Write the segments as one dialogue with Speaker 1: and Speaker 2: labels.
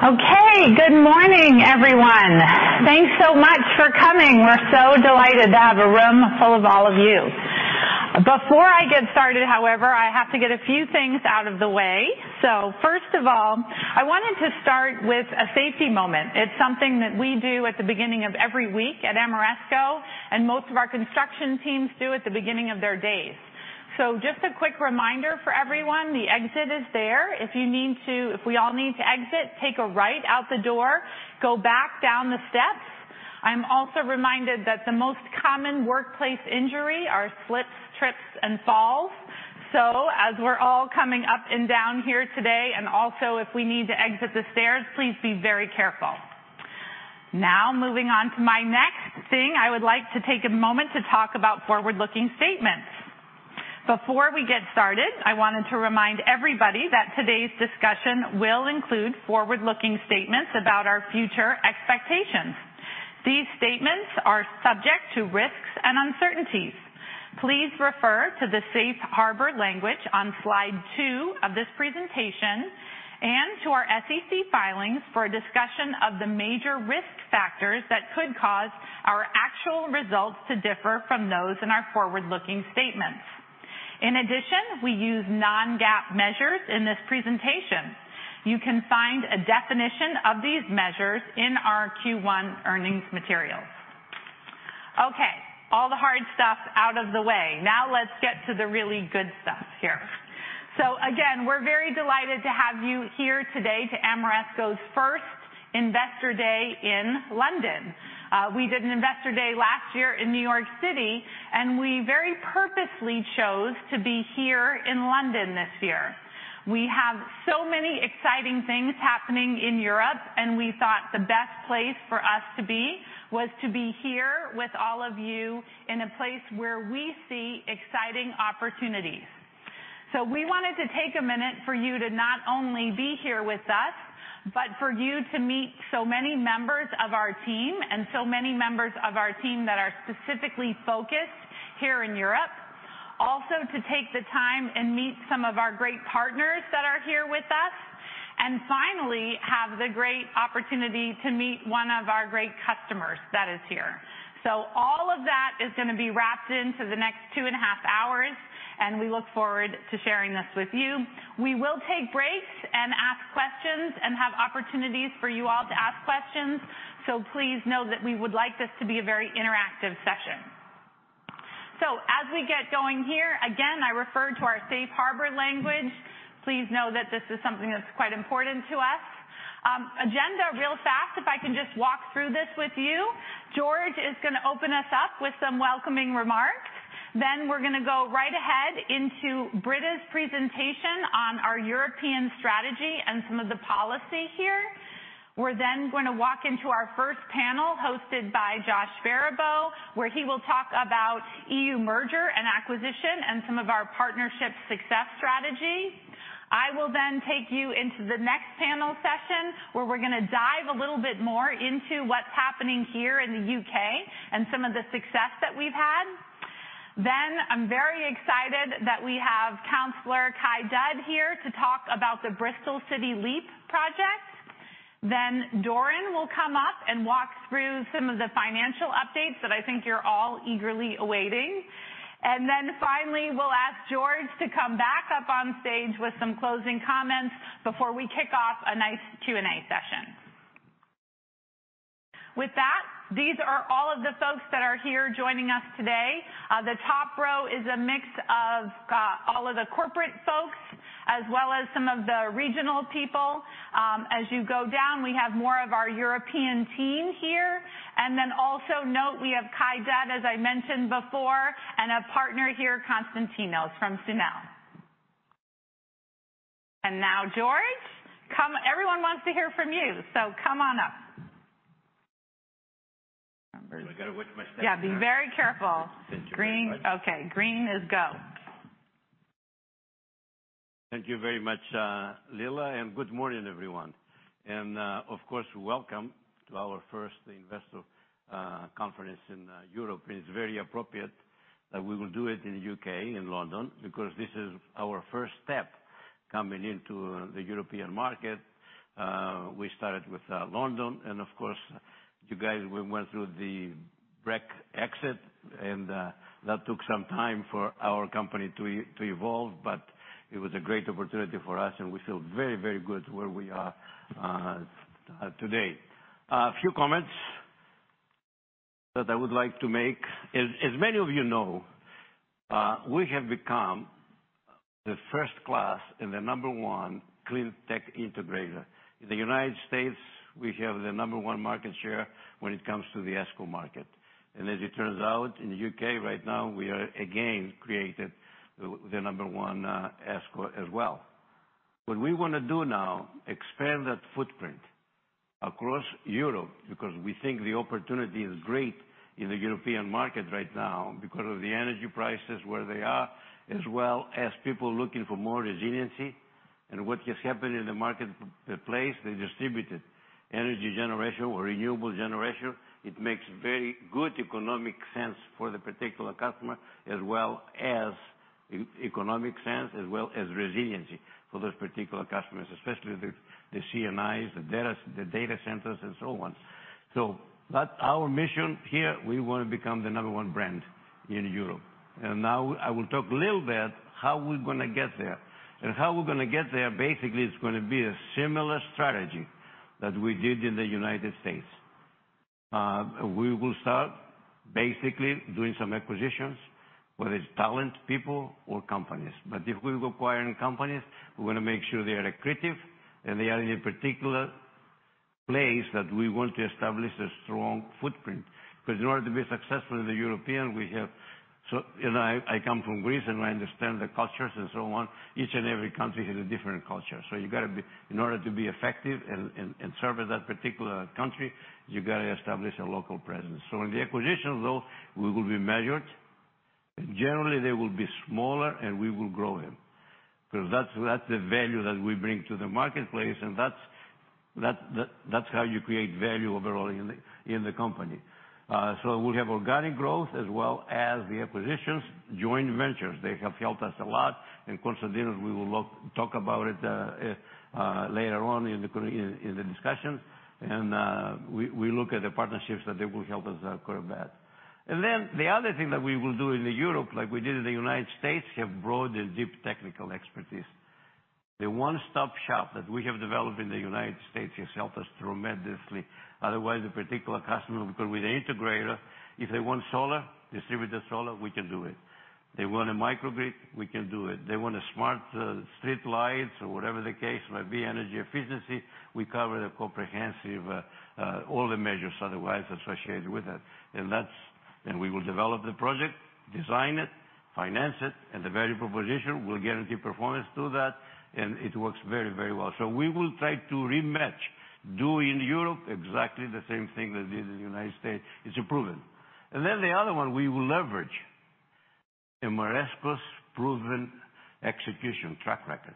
Speaker 1: Good morning, everyone. Thanks so much for coming. We're so delighted to have a room full of all of you. Before I get started, however, I have to get a few things out of the way. First of all, I wanted to start with a safety moment. It's something that we do at the beginning of every week at Ameresco, and most of our construction teams do at the beginning of their days. Just a quick reminder for everyone, the exit is there. If we all need to exit, take a right out the door, go back down the steps. I'm also reminded that the most common workplace injury are slips, trips, and falls. As we're all coming up and down here today, and also if we need to exit the stairs, please be very careful. Now, moving on to my next thing, I would like to take a moment to talk about forward-looking statements. Before we get started, I wanted to remind everybody that today's discussion will include forward-looking statements about our future expectations. These statements are subject to risks and uncertainties. Please refer to the safe harbor language on slide 2 of this presentation and to our SEC filings for a discussion of the major risk factors that could cause our actual results to differ from those in our forward-looking statements. In addition, we use non-GAAP measures in this presentation. You can find a definition of these measures in our Q1 earnings materials. Okay, all the hard stuff out of the way. Now let's get to the really good stuff here. Again, we're very delighted to have you here today to Ameresco's first Investor Day in London. We did an Investor Day last year in New York City, and we very purposely chose to be here in London this year. We have so many exciting things happening in Europe, and we thought the best place for us to be was to be here with all of you in a place where we see exciting opportunities. We wanted to take a minute for you to not only be here with us, but for you to meet so many members of our team and so many members of our team that are specifically focused here in Europe. Also to take the time and meet some of our great partners that are here with us, and finally, have the great opportunity to meet one of our great customers that is here. All of that is gonna be wrapped into the next 2.5 hours, and we look forward to sharing this with you. We will take breaks and ask questions and have opportunities for you all to ask questions. Please know that we would like this to be a very interactive session. As we get going here, again, I refer to our safe harbor language. Please know that this is something that's quite important to us. Agenda real fast, if I can just walk through this with you. George is gonna open us up with some welcoming remarks. We're gonna go right ahead into Britta's presentation on our European strategy and some of the policy here. We're gonna walk into our first panel, hosted by Josh Baribeau, where he will talk about E.U. merger and acquisition and some of our partnership success strategy. I will then take you into the next panel session, where we're gonna dive a little bit more into what's happening here in the U.K. and some of the success that we've had. I'm very excited that we have Councillor Kye Dudd here to talk about the Bristol City Leap project. Doran will come up and walk through some of the financial updates that I think you're all eagerly awaiting. Finally, we'll ask George to come back up on stage with some closing comments before we kick off a nice Q&A session. With that, these are all of the folks that are here joining us today. The top row is a mix of all of the corporate folks as well as some of the regional people. As you go down, we have more of our European team here. Also note we have Kye Dudd, as I mentioned before, and a partner here, Konstantinos from Sunel. Now, George, everyone wants to hear from you, so come on up.
Speaker 2: Thank you very much, Leila, and good morning, everyone. Of course, welcome to our first investor conference in Europe. It's very appropriate that we will do it in the U.K., in London, because this is our first step coming into the European market. We started with London and of course, you guys, we went through the Brexit exit, and that took some time for our company to evolve, but it was a great opportunity for us, and we feel very, very good where we are today. A few comments that I would like to make. As many of you know, we have become the first-class and the number one cleantech integrator. In the United States, we have the number one market share when it comes to the ESCO market. As it turns out, in the UK right now, we are again created the number one ESCO as well. What we wanna do now, expand that footprint across Europe, because we think the opportunity is great in the European market right now because of the energy prices where they are, as well as people looking for more resiliency. What has happened in the marketplace, the distributed generation or renewable generation, it makes very good economic sense for the particular customer, as well as economic sense, as well as resiliency for those particular customers, especially the C&Is, the data centers, and so on. That's our mission. Here, we wanna become the number one brand in Europe. Now I will talk a little bit how we're gonna get there. How we're gonna get there, basically, it's gonna be a similar strategy that we did in the United States. We will start basically doing some acquisitions, whether it's talent, people, or companies. If we're acquiring companies, we're gonna make sure they are accretive, and they are in a particular place that we want to establish a strong footprint. 'Cause in order to be successful in the European, you know, I come from Greece, and I understand the cultures and so on. Each and every country has a different culture, in order to be effective and serve that particular country, you gotta establish a local presence. In the acquisitions, though, we will be measured. Generally, they will be smaller, and we will grow them. 'Cause that's the value that we bring to the marketplace, and that's how you create value overall in the company. We'll have organic growth as well as the acquisitions. Joint ventures, they have helped us a lot. Konstantinos, we will talk about it later on in the discussion. We look at the partnerships that they will help us quite a bit. Then the other thing that we will do in the Europe, like we did in the United States, have broad and deep technical expertise. The one-stop shop that we have developed in the United States has helped us tremendously. Otherwise, the particular customer will go with the integrator. If they want solar, distributed solar, we can do it. They want a microgrid, we can do it. They want a smart streetlights or whatever the case may be, energy efficiency, we cover the comprehensive all the measures otherwise associated with it. We will develop the project, design it, finance it, and the value proposition, we'll guarantee performance through that, and it works very, very well. We will try to rematch, do in Europe exactly the same thing that we did in the United States. It's proven. The other one, we will leverage Ameresco's proven execution track record.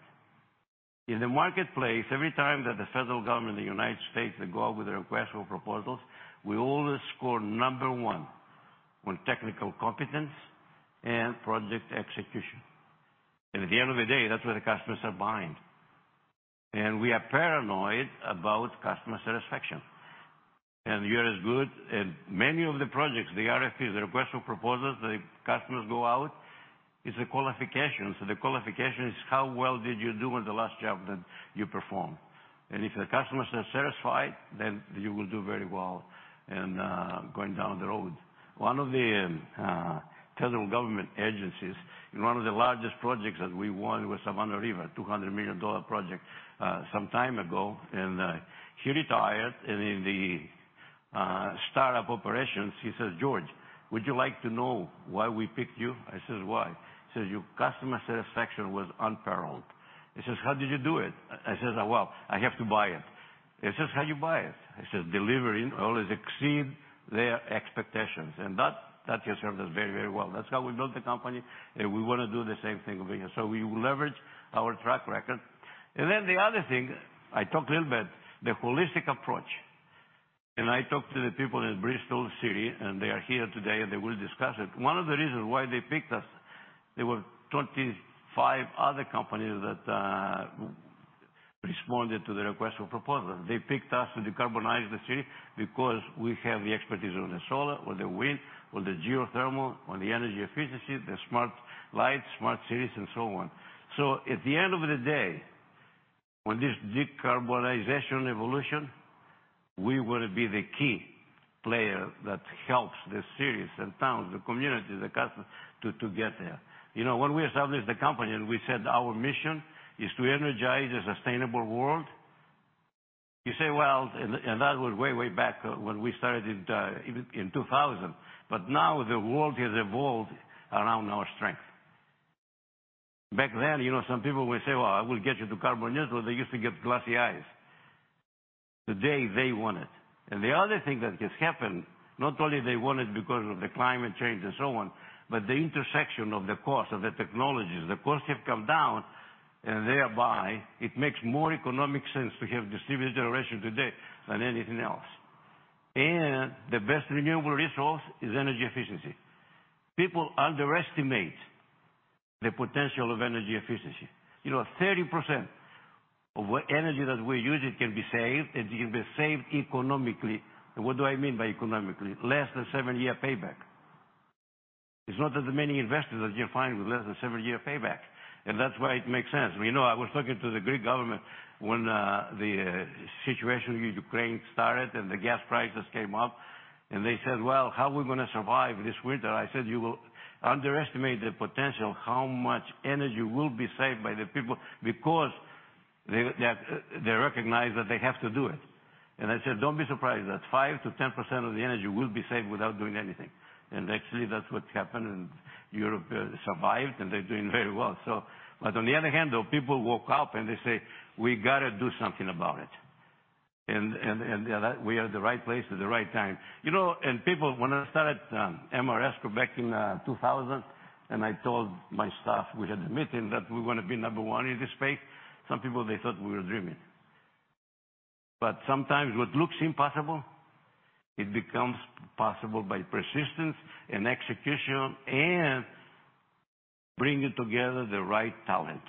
Speaker 2: In the marketplace, every time that the federal government in the United States, they go out with their request for proposals, we always score number one on technical competence and project execution. At the end of the day, that's what the customers are buying. We are paranoid about customer satisfaction. You're as good-- In many of the projects, the RFPs, the request for proposals, the customers go out, it's a qualification. The qualification is how well did you do on the last job that you performed? If the customer is satisfied, then you will do very well in going down the road. One of the federal government agencies, in one of the largest projects that we won was Savannah River, a $200 million project some time ago. He retired, and in the start-up operations, he says, "George, would you like to know why we picked you?" I says, "Why?" He says, "Your customer satisfaction was unparalleled." He says, "How did you do it?" I says, "Well, I have to buy it." He says, "How you buy it?" I says, "Delivery. Always exceed their expectations." That has served us very, very well. That's how we built the company, and we wanna do the same thing over here. We will leverage our track record. The other thing, I talked a little bit, the holistic approach. I talked to the people in Bristol City, and they are here today, and they will discuss it. One of the reasons why they picked us, there were 25 other companies that responded to the request for proposal. They picked us to decarbonize the city because we have the expertise on the solar, on the wind, on the geothermal, on the energy efficiency, the smart lights, smart cities, and so on. At the end of the day, when this deep carbonization evolution, we want to be the key player that helps the cities and towns, the communities, the customers to get there. You know, when we established the company and we said our mission is to energize a sustainable world, you say, "Well," and that was way back when we started in 2000. Now the world has evolved around our strength. Back then, you know, some people will say, "Well, I will get you to decarbonize." Well, they used to get glassy eyes. Today, they want it. The other thing that has happened, not only they want it because of the climate change and so on, but the intersection of the cost, of the technologies, the costs have come down, and thereby it makes more economic sense to have distributed generation today than anything else. The best renewable resource is energy efficiency. People underestimate the potential of energy efficiency. You know, 30% of what energy that we're using can be saved, it can be saved economically. What do I mean by economically? Less than seven-year payback. There's not that many investors that you'll find with less than seven-year payback. That's why it makes sense. You know, I was talking to the Greek government when the situation with Ukraine started, and the gas prices came up, and they said, "Well, how are we gonna survive this winter?" I said, "You underestimate the potential of how much energy will be saved by the people because they, they recognize that they have to do it." I said, "Don't be surprised that 5%-10% of the energy will be saved without doing anything." Actually, that's what happened, and Europe survived, and they're doing very well. But on the other hand, though, people woke up and they say, "We gotta do something about it." That we are at the right place at the right time. You know, people when I started Ameresco back in 2000, and I told my staff, we had a meeting, that we wanna be number one in this space, some people, they thought we were dreaming. Sometimes what looks impossible, it becomes possible by persistence and execution and bringing together the right talent.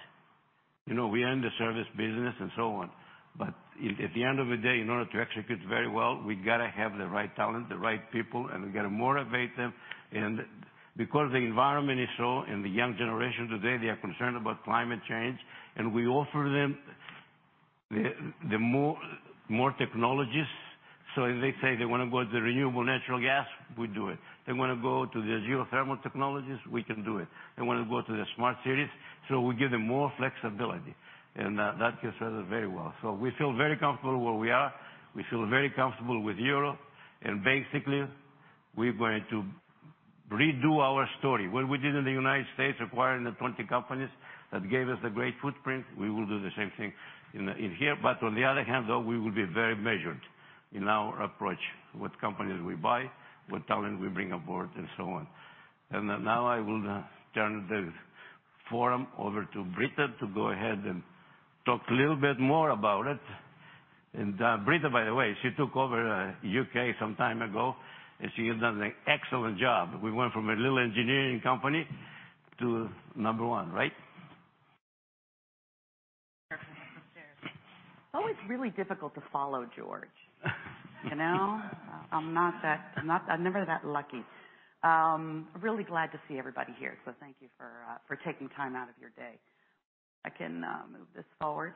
Speaker 2: You know, we are in the service business and so on, but at the end of the day, in order to execute very well, we got to have the right talent, the right people, and we got to motivate them. Because the environment is so, and the young generation today, they are concerned about climate change, and we offer them the more technologies. If they say they want to go to the renewable natural gas, we do it. They want to go to the geothermal technologies, we can do it. They want to go to the smart cities, we give them more flexibility, and that gets us very well. We feel very comfortable where we are. We feel very comfortable with Europe. Basically, we're going to redo our story. What we did in the United States, acquiring the 20 companies that gave us a great footprint, we will do the same thing in here. On the other hand, though, we will be very measured in our approach, what companies we buy, what talent we bring aboard, and so on. Now I will turn the forum over to Britta to go ahead and talk a little bit more about it. Britta, by the way, she took over U.K. some time ago, and she has done an excellent job. We went from a little engineering company to number one, right?
Speaker 3: It's always really difficult to follow George. You know? I'm never that lucky. Really glad to see everybody here, thank you for taking time out of your day. I can move this forward.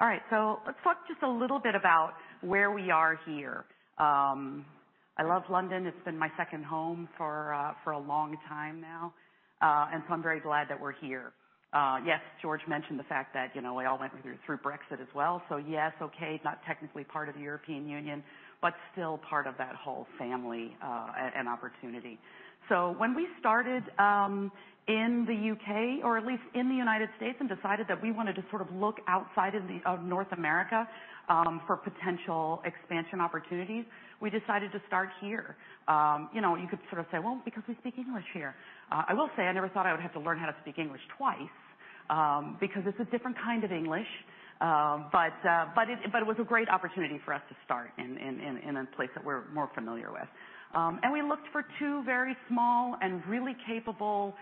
Speaker 3: All right, let's talk just a little bit about where we are here. I love London. It's been my second home for a long time now, I'm very glad that we're here. Yes, George mentioned the fact that, you know, we all went through Brexit as well. Yes, okay, not technically part of the European Union, but still part of that whole family and opportunity. When we started in the U.K., or at least in the United States, and decided that we wanted to sort of look outside of North America for potential expansion opportunities, we decided to start here. You know, you could sort of say, "Well, because we speak English here." I will say, I never thought I would have to learn how to speak English twice, because it's a different kind of English. But it was a great opportunity for us to start in a place that we're more familiar with. And we looked for two very small and really capable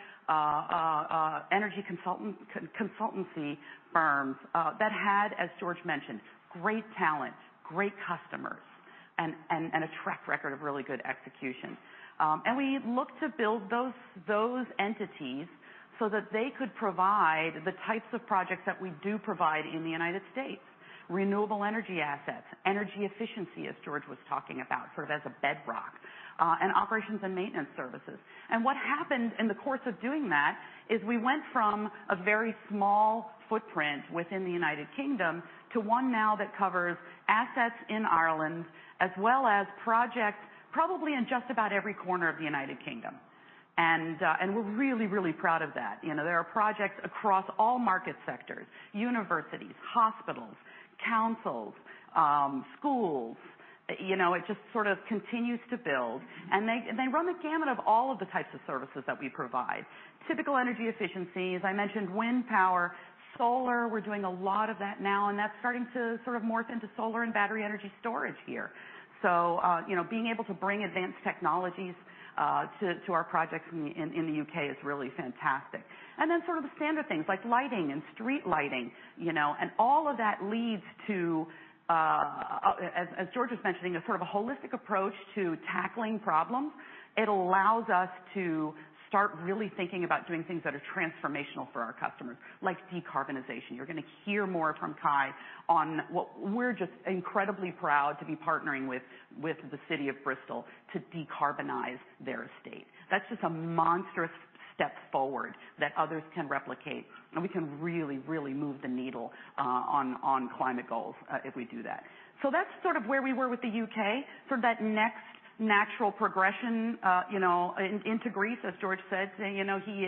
Speaker 3: energy consultancy firms that had, as George mentioned, great talent, great customers, and a track record of really good execution. We looked to build those entities so that they could provide the types of projects that we do provide in the United States, renewable energy assets, energy efficiency, as George was talking about, sort of as a bedrock, and operations and maintenance services. What happened in the course of doing that is we went from a very small footprint within the United Kingdom to one now that covers assets in Ireland, as well as projects probably in just about every corner of the United Kingdom. We're really proud of that. You know, there are projects across all market sectors, universities, hospitals, councils, schools. You know, it just sort of continues to build. They run the gamut of all of the types of services that we provide. Typical energy efficiencies. I mentioned wind power. Solar, we're doing a lot of that now. That's starting to sort of morph into solar and battery energy storage here. You know, being able to bring advanced technologies to our projects in the U.K. is really fantastic. Then sort of the standard things like lighting and street lighting, you know. All of that leads to, as George was mentioning, a sort of a holistic approach to tackling problems. It allows us to start really thinking about doing things that are transformational for our customers, like decarbonization. You're gonna hear more from Kye on what we're just incredibly proud to be partnering with the city of Bristol to decarbonize their estate. That's just a monstrous step forward that others can replicate, and we can really, really move the needle, on climate goals, if we do that. That's sort of where we were with the U.K., sort of that next natural progression, you know, into Greece, as George said. You know, he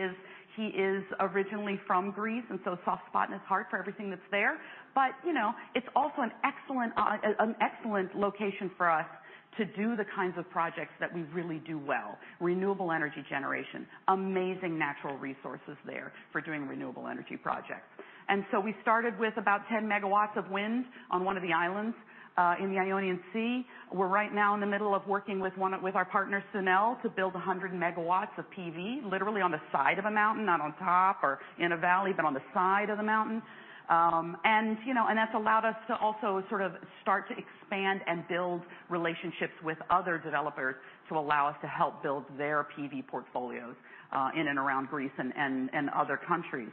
Speaker 3: is originally from Greece, and so a soft spot in his heart for everything that's there. You know, it's also an excellent, an excellent location for us to do the kinds of projects that we really do well, renewable energy generation. Amazing natural resources there for doing renewable energy projects. We started with about 10 MW of wind on one of the islands, in the Ionian Sea. We're right now in the middle of working with our partner, Sunel, to build 100 MW of PV, literally on the side of a mountain, not on top or in a valley, but on the side of the mountain. You know, that's allowed us to also sort of start to expand and build relationships with other developers to allow us to help build their PV portfolios in and around Greece and other countries.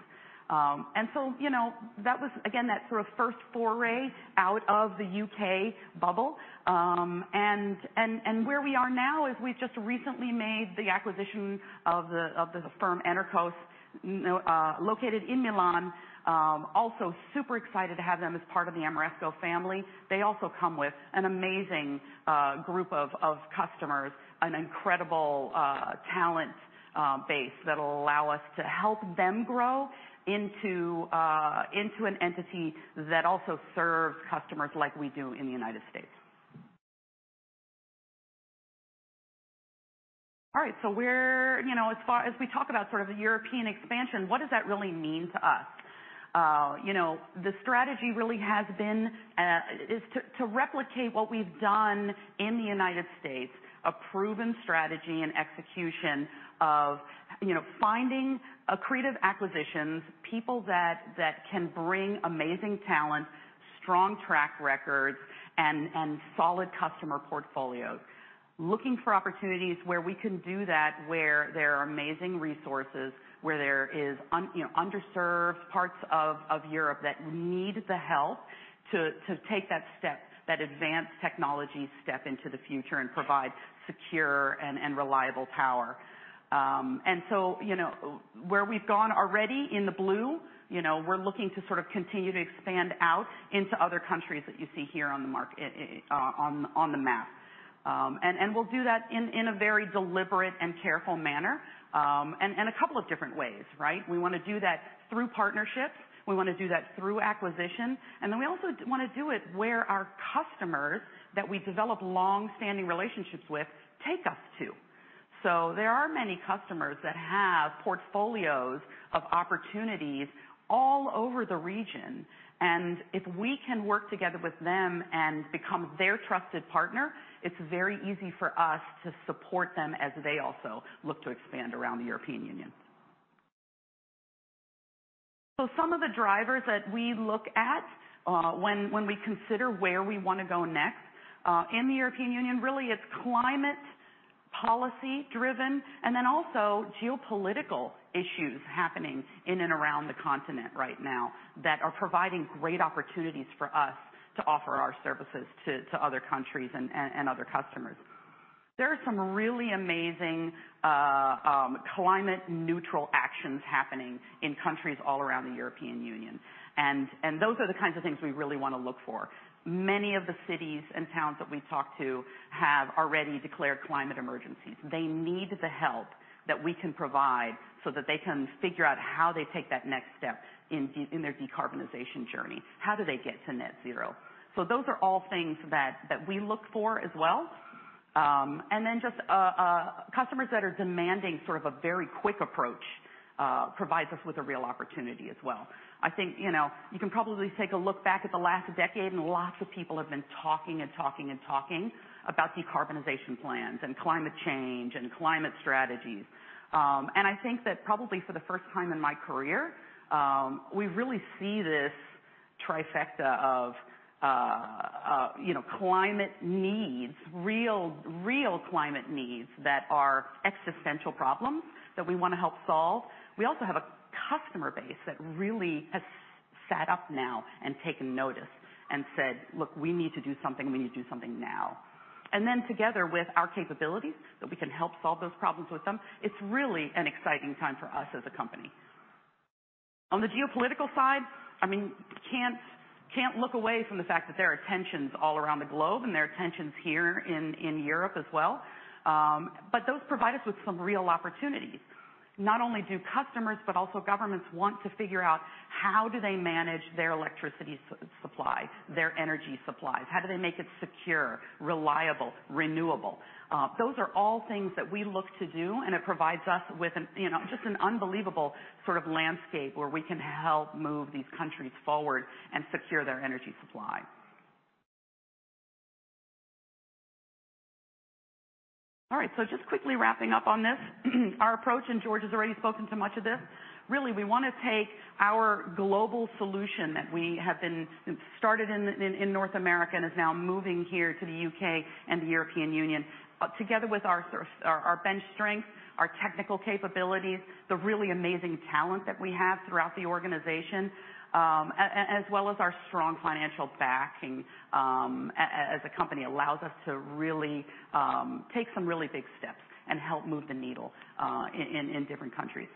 Speaker 3: You know, that was, again, that sort of first foray out of the U.K. bubble. Where we are now is we've just recently made the acquisition of the firm Enerqos, you know, located in Milan. Also super excited to have them as part of the Ameresco family. They also come with an amazing group of customers, an incredible talent base that'll allow us to help them grow into an entity that also serves customers like we do in the United States. All right. We're, you know, as we talk about sort of the European expansion, what does that really mean to us? You know, the strategy really has been to replicate what we've done in the United States, a proven strategy and execution of, you know, finding accretive acquisitions, people that can bring amazing talent, strong track records, and solid customer portfolios. Looking for opportunities where we can do that, where there are amazing resources, where there is, you know, underserved parts of Europe that need the help to take that step, that advanced technology step into the future and provide secure and reliable power. You know, where we've gone already in the blue, you know, we're looking to sort of continue to expand out into other countries that you see here on the map. We'll do that in a very deliberate and careful manner, and a couple of different ways, right? We wanna do that through partnerships. We wanna do that through acquisitions. Then we also wanna do it where our customers that we develop long-standing relationships with take us to. There are many customers that have portfolios of opportunities all over the region, and if we can work together with them and become their trusted partner, it's very easy for us to support them as they also look to expand around the European Union. Some of the drivers that we look at when we consider where we wanna go next in the European Union really is climate policy-driven and then also geopolitical issues happening in and around the continent right now that are providing great opportunities for us to offer our services to other countries and other customers. There are some really amazing climate-neutral actions happening in countries all around the European Union, and those are the kinds of things we really wanna look for. Many of the cities and towns that we've talked to have already declared climate emergencies. They need the help that we can provide so that they can figure out how they take that next step in their decarbonization journey. How do they get to net zero? Those are all things that we look for as well. Then just, customers that are demanding sort of a very quick approach, provides us with a real opportunity as well. I think, you know, you can probably take a look back at the last decade, and lots of people have been talking and talking and talking about decarbonization plans and climate change and climate strategies. I think that probably for the first time in my career, we really see this trifecta of, you know, climate needs, real climate needs that are existential problems that we wanna help solve. We also have a customer base that really has sat up now and taken notice and said, "Look, we need to do something, and we need to do something now." Together with our capabilities that we can help solve those problems with them, it's really an exciting time for us as a company. On the geopolitical side, I mean, can't look away from the fact that there are tensions all around the globe, and there are tensions here in Europe as well. Those provide us with some real opportunities. Not only do customers, but also governments want to figure out how do they manage their electricity supply, their energy supplies? How do they make it secure, reliable, renewable? Those are all things that we look to do, and it provides us with an, you know, just an unbelievable sort of landscape where we can help move these countries forward and secure their energy supply. All right, just quickly wrapping up on this. Our approach, and George has already spoken to much of this. Really, we wanna take our global solution that we started in North America and is now moving here to the U.K. and the European Union. Together with our sort of, our bench strength, our technical capabilities, the really amazing talent that we have throughout the organization, as well as our strong financial backing, as a company allows us to really take some really big steps and help move the needle in different countries.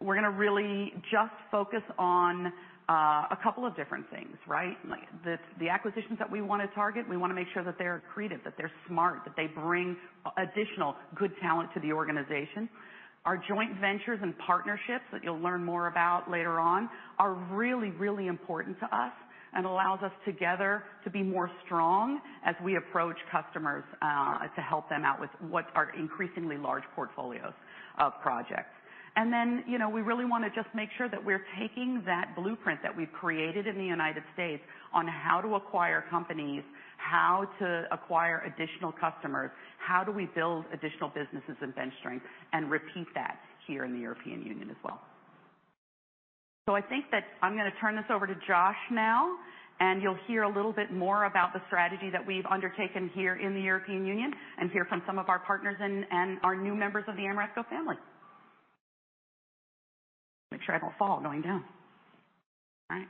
Speaker 3: We're gonna really just focus on a couple of different things, right? Like the acquisitions that we wanna target, we wanna make sure that they're accretive, that they're smart, that they bring additional good talent to the organization. Our joint ventures and partnerships that you'll learn more about later on are really, really important to us and allows us together to be more strong as we approach customers to help them out with what are increasingly large portfolios of projects. You know, we really wanna just make sure that we're taking that blueprint that we've created in the United States on how to acquire companies, how to acquire additional customers, how do we build additional businesses and bench strength, and repeat that here in the European Union as well. I think that I'm gonna turn this over to Josh now, and you'll hear a little bit more about the strategy that we've undertaken here in the European Union and hear from some of our partners and our new members of the Ameresco family. Make sure I don't fall going down. All right.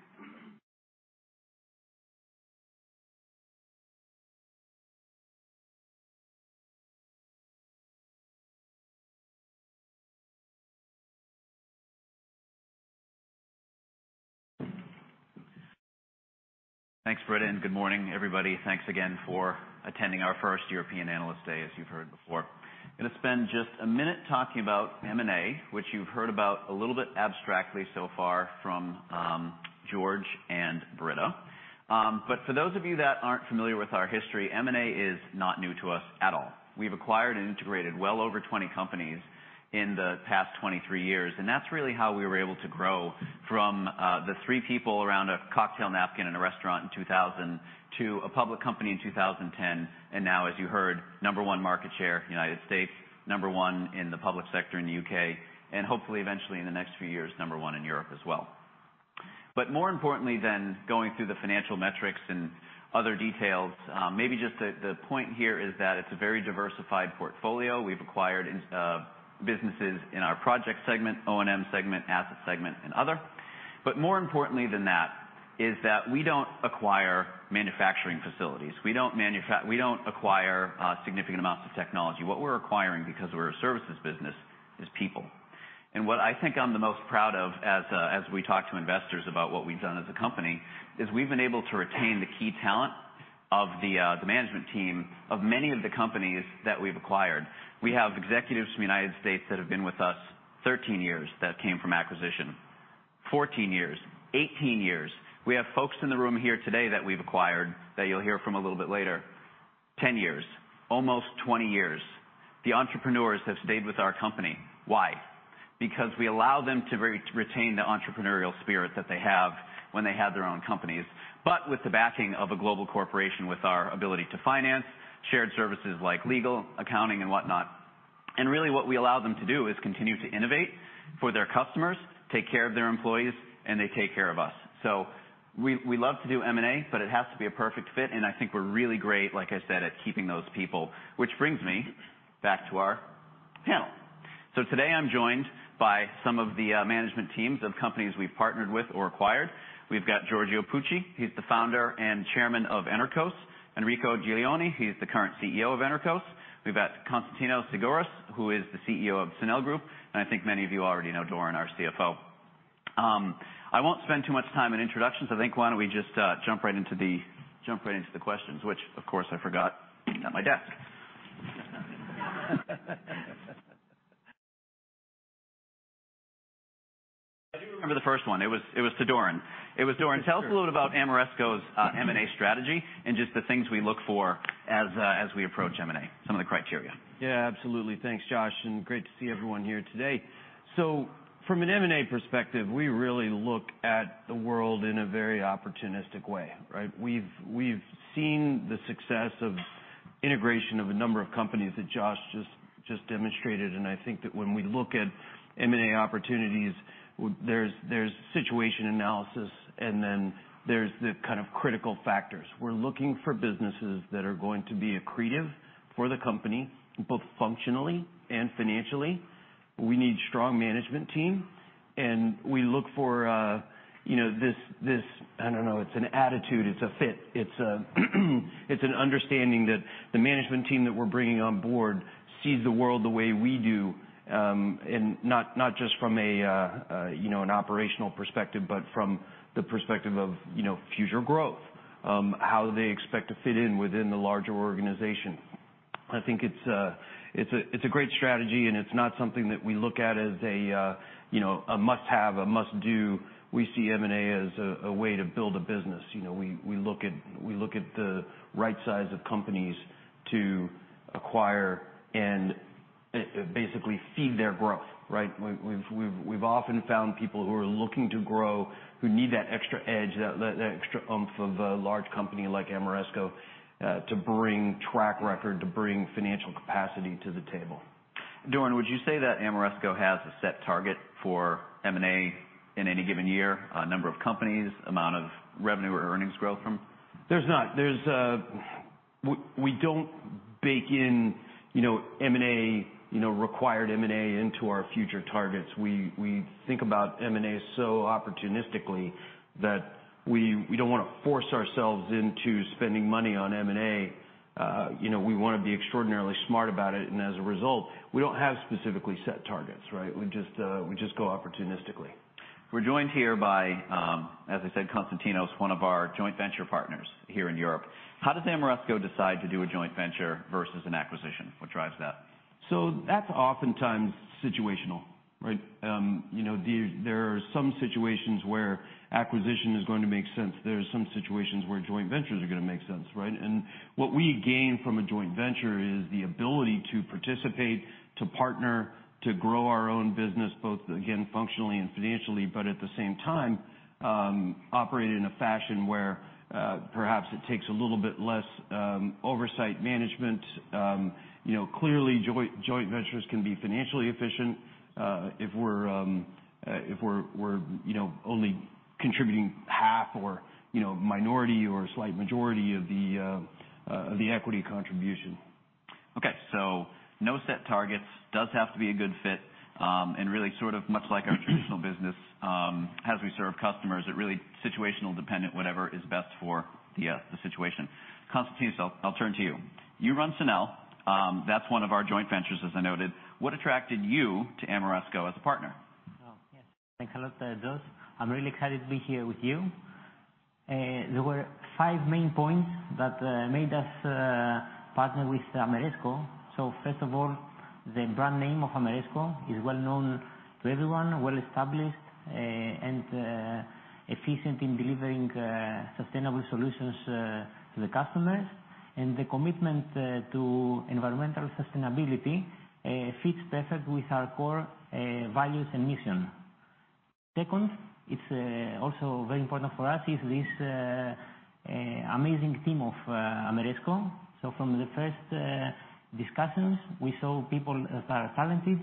Speaker 4: Thanks, Britta, good morning, everybody. Thanks again for attending our first European Analyst Day, as you've heard before. Gonna spend just a minute talking about M&A, which you've heard about a little bit abstractly so far from George and Britta. For those of you that aren't familiar with our history, M&A is not new to us at all. We've acquired and integrated well over 20 companies in the past 23 years, and that's really how we were able to grow from the three people around a cocktail napkin in a restaurant in 2000 to a public company in 2010. Now, as you heard, number one market share United States, number one in the public sector in the U.K., and hopefully eventually in the next few years, number one in Europe as well. More importantly than going through the financial metrics and other details, maybe just the point here is that it's a very diversified portfolio. We've acquired businesses in our project segment, O&M segment, asset segment and other. More importantly than that is that we don't acquire manufacturing facilities. We don't acquire significant amounts of technology. What we're acquiring, because we're a services business, is people. What I think I'm the most proud of as we talk to investors about what we've done as a company, is we've been able to retain the key talent of the management team of many of the companies that we've acquired. We have executives from the United States that have been with us 13 years that came from acquisition. 14 years, 18 years. We have folks in the room here today that we've acquired, that you'll hear from a little bit later, 10 years, almost 20 years. The entrepreneurs have stayed with our company. Why? Because we allow them to retain the entrepreneurial spirit that they have when they had their own companies. With the backing of a global corporation, with our ability to finance shared services like legal, accounting and whatnot. Really, what we allow them to do is continue to innovate for their customers, take care of their employees, and they take care of us. We love to do M&A, but it has to be a perfect fit, and I think we're really great, like I said, at keeping those people. This brings me back to our panel. Today I'm joined by some of the management teams of companies we've partnered with or acquired. We've got Giorgio Pucci, he's the founder and chairman of Enerqos. Enrico Giglioli, he's the current CEO of Enerqos. We've got Konstantinos Zygouras, who is the CEO of Sunel Group, and I think many of you already know Doran, our CFO. I won't spend too much time in introductions. I think why don't we just jump right into the questions, which of course I forgot at my desk. I do remember the first one. It was to Doran. It was Doran. Tell us a little bit about Ameresco's M&A strategy and just the things we look for as we approach M&A, some of the criteria.
Speaker 5: Yeah, absolutely. Thanks, Josh. Great to see everyone here today. From an M&A perspective, we really look at the world in a very opportunistic way, right? We've seen the success of integration of a number of companies that Josh just demonstrated. I think that when we look at M&A opportunities, there's situation analysis. Then there's the kind of critical factors. We're looking for businesses that are going to be accretive for the company, both functionally and financially. We need strong management team. We look for, you know, this, I don't know, it's an attitude, it's a fit. It's an understanding that the management team that we're bringing on board sees the world the way we do, not just from a, you know, an operational perspective, but from the perspective of, you know, future growth. How they expect to fit in within the larger organization. I think it's a great strategy. It's not something that we look at as a, you know, a must-have, a must do. We see M&A as a way to build a business. You know, we look at the right size of companies to acquire and basically feed their growth, right? We've often found people who are looking to grow, who need that extra edge, that extra oomph of a large company like Ameresco, to bring track record, to bring financial capacity to the table.
Speaker 4: Doran, would you say that Ameresco has a set target for M&A in any given year? A number of companies, amount of revenue or earnings growth from?
Speaker 5: There's not. We don't bake in, you know, M&A, you know, required M&A into our future targets. We think about M&A so opportunistically that we don't wanna force ourselves into spending money on M&A. You know, we wanna be extraordinarily smart about it, and as a result, we don't have specifically set targets, right? We just go opportunistically.
Speaker 4: We're joined here by, as I said, Konstantinos, one of our joint venture partners here in Europe. How does Ameresco decide to do a joint venture versus an acquisition? What drives that?
Speaker 5: That's oftentimes situational, right? you know, there are some situations where acquisition is going to make sense. There are some situations where joint ventures are gonna make sense, right? What we gain from a joint venture is the ability to participate, to partner, to grow our own business, both again, functionally and financially. At the same time, operate in a fashion where perhaps it takes a little bit less oversight management. you know, clearly, joint ventures can be financially efficient if we're, you know, only contributing half or, you know, minority or slight majority of the equity contribution.
Speaker 4: No set targets, does have to be a good fit. Really sort of much like our traditional business, as we serve customers it really situational dependent, whatever is best for the situation. Konstantinos, I'll turn to you. You run Sunel. That's one of our joint ventures, as I noted. What attracted you to Ameresco as a partner?
Speaker 6: Oh, yes. Thanks a lot, Josh. I'm really excited to be here with you. There were five main points that made us partner with Ameresco. First of all, the brand name of Ameresco is well-known to everyone, well-established. And efficient in delivering sustainable solutions to the customers. The commitment to environmental sustainability fits perfect with our core values and mission. Second, it's also very important for us is this amazing team of Ameresco. From the first discussions, we saw people that are talented,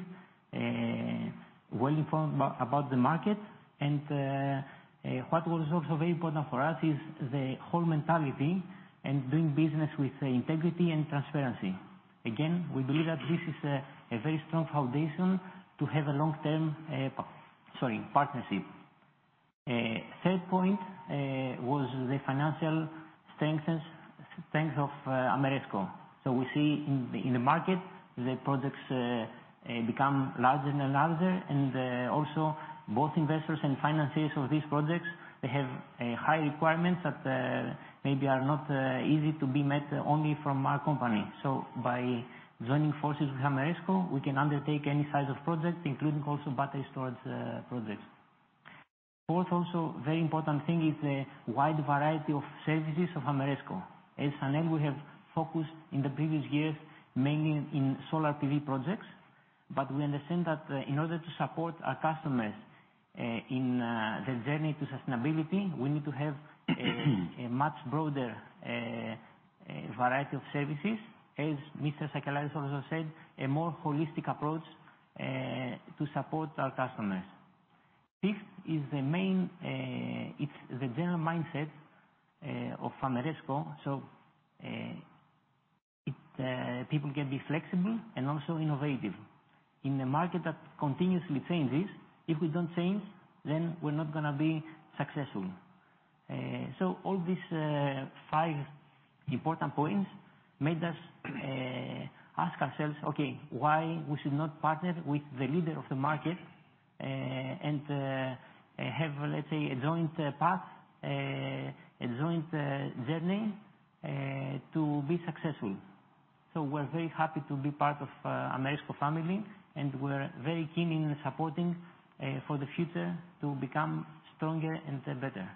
Speaker 6: well-informed about the market. What was also very important for us is the whole mentality and doing business with integrity and transparency. Again, we believe that this is a very strong foundation to have a long-term partnership. Third point was the financial strength and strength of Ameresco. We see in the market the projects become larger and larger. Also both investors and financiers of these projects, they have high requirements that maybe are not easy to be met only from our company. By joining forces with Ameresco, we can undertake any size of project, including also battery storage projects. Fourth, also very important thing is the wide variety of services of Ameresco. As Sunel, we have focused in the previous years mainly in solar PV projects. We understand that in order to support our customers in their journey to sustainability, we need to have a much broader variety of services. As Mr. Sakellaris also said, a more holistic approach to support our customers. Fifth is the main-- it's the general mindset of Ameresco, so people can be flexible and also innovative. In a market that continuously changes, if we don't change, then we're not gonna be successful. All these five important points made us ask ourselves, okay, why we should not partner with the leader of the market and have, let's say, a joint path, a joint journey, to be successful. We're very happy to be part of Ameresco family, and we're very keen in supporting for the future to become stronger and better.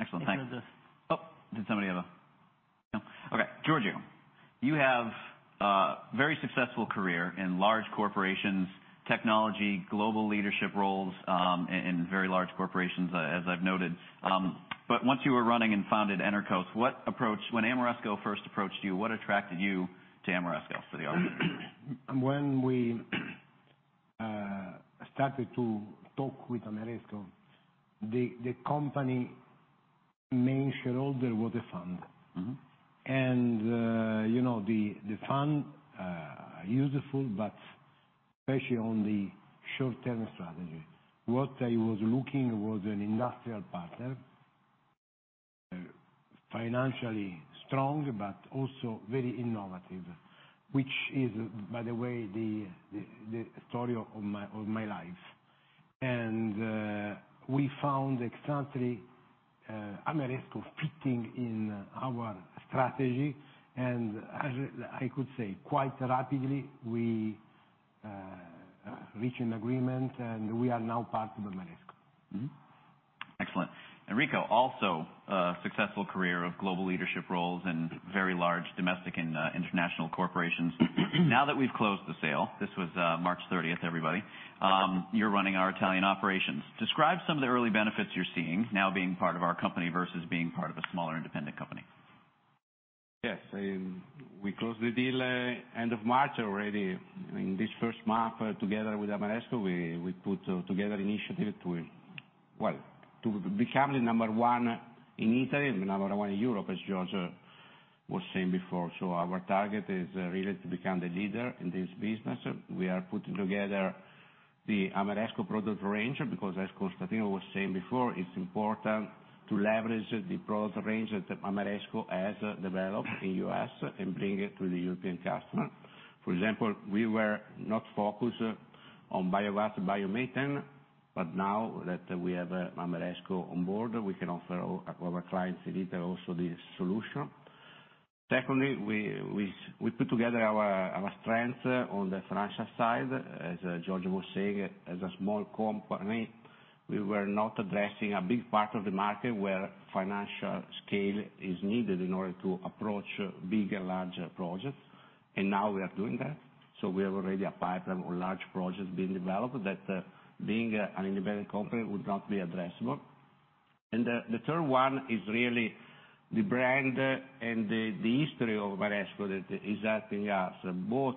Speaker 4: Excellent. Thanks.
Speaker 6: If there's--
Speaker 4: Oh, did somebody have a-- No. Okay, Giorgio, you have a very successful career in large corporations, technology, global leadership roles, in very large corporations, as I've noted. Once you were running and founded Enerqos, when Ameresco first approached you, what attracted you to Ameresco? The opposite.
Speaker 7: When we started to talk with Ameresco, the company main shareholder was a fund. You know, the fund, useful but especially on the short-term strategy. What I was looking was an industrial partner, financially strong, but also very innovative, which is, by the way, the story of my life. We found exactly Ameresco fitting in our strategy. As I could say, quite rapidly, we reach an agreement, and we are now part of Ameresco.
Speaker 4: Excellent. Enrico, also a successful career of global leadership roles in very large domestic and international corporations. Now that we've closed the sale, this was March 30, everybody, you're running our Italian operations. Describe some of the early benefits you're seeing now being part of our company versus being part of a smaller independent company?
Speaker 8: Yes. We closed the deal, end of March already. In this first month together with Ameresco, we put together initiative to, well, to become the number one in Italy, the number one in Europe, as Giorgio was saying before. Our target is really to become the leader in this business. We are putting together the Ameresco product range because, as Konstantinos was saying before, it's important to leverage the product range that Ameresco has developed in U.S. and bring it to the European customer. For example, we were not focused on biogas, biomethane, but now that we have Ameresco on board, we can offer our clients in Italy also this solution. Secondly, we put together our strength on the financial side. As Giorgio was saying, as a small company, we were not addressing a big part of the market where financial scale is needed in order to approach bigger, larger projects, now we are doing that. We have already a pipeline or large projects being developed that being an independent company would not be addressable. The third one is really the brand and the history of Ameresco that is helping us both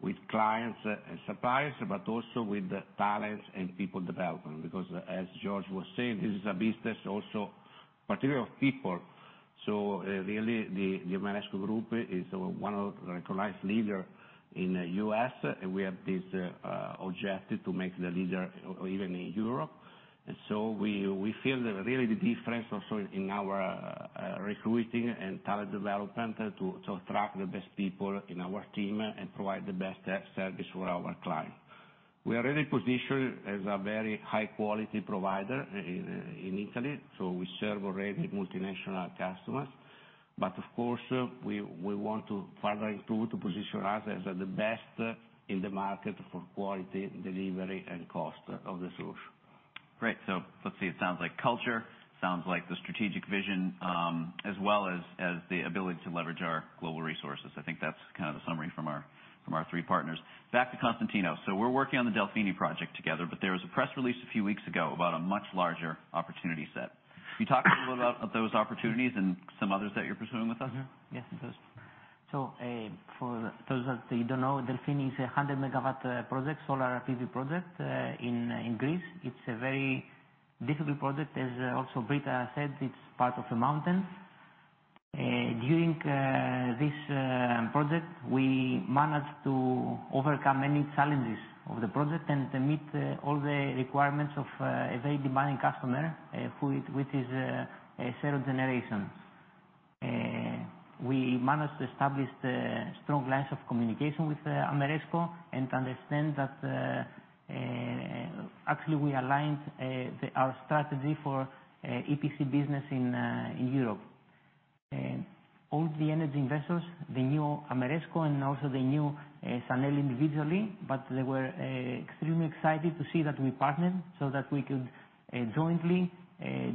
Speaker 8: with clients and suppliers, but also with talents and people development. Because as Giorgio was saying, this is a business also particularly of people. Really, the Ameresco Group is one of the recognized leader in U.S., and we have this objective to make the leader even in Europe. We feel that really the difference also in our recruiting and talent development to attract the best people in our team and provide the best service for our clients. We are really positioned as a very high quality provider in Italy, so we serve already multinational customers. Of course, we want to further improve to position us as the best in the market for quality, delivery, and cost of the solution.
Speaker 4: Great. Let's see. It sounds like culture, sounds like the strategic vision, as well as the ability to leverage our global resources. I think that's kind of the summary from our, from our three partners. Back to Konstantinos. We're working on the Delfini project together, but there was a press release a few weeks ago about a much larger opportunity set. Can you talk a little bit about those opportunities and some others that you're pursuing with us?
Speaker 6: Yes, of course. For those that don't know, Delfini is a 100 MW project, solar PV project, in Greece. It's a very difficult project, as also Britta said, it's part of a mountain. During this project, we managed to overcome many challenges of the project and to meet all the requirements of a very demanding customer, which is a third generation. We managed to establish the strong lines of communication with Ameresco and understand that, actually, we aligned our strategy for EPC business in Europe. All the energy investors, they knew Ameresco, and also they knew Sunel individually, but they were extremely excited to see that we partnered so that we could jointly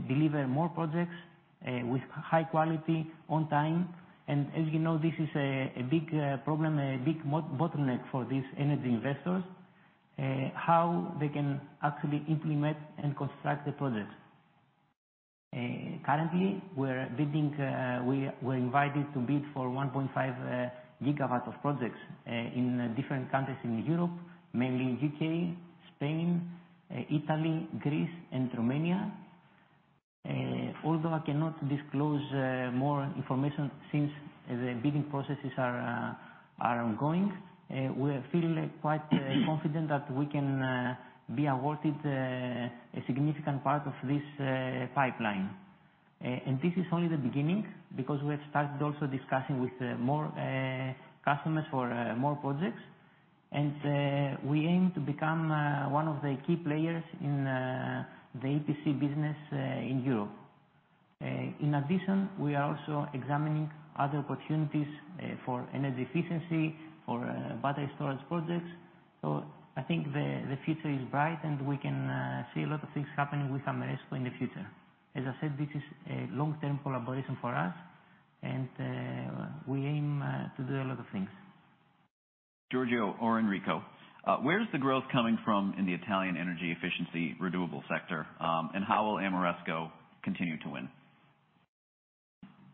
Speaker 6: deliver more projects with high quality on time. As you know, this is a big problem, a big bottleneck for these energy investors, how they can actually implement and construct the projects. Currently, we're bidding, we're invited to bid for 1.5 GW of projects in different countries in Europe, mainly U.K., Spain, Italy, Greece, and Romania. Although I cannot disclose more information since the bidding processes are ongoing, we feel quite confident that we can be awarded a significant part of this pipeline. This is only the beginning because we have started also discussing with more customers for more projects. We aim to become one of the key players in the EPC business in Europe. In addition, we are also examining other opportunities for energy efficiency, for battery storage projects. I think the future is bright, and we can see a lot of things happening with Ameresco in the future. As I said, this is a long-term collaboration for us, and we aim to do a lot of things.
Speaker 4: Giorgio or Enrico, where's the growth coming from in the Italian energy efficiency renewable sector, and how will Ameresco continue to win?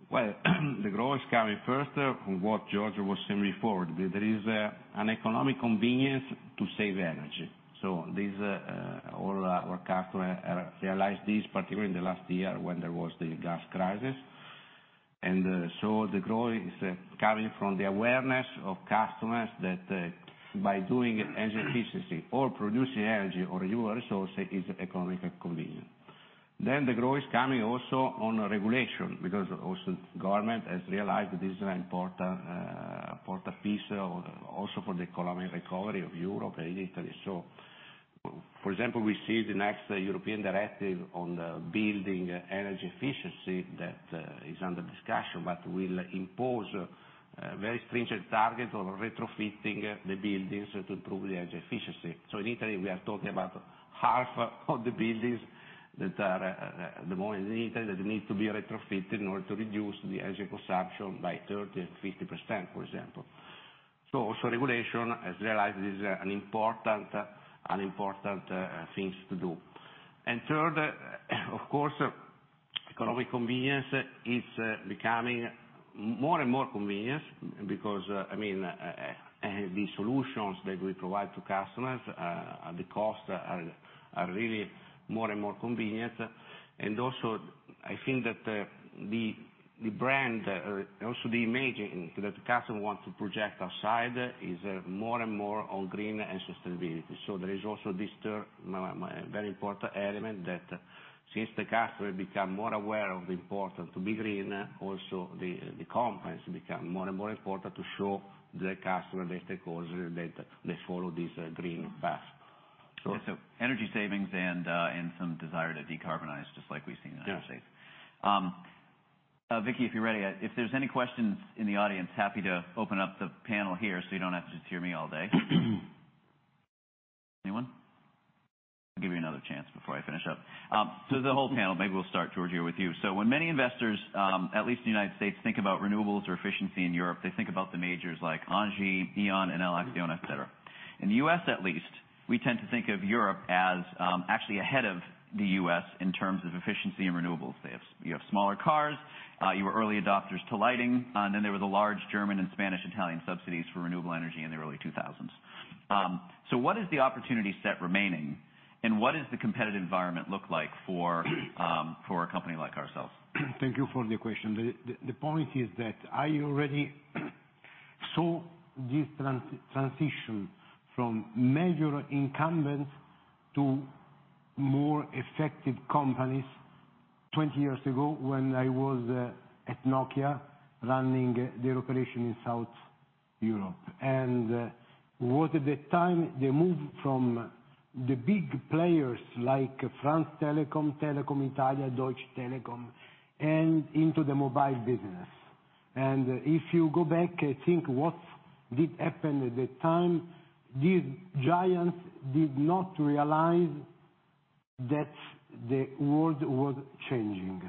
Speaker 8: The growth is coming first from what Giorgio was saying before. There is an economic convenience to save energy. This, all our customer realize this, particularly in the last year when there was the gas crisis. The growth is coming from the awareness of customers that, by doing energy efficiency or producing energy or a newer source is economical convenient. The growth is coming also on regulation, because also government has realized this is an important piece also for the economic recovery of Europe and Italy. For example, we see the next European directive on the building energy efficiency that, is under discussion, but will impose a very stringent target on retrofitting the buildings to improve the energy efficiency. In Italy, we are talking about half of the buildings that are at the moment in Italy that need to be retrofitted in order to reduce the energy consumption by 30%-50%, for example. Also regulation has realized this is an important things to do. Third, of course, economic convenience is becoming more and more convenient because, I mean, the solutions that we provide to customers, the costs are really more and more convenient. Also I think that the brand, also the image that the customer wants to project outside is more and more on green and sustainability. There is also this third, very important element that since the customer become more aware of the importance to be green, also the companies become more and more important to show the customer, the stakeholders, that they follow this green path.
Speaker 4: Energy savings and some desire to decarbonize, just like we've seen in the United States.
Speaker 8: Yeah.
Speaker 4: Vicky, if you're ready, if there's any questions in the audience, happy to open up the panel here so you don't have to just hear me all day. Anyone? I'll give you another chance before I finish up. The whole panel, maybe we'll start, Giorgio, with you. When many investors, at least in the United States, think about renewables or efficiency in Europe, they think about the majors like Engie, E.ON, Enel, Acciona, et cetera. In the U.S., at least, we tend to think of Europe as actually ahead of the U.S. in terms of efficiency and renewables. You have smaller cars, you were early adopters to lighting, there were the large German and Spanish, Italian subsidies for renewable energy in the early 2000s. What is the opportunity set remaining, and what is the competitive environment look like for a company like ourselves?
Speaker 9: Thank you for the question. The point is that I already saw this transition from major incumbents to more effective companies 20 years ago when I was at Nokia running the operation in South-Europe, was at the time the move from the big players like France, Telecom Italia, Deutsche Telekom, and into the mobile business. If you go back and think what did happen at the time, these giants did not realize that the world was changing,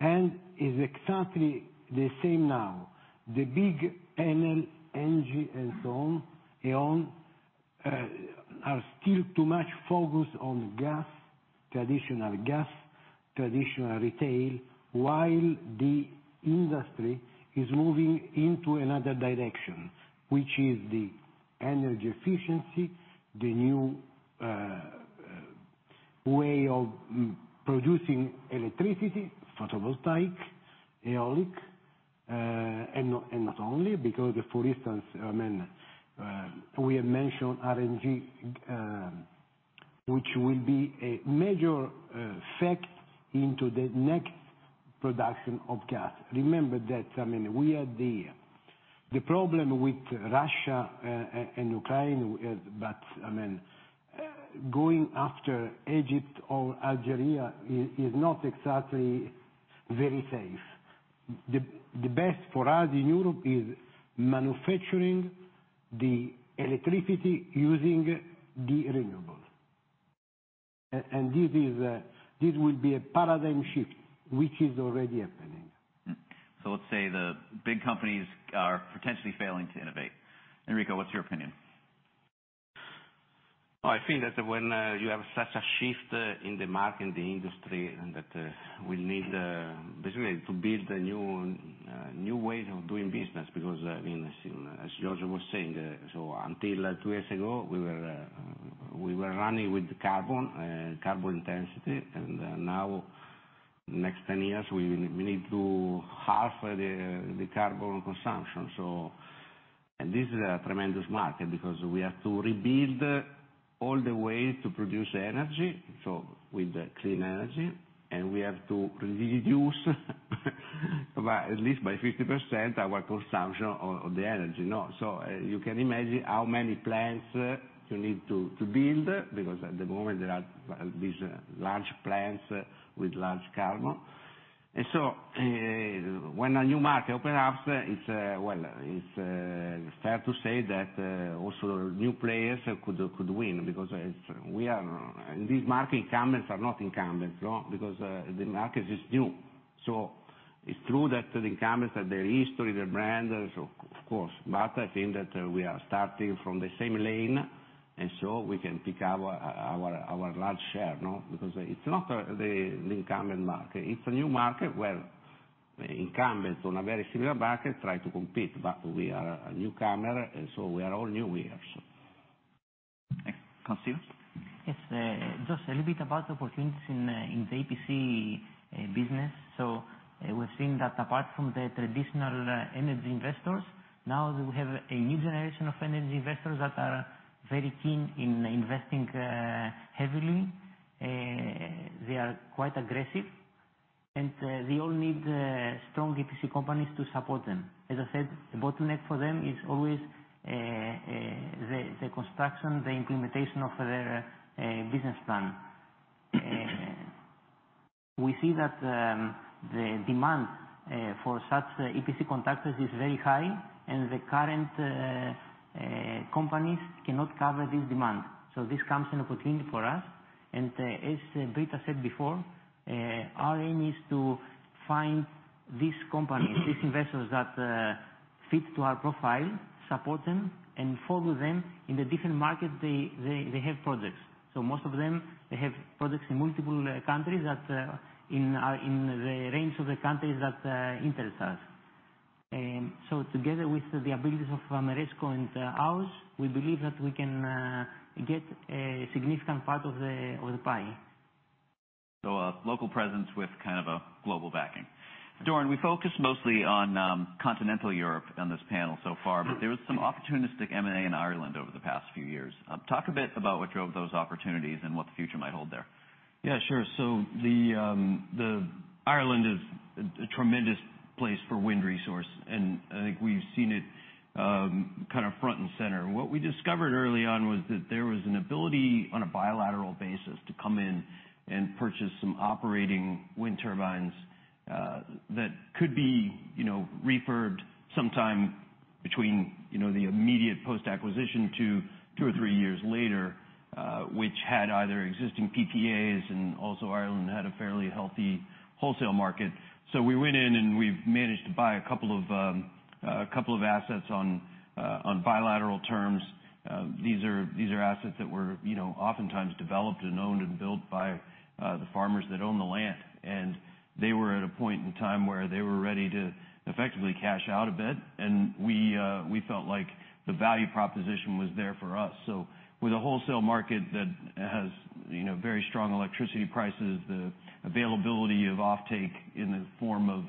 Speaker 9: and it's exactly the same now. The big Enel, Engie, and so on, E.ON, are still too much focused on gas, traditional gas, traditional retail, while the industry is moving into another direction, which is the energy efficiency, the new way of producing electricity, photovoltaic, aeolian, and not only because for instance, I mean, we have mentioned RNG, which will be a major fact into the next production of gas. Remember that, I mean, we are the problem with Russia and Ukraine, but I mean, going after Egypt or Algeria is not exactly very safe. The best for us in Europe is manufacturing the electricity using the renewables. This is, this will be a paradigm shift, which is already happening.
Speaker 4: Let's say the big companies are potentially failing to innovate. Enrico, what's your opinion?
Speaker 8: I think that when you have such a shift in the market, in the industry, and that we need basically to build a new way of doing business, because, I mean, as Giorgio was saying, until two years ago, we were running with carbon intensity, and now next 10 years, we need to half the carbon consumption. This is a tremendous market because we have to rebuild all the ways to produce energy, so with clean energy, and we have to reduce by at least by 50% our consumption of the energy, no? You can imagine how many plants you need to build, because at the moment there are these large plants with large carbon. When a new market opens up, it's, well, it's fair to say that also new players could win. These market incumbents are not incumbents, no? Because the market is new. It's true that the incumbents have their history, their brand, so of course. I think that we are starting from the same lane, we can pick our large share, no? Because it's not the incumbent market. It's a new market where incumbents on a very similar market try to compete, but we are a newcomer, we are all new here, so.
Speaker 4: Thanks. Konstas?
Speaker 6: Yes, just a little bit about opportunities in the EPC business. We're seeing that apart from the traditional energy investors, now we have a new generation of energy investors that are very keen in investing heavily. They are quite aggressive, and they all need strong EPC companies to support them. As I said, the bottleneck for them is always the construction, the implementation of their business plan. We see that the demand for such EPC contractors is very high, and the current companies cannot cover this demand. This comes an opportunity for us. As Brita said before, our aim is to find these companies, these investors that fit to our profile, support them, and follow them in the different market they have projects. Most of them, they have projects in multiple countries that in the range of the countries that interest us. Together with the abilities of Ameresco and ours, we believe that we can get a significant part of the pie.
Speaker 4: A local presence with kind of a global backing. Doran, we focused mostly on continental Europe on this panel so far, but there was some opportunistic M&A in Ireland over the past few years. Talk a bit about what drove those opportunities and what the future might hold there.
Speaker 5: Yeah, sure. The Ireland is a tremendous place for wind resource, and I think we've seen it kind of front and center. What we discovered early on was that there was an ability on a bilateral basis to come in and purchase some operating wind turbines that could be, you know, refurbed sometime between, you know, the immediate post-acquisition to two or three years later, which had either existing PPAs, and also Ireland had a fairly healthy wholesale market. We went in, and we've managed to buy a couple of a couple of assets on bilateral terms. These are assets that were, you know, oftentimes developed and owned and built by the farmers that own the land. They were at a point in time where they were ready to effectively cash out a bit, and we felt like the value proposition was there for us. With a wholesale market that has, you know, very strong electricity prices, the availability of offtake in the form of,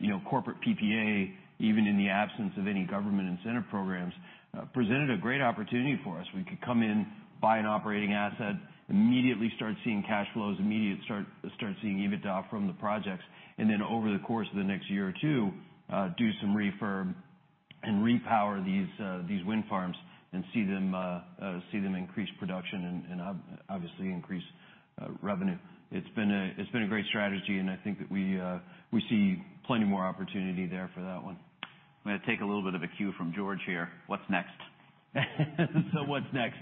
Speaker 5: you know, Corporate PPA, even in the absence of any government incentive programs, presented a great opportunity for us. We could come in, buy an operating asset, immediately start seeing cash flows, start seeing EBITDA from the projects, and then over the course of the next year or two, do some refurb. Repower these wind farms and see them increase production and obviously increase revenue. It's been a great strategy, and I think that we see plenty more opportunity there for that one.
Speaker 4: I'm gonna take a little bit of a cue from George here. What's next?
Speaker 2: What's next?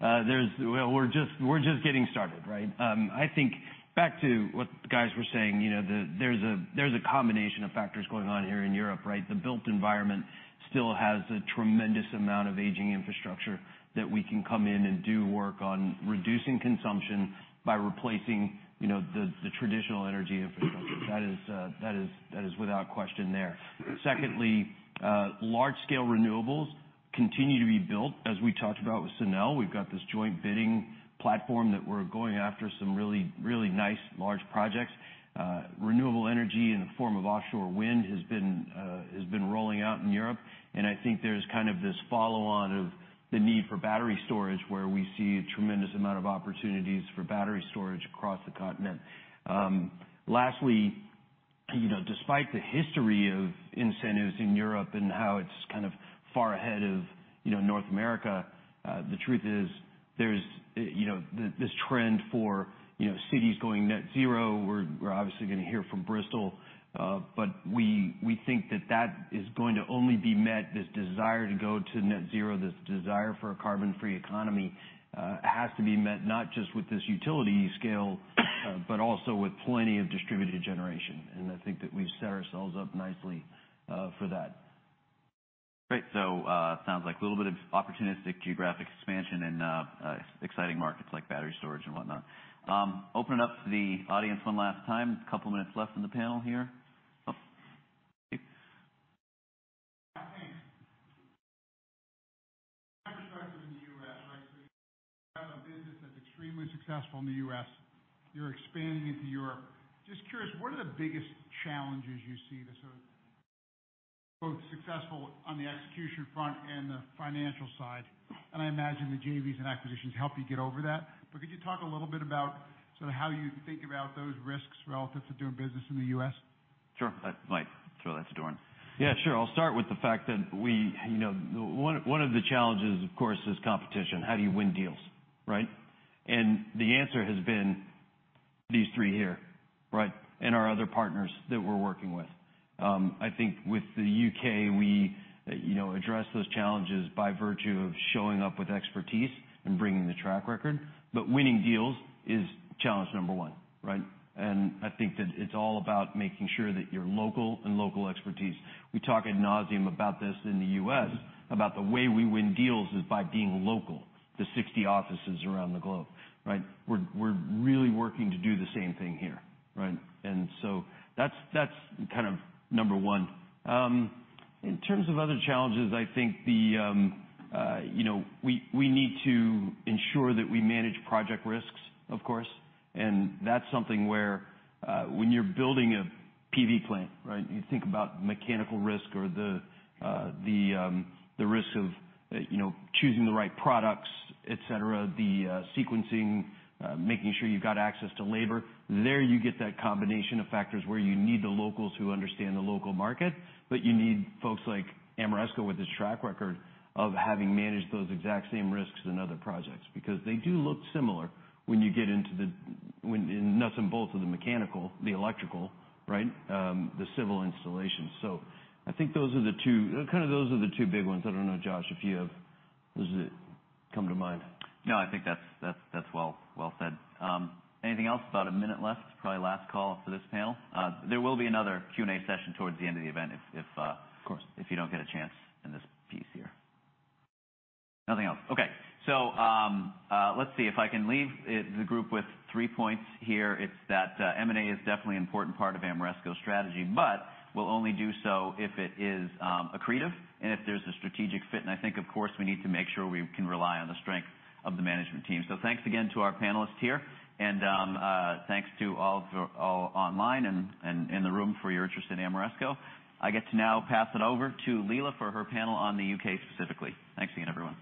Speaker 2: Well, we're just getting started, right? I think back to what the guys were saying, you know, there's a combination of factors going on here in Europe, right? The built environment still has a tremendous amount of aging infrastructure that we can come in and do work on reducing consumption by replacing, you know, the traditional energy infrastructure. That is without question there. Secondly, large scale renewables continue to be built. As we talked about with Sunel, we've got this joint bidding platform that we're going after some really nice large projects. Renewable energy in the form of offshore wind has been rolling out in Europe. I think there's kind of this follow on of the need for battery storage, where we see a tremendous amount of opportunities for battery storage across the continent. Lastly, you know, despite the history of incentives in Europe and how it's kind of far ahead of, you know, North America, the truth is there's, you know, this trend for, you know, cities going net zero. We're obviously gonna hear from Bristol. We, we think that that is going to only be met, this desire to go to net zero, this desire for a carbon-free economy, has to be met not just with this utility scale, but also with plenty of distributed generation. I think that we've set ourselves up nicely for that.
Speaker 4: Great. Sounds like a little bit of opportunistic geographic expansion and exciting markets like battery storage and whatnot. Open it up to the audience one last time. A couple minutes left in the panel here.
Speaker 10: I think from my perspective in the U.S., right? You have a business that's extremely successful in the U.S. You're expanding into Europe. Just curious, what are the biggest challenges you see to sort of both successful on the execution front and the financial side? I imagine the JVs and acquisitions help you get over that. Could you talk a little bit about sort of how you think about those risks relative to doing business in the U.S.?
Speaker 4: Sure. I might throw that to Doran.
Speaker 5: Yeah, sure. I'll start with the fact that we, you know, one of the challenges, of course, is competition. How do you win deals, right? The answer has been these three here, right? Our other partners that we're working with. I think with the U.K., we, you know, address those challenges by virtue of showing up with expertise and bringing the track record. Winning deals is challenge number one, right? I think that it's all about making sure that you're local and local expertise. We talk ad nauseam about this in the U.S., about the way we win deals is by being local to 60 offices around the globe, right? We're really working to do the same thing here, right? That's, that's kind of number one. In terms of other challenges, I think the, you know, we need to ensure that we manage project risks, of course. That's something where, when you're building a PV plant, right, you think about mechanical risk or the risk of, you know, choosing the right products, et cetera. The sequencing, making sure you've got access to labor. There you get that combination of factors where you need the locals who understand the local market, but you need folks like Ameresco with this track record of having managed those exact same risks in other projects. They do look similar when you get into the nuts and bolts of the mechanical, the electrical, right, the civil installation. I think those are the two big ones. I don't know, Josh, if you have does it come to mind.
Speaker 4: No, I think that's well said. Anything else? About a minute left. Probably last call for this panel. There will be another Q&A session towards the end of the event.
Speaker 5: Of course.
Speaker 4: If you don't get a chance in this piece here. Nothing else. Okay. Let's see if I can leave it, the group with three points here. It's that M&A is definitely important part of Ameresco strategy, but we'll only do so if it is accretive and if there's a strategic fit. I think, of course, we need to make sure we can rely on the strength of the management team. Thanks again to our panelists here and thanks to all of you all online and in the room for your interest in Ameresco. I get to now pass it over to Leila for her panel on the U.K. specifically. Thanks again, everyone.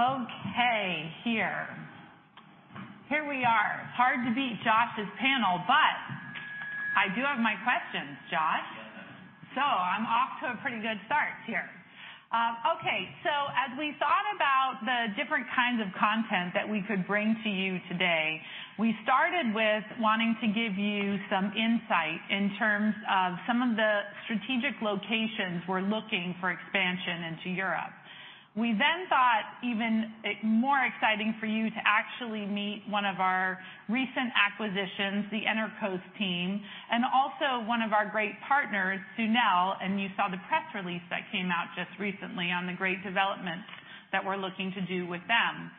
Speaker 1: Okay. Here we are. Hard to beat Josh's panel, but I do have my questions, Josh. I'm off to a pretty good start here. Okay. As we thought about the different kinds of content that we could bring to you today, we started with wanting to give you some insight in terms of some of the strategic locations we're looking for expansion into Europe. We then thought even it more exciting for you to actually meet one of our recent acquisitions, the Enerqos team, and also one of our great partners, Sunel, and you saw the press release that came out just recently on the great developments that we're looking to do with them.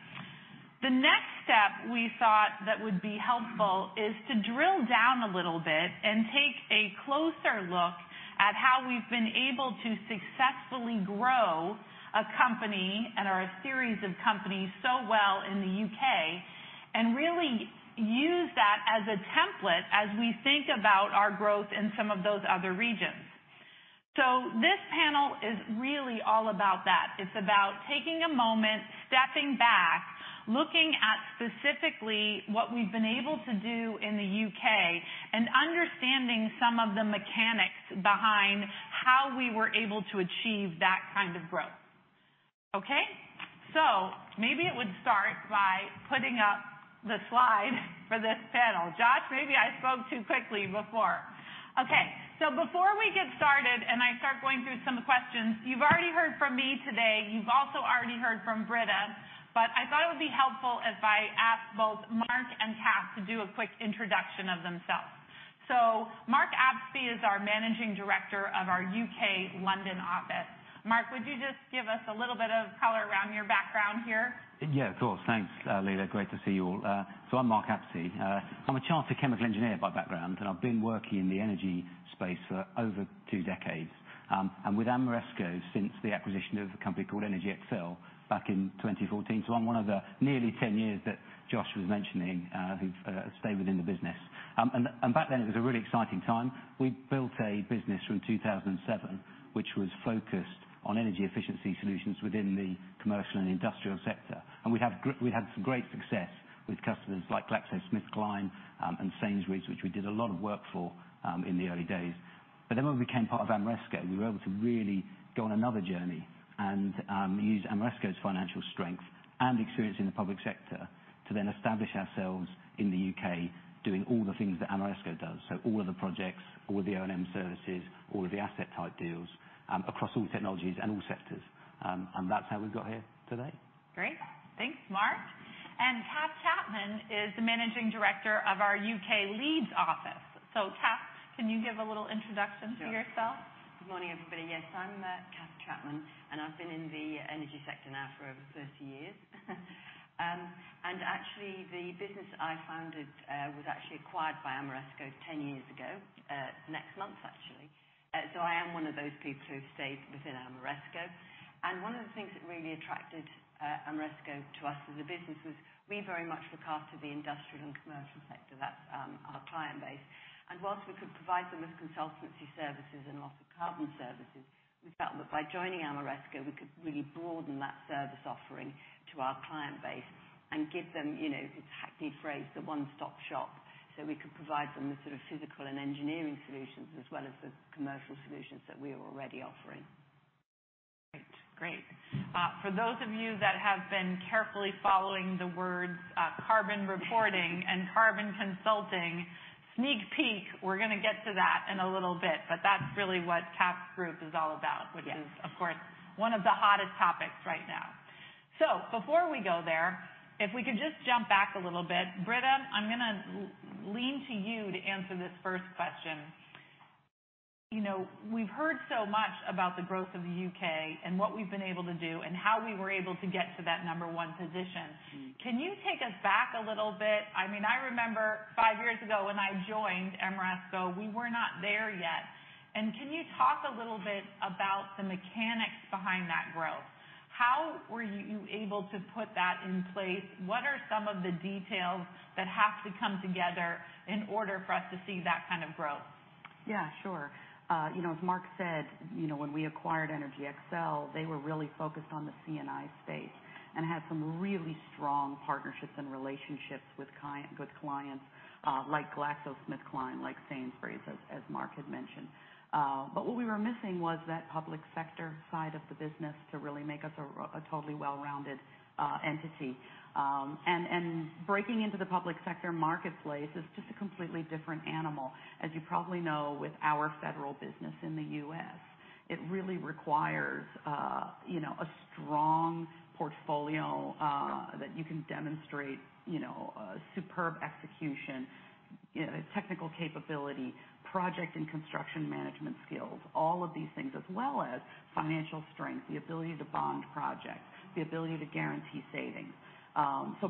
Speaker 1: The next step we thought that would be helpful is to drill down a little bit and take a closer look at how we've been able to successfully grow a company and our series of companies so well in the U.K. and really use that as a template as we think about our growth in some of those other regions. This panel is really all about that. It's about taking a moment, stepping back, looking at specifically what we've been able to do in the U.K. and understanding some of the mechanics behind how we were able to achieve that kind of growth. Okay. Maybe it would start by putting up the slide for this panel. Josh, maybe I spoke too quickly before. Okay, before we get started and I start going through some questions, you've already heard from me today. You've also already heard from Britta, I thought it would be helpful if I asked both Mark and Kath to do a quick introduction of themselves. Mark Apsey is our Managing Director of our U.K. London office. Mark, would you just give us a little bit of color around your background here?
Speaker 11: Yeah, of course. Thanks, Leila. Great to see you all. So I'm Mark Apsey. I'm a chartered chemical engineer by background, and I've been working in the energy space for over two decades, and with Ameresco since the acquisition of a company called Energyexcel back in 2014. So I'm one of the nearly 10 years that Josh was mentioning, who've stayed within the business. Back then, it was a really exciting time. We built a business from 2007, which was focused on energy efficiency solutions within the commercial and industrial sector. We had some great success with customers like GlaxoSmithKline, and Sainsbury's, which we did a lot of work for, in the early days. When we became part of Ameresco, we were able to really go on another journey and use Ameresco's financial strength and experience in the public sector to then establish ourselves in the U.K. doing all the things that Ameresco does. All of the projects, all the O&M services, all of the asset-type deals across all technologies and all sectors. That's how we got here today.
Speaker 1: Great. Thanks, Mark. Kath Chapman is the Managing Director of our U.K. Leeds office. Kath, can you give a little introduction for yourself?
Speaker 12: Good morning, everybody. Yes, I'm Kath Chapman. I've been in the energy sector now for over 30 years. Actually the business that I founded was actually acquired by Ameresco 10 years ago next month, actually. I am one of those people who stayed within Ameresco. One of the things that really attracted Ameresco to us as a business was we very much look after the industrial and commercial sector. That's our client base. Whilst we could provide them with consultancy services and lots of carbon services, we felt that by joining Ameresco, we could really broaden that service offering to our client base and give them, you know, to tack the phrase, the one-stop shop, so we could provide them with sort of physical and engineering solutions as well as the commercial solutions that we were already offering.
Speaker 1: Great. Great. For those of you that have been carefully following the words, carbon reporting and carbon consulting, sneak peek, we're gonna get to that in a little bit, but that's really what Kath's group is all about.
Speaker 12: Yes.
Speaker 1: which is, of course, one of the hottest topics right now. Before we go there, if we could just jump back a little bit. Britta, I'm gonna lean to you to answer this first question. You know, we've heard so much about the growth of the U.K. and what we've been able to do and how we were able to get to that number one position. Can you take us back a little bit? I mean, I remember five years ago when I joined Ameresco, we were not there yet. Can you talk a little bit about the mechanics behind that growth? How were you able to put that in place? What are some of the details that have to come together in order for us to see that kind of growth?
Speaker 3: Yeah, sure. You know, as Mark said, you know, when we acquired Energyexcel, they were really focused on the C&I space and had some really strong partnerships and relationships with clients, like GlaxoSmithKline, like Sainsbury's, as Mark had mentioned. What we were missing was that public sector side of the business to really make us a totally well-rounded entity. Breaking into the public sector marketplace is just a completely different animal, as you probably know with our federal business in the U.S. It really requires, you know, a strong portfolio that you can demonstrate, you know, superb execution, technical capability, project and construction management skills, all of these things, as well as financial strength, the ability to bond projects, the ability to guarantee savings.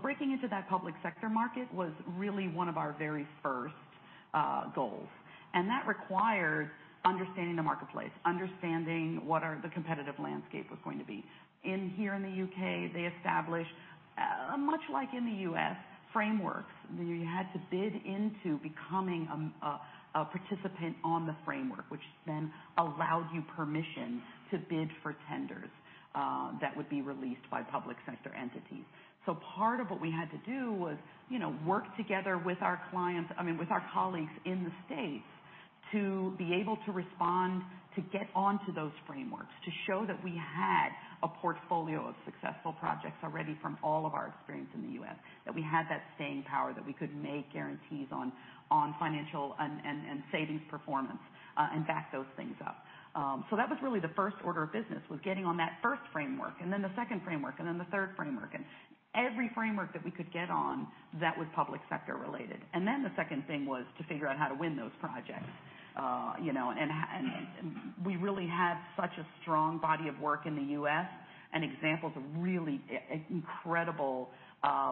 Speaker 3: Breaking into that public sector market was really one of our very first goals, and that required understanding the marketplace, understanding what the competitive landscape was going to be. In here in the U.K., they established much like in the U.S., frameworks. You had to bid into becoming a participant on the framework, which then allowed you permission to bid for tenders that would be released by public sector entities. Part of what we had to do was, you know, work together with our clients, I mean, with our colleagues in the States, to be able to respond, to get onto those frameworks, to show that we had a portfolio of successful projects already from all of our experience in the U.S., that we had that staying power, that we could make guarantees on financial and savings performance and back those things up. That was really the first order of business, was getting on that first framework and then the second framework and then the third framework and every framework that we could get on that was public sector related. The second thing was to figure out how to win those projects. You know, and we really had such a strong body of work in the U.S. and examples of really incredible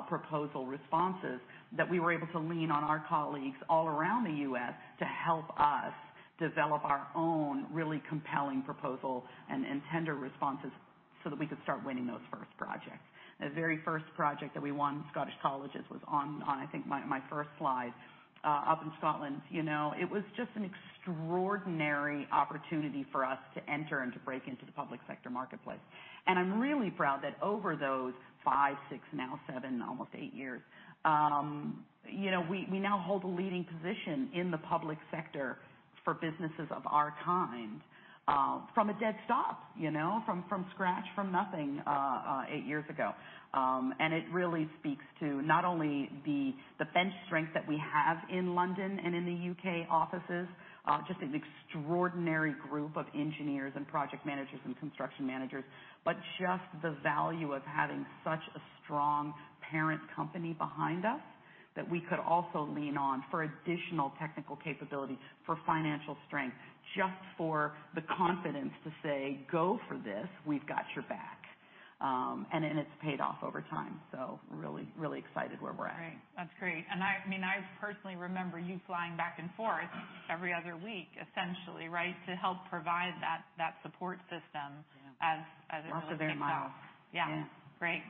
Speaker 3: proposal responses that we were able to lean on our colleagues all around the US to help us develop our own really compelling proposal and tender responses. That we could start winning those first projects. The very first project that we won, Scottish Colleges, was on I think my first slide up in Scotland. You know, it was just an extraordinary opportunity for us to enter and to break into the public sector marketplace. I'm really proud that over those five, six, now seven, almost eight years, you know, we now hold a leading position in the public sector for businesses of our kind, from a dead stop, you know, from scratch, from nothing, eight years ago. It really speaks to not only the bench strength that we have in London and in the U.K. offices, just an extraordinary group of engineers and project managers and construction managers, but just the value of having such a strong parent company behind us that we could also lean on for additional technical capabilities, for financial strength, just for the confidence to say, "Go for this. We've got your back." And it's paid off over time. Really excited where we're at.
Speaker 1: Great. That's great. I mean, I personally remember you flying back and forth every other week, essentially, right, to help provide that support system. As it stands now.
Speaker 3: Lots of air miles.
Speaker 1: Yeah.
Speaker 3: Yeah.
Speaker 1: Great. Great.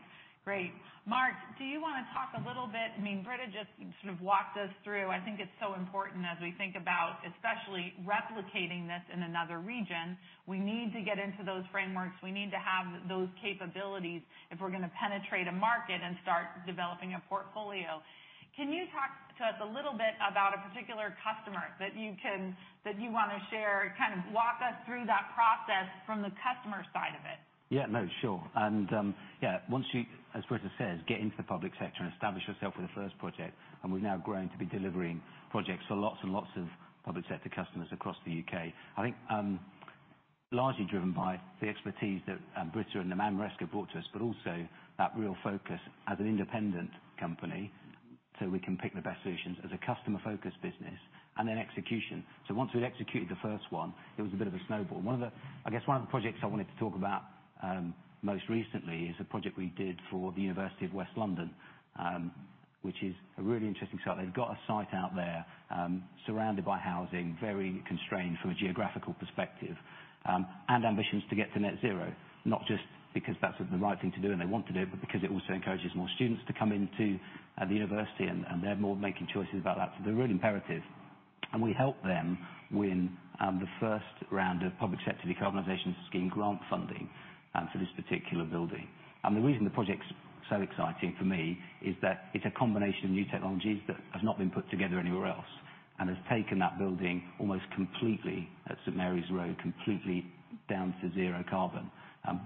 Speaker 1: Mark, do you wanna talk a little bit, I mean Britta just sort of walked us through. I think it's so important as we think about especially replicating this in another region. We need to get into those frameworks, we need to have those capabilities if we're gonna penetrate a market and start developing a portfolio. Can you talk to us a little bit about a particular customer that you can, that you wanna share? Kind of walk us through that process from the customer side of it.
Speaker 11: Yeah, no, sure. Yeah, once you, as Britta says, get into the public sector and establish yourself with a first project, and we've now grown to be delivering projects for lots and lots of public sector customers across the U.K. I think, largely driven by the expertise that Britta and Ameresco brought to us, but also that real focus as an independent company, so we can pick the best solutions as a customer-focused business, and then execution. Once we'd executed the first one, it was a bit of a snowball. I guess one of the projects I wanted to talk about most recently is a project we did for the University of West London, which is a really interesting site. They've got a site out there, surrounded by housing, very constrained from a geographical perspective, and ambitions to get to net zero, not just because that's the right thing to do and they want to do it, but because it also encourages more students to come into the university and they're more making choices about that. They're really imperative. We help them win, the first round of Public Sector Decarbonisation Scheme grant funding, for this particular building. The reason the project's so exciting for me is that it's a combination of new technologies that has not been put together anywhere else and has taken that building almost completely, at St. Mary's Road, completely down to zero carbon,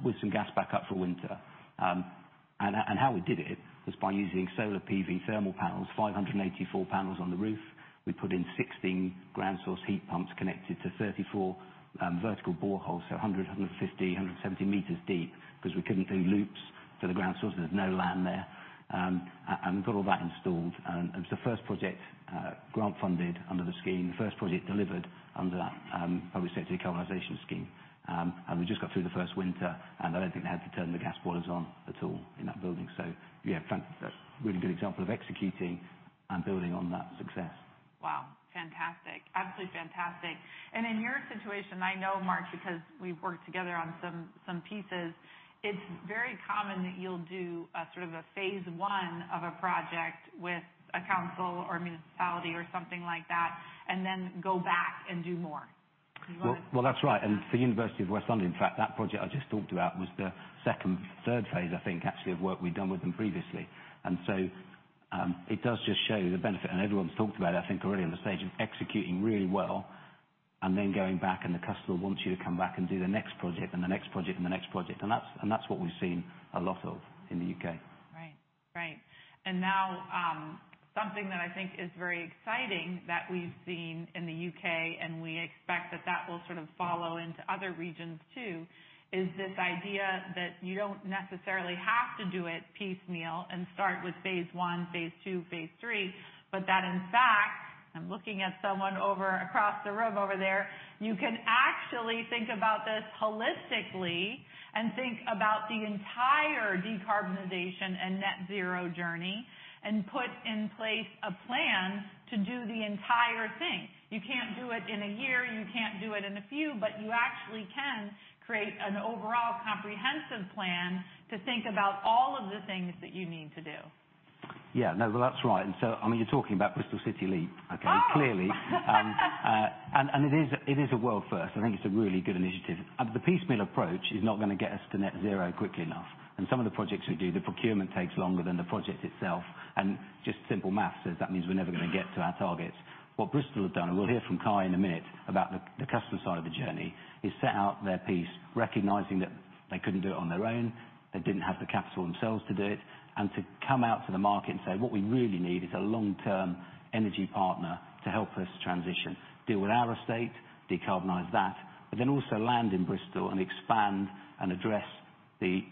Speaker 11: with some gas backup for winter. How we did it was by using solar PV thermal panels, 584 panels on the roof. We put in 16 ground source heat pumps connected to 34 vertical boreholes, so 100, 150, 170 meters deep 'cause we couldn't do loops for the ground source. There's no land there. We got all that installed. It's the first project, grant funded under the scheme, the first project delivered under that Public Sector Decarbonisation Scheme. We just got through the first winter, and I don't think they had to turn the gas boilers on at all in that building. Yeah, a really good example of executing and building on that success.
Speaker 1: Wow. Fantastic. Absolutely fantastic. In your situation, I know, Mark, because we've worked together on some pieces, it's very common that you'll do a sort of a phase one of a project with a council or a municipality or something like that, and then go back and do more. Do you wanna--
Speaker 11: Well, that's right. For University of West London, in fact, that project I just talked about was the second, third phase, I think, actually, of work we'd done with them previously. It does just show the benefit, and everyone's talked about it, I think, already on this stage, of executing really well and then going back and the customer wants you to come back and do the next project and the next project and the next project. That's what we've seen a lot of in the U.K.
Speaker 1: Right. Right. Now, something that I think is very exciting that we've seen in the U.K., and we expect that that will sort of follow into other regions too, is this idea that you don't necessarily have to do it piecemeal and start with phase I, phase II, phase III, that, in fact, I'm looking at someone over across the room over there, you can actually think about this holistically and think about the entire decarbonization and net zero journey and put in place a plan to do the entire thing. You can't do it in a year, you can't do it in a few, but you actually can create an overall comprehensive plan to think about all of the things that you need to do.
Speaker 11: Yeah. No. Well, that's right. I mean, you're talking about Bristol City Leap. Okay. Clearly. It is a world first. I think it's a really good initiative. The piecemeal approach is not gonna get us to net zero quickly enough. Some of the projects we do, the procurement takes longer than the project itself. Just simple math says that means we're never gonna get to our targets. What Bristol have done, and we'll hear from Kye in a minute about the customer side of the journey, is set out their piece, recognizing that they couldn't do it on their own, they didn't have the capital themselves to do it, and to come out to the market and say, "What we really need is a long-term energy partner to help us transition, deal with our estate, decarbonize that, but then also land in Bristol and expand and address the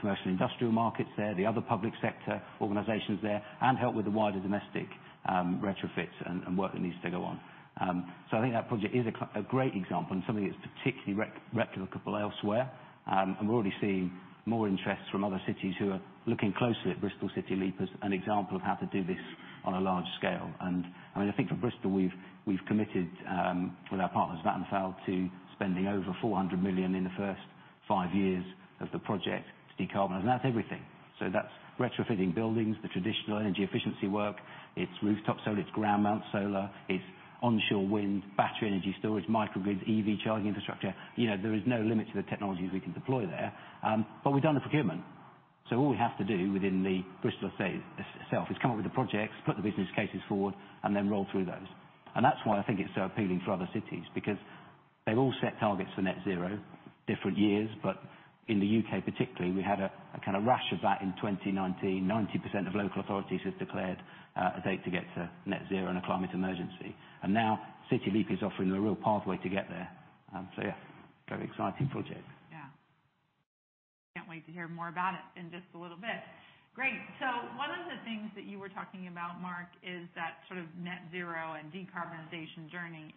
Speaker 11: commercial industrial markets there, the other public sector organizations there, and help with the wider domestic retrofits and work that needs to go on." I think that project is a great example and something that's particularly replicable elsewhere. We're already seeing more interest from other cities who are looking closely at Bristol City Leap as an example of how to do this on a large scale. I think for Bristol, we've committed with our partners, Vattenfall, to spending over 400 million in the first five years of the project to decarbonize. That's everything. That's retrofitting buildings, the traditional energy efficiency work. It's rooftop solar, it's ground mount solar, it's onshore wind, battery energy storage, microgrid, EV charging infrastructure. You know, there is no limit to the technologies we can deploy there. We've done the procurement. All we have to do within the Bristol state itself is come up with the projects, put the business cases forward, and then roll through those. That's why I think it's so appealing for other cities, because they've all set targets for net zero, different years. In the U.K. particularly, we had a kind of rash of that in 2019. 90% of local authorities have declared a date to get to net zero and a climate emergency. Now City Leap is offering a real pathway to get there. So yeah, very exciting project.
Speaker 1: Yeah. Can't wait to hear more about it in just a little bit. Great. One of the things that you were talking about, Mark Apsey, is that sort of net zero and decarbonization journey.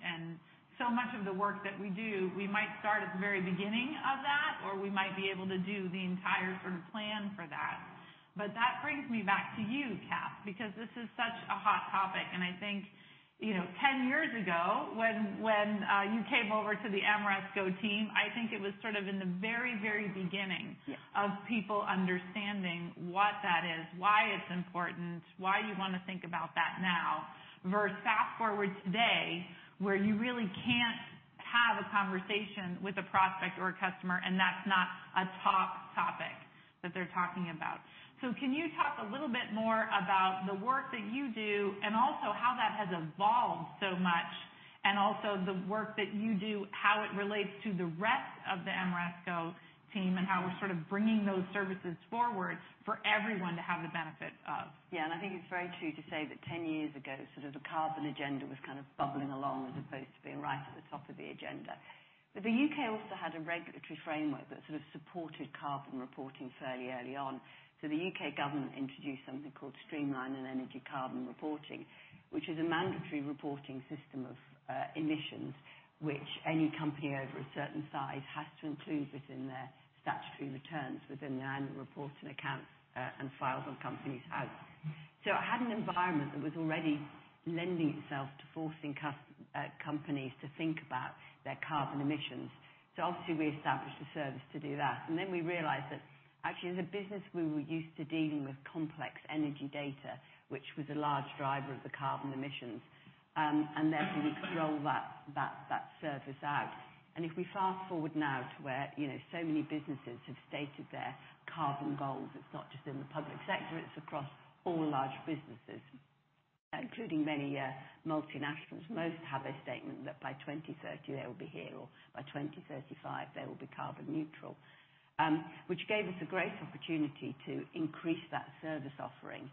Speaker 1: So much of the work that we do, we might start at the very beginning of that, or we might be able to do the entire sort of plan for that. That brings me back to you, Kath, because this is such a hot topic. I think, you know, 10 years ago when you came over to the Ameresco team, I think it was sort of in the very beginning of people understanding what that is, why it's important, why you wanna think about that now. Verse fast-forward today, where you really can't have a conversation with a prospect or a customer, and that's not a top topic that they're talking about. Can you talk a little bit more about the work that you do and also how that has evolved so much and also the work that you do, how it relates to the rest of the Ameresco team, and how we're sort of bringing those services forward for everyone to have the benefit of?
Speaker 12: I think it's very true to say that 10 years ago, sort of the carbon agenda was kind of bubbling along, as opposed to being right at the top of the agenda. The U.K. also had a regulatory framework that sort of supported carbon reporting fairly early on. The U.K. government introduced something called Streamlined Energy Carbon Reporting, which is a mandatory reporting system of emissions, which any company over a certain size has to include within their statutory returns, within their annual reports and accounts, and files on companies out. It had an environment that was already lending itself to forcing companies to think about their carbon emissions. Obviously, we established a service to do that. Then we realized that actually, as a business, we were used to dealing with complex energy data, which was a large driver of the carbon emissions, and therefore we could roll that service out. If we fast-forward now to where, you know, so many businesses have stated their carbon goals, it's not just in the public sector, it's across all large businesses, including many multinationals. Most have a statement that by 2030 they will be here, or by 2035 they will be carbon neutral. Which gave us a great opportunity to increase that service offering,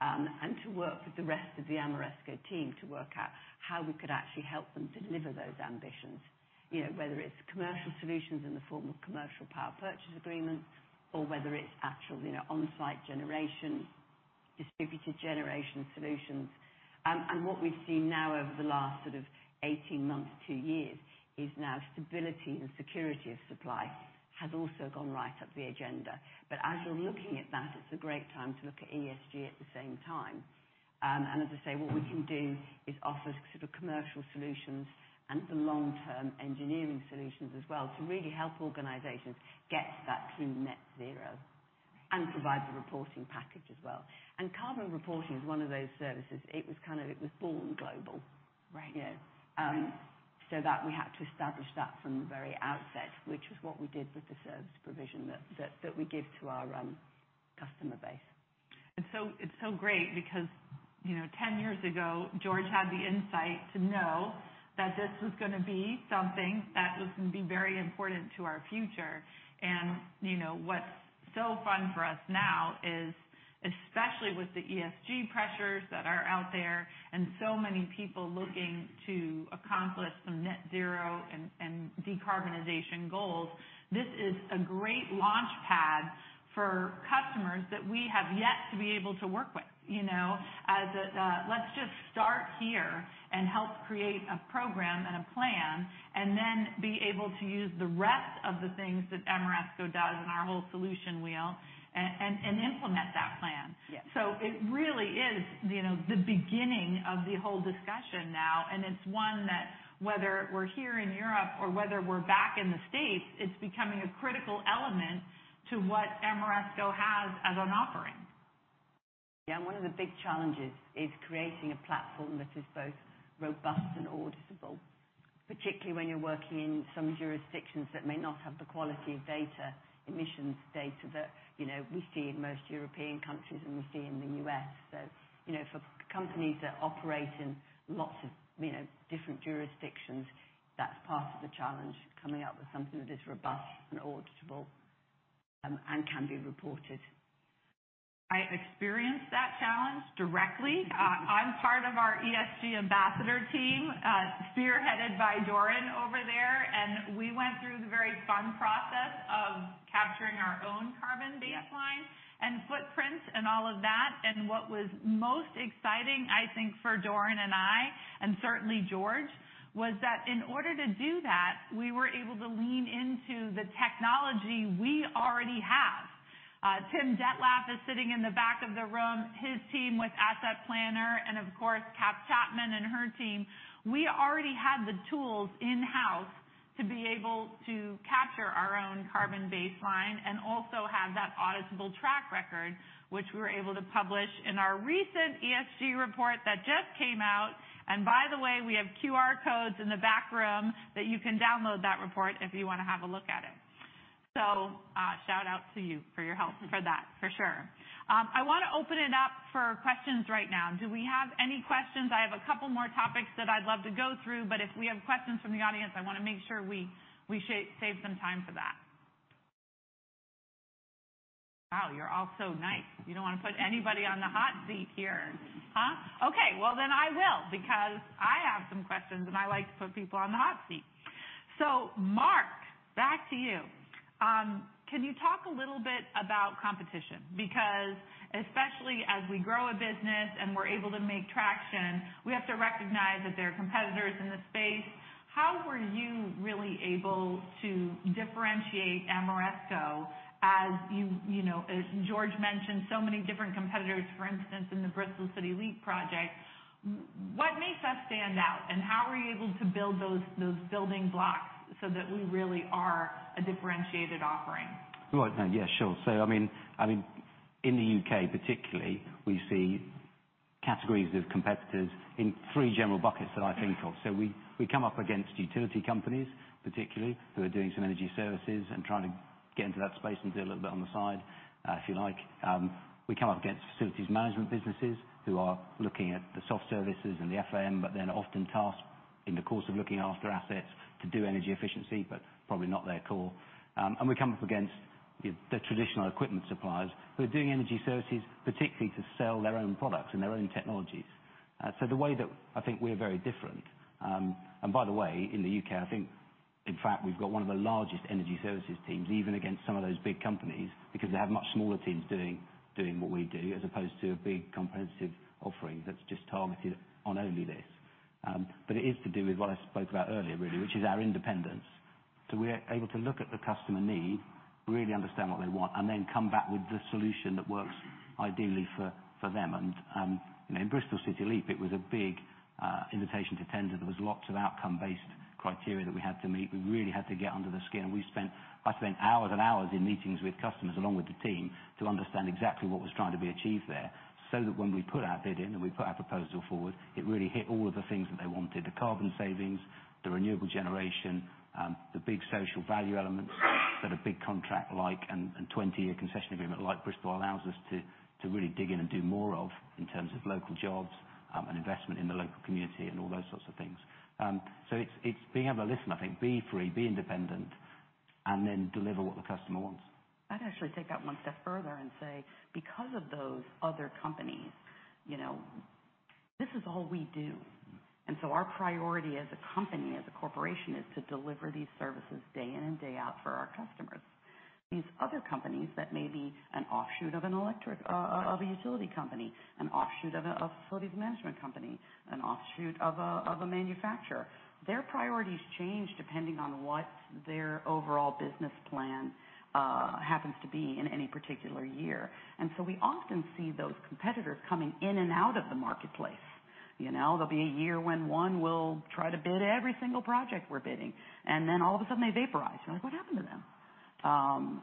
Speaker 12: and to work with the rest of the Ameresco team to work out how we could actually help them deliver those ambitions. You know, whether it's commercial solutions in the form of commercial power purchase agreements, or whether it's actual, you know, on-site generation, distributed generation solutions. What we've seen now over the last sort of 18 months to two years is now stability and security of supply has also gone right up the agenda. As you're looking at that, it's a great time to look at ESG at the same time. As I say, what we can do is offer sort of commercial solutions and the long-term engineering solutions as well to really help organizations get to that clean net zero and provide the reporting package as well. Carbon reporting is one of those services. It was kind of, it was born global.
Speaker 1: Right.
Speaker 12: You know? That we had to establish that from the very outset, which is what we did with the service provision that we give to our customer base.
Speaker 1: It's so, it's so great because, you know, 10 years ago, George had the insight to know that this was gonna be something that was gonna be very important to our future. You know, what's so fun for us now is, especially with the ESG pressures that are out there, and so many people looking to accomplish some net zero and decarbonization goals, this is a great launchpad for customers that we have yet to be able to work with. You know? Let's just start here and help create a program and a plan, and then be able to use the rest of the things that Ameresco does in our whole solution wheel and implement that plan.
Speaker 12: Yeah.
Speaker 1: It really is, you know, the beginning of the whole discussion now, and it's one that whether we're here in Europe or whether we're back in the States, it's becoming a critical element to what Ameresco has as an offering.
Speaker 12: Yeah, one of the big challenges is creating a platform that is both robust and auditable, particularly when you're working in some jurisdictions that may not have the quality of data, emissions data that, you know, we see in most European countries and we see in the US. You know, for companies that operate in lots of, you know, different jurisdictions, that's part of the challenge, coming up with something that is robust and auditable and can be reported.
Speaker 1: I experienced that challenge directly. I'm part of our ESG ambassador team, spearheaded by Doran over there, and we went through the very fun process of capturing our own carbon. What was most exciting, I think, for Doran and I, and certainly George, was that in order to do that, we were able to lean into the technology we already have. Tim Dettlaff is sitting in the back of the room, his team with AssetPlanner and of course Kath Chapman and her team. We already had the tools in-house to be able to capture our own carbon baseline and also have that auditable track record, which we were able to publish in our recent ESG report that just came out. By the way, we have QR codes in the back room that you can download that report if you wanna have a look at it. Shout out to you for your help for that for sure. I wanna open it up for questions right now. Do we have any questions? I have a couple more topics that I'd love to go through, but if we have questions from the audience, I wanna make sure we save some time for that. Wow, you're all so nice. You don't wanna put anybody on the hot seat here. Huh? I will, because I have some questions, and I like to put people on the hot seat. Mark, back to you. Can you talk a little bit about competition? Because especially as we grow a business and we're able to make traction, we have to recognize that there are competitors in the space. How were you really able to differentiate Ameresco as you know, as George mentioned, so many different competitors, for instance, in the Bristol City Leap project, what makes us stand out, and how are you able to build those building blocks so that we really are a differentiated offering?
Speaker 11: Right. No, yeah, sure. I mean, in the U.K. particularly, we see categories of competitors in three general buckets that I think of. We come up against utility companies particularly, who are doing some energy services and trying to get into that space and do a little bit on the side, if you like. We come up against facilities management businesses who are looking at the soft services and the FAM, but then are often tasked in the course of looking after assets to do energy efficiency, but probably not their core. We come up against the traditional equipment suppliers who are doing energy services, particularly to sell their own products and their own technologies. The way that I think we're very different. By the way, in the UK, I think in fact, we've got one of the largest energy services teams, even against some of those big companies, because they have much smaller teams doing what we do as opposed to a big comprehensive offering that's just targeted on only this. It is to do with what I spoke about earlier, really, which is our independence. We're able to look at the customer need, really understand what they want, and then come back with the solution that works ideally for them. You know, in Bristol City Leap, it was a big invitation to tender. There was lots of outcome-based criteria that we had to meet. We really had to get under the skin. I spent hours and hours in meetings with customers along with the team to understand exactly what was trying to be achieved there, so that when we put our bid in and we put our proposal forward, it really hit all of the things that they wanted, the carbon savings, the renewable generation, the big social value elements that a big contract like and 20-year concession agreement like Bristol allows us to really dig in and do more of in terms of local jobs, and investment in the local community and all those sorts of things. It's being able to listen, I think, be free, be independent, and then deliver what the customer wants.
Speaker 3: I'd actually take that one step further and say, because of those other companies, you know, this is all we do. Our priority as a company, as a corporation, is to deliver these services day in and day out for our customers. These other companies that may be an offshoot of an electric of a utility company, an offshoot of a facilities management company, an offshoot of a manufacturer, their priorities change depending on what their overall business plan happens to be in any particular year. We often see those competitors coming in and out of the marketplace. You know, there'll be a year when one will try to bid every single project we're bidding, and then all of a sudden they vaporize. You're like, "What happened to them?"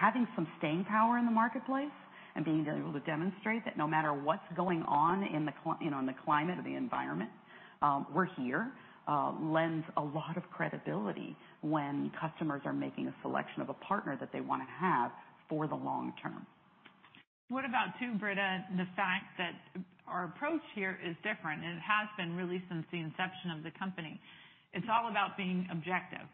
Speaker 3: Having some staying power in the marketplace and being able to demonstrate that no matter what's going on in the you know, in the climate or the environment, we're here, lends a lot of credibility when customers are making a selection of a partner that they wanna have for the long term.
Speaker 1: What about too, Britta, the fact that our approach here is different, and it has been really since the inception of the company. It's all about being objective.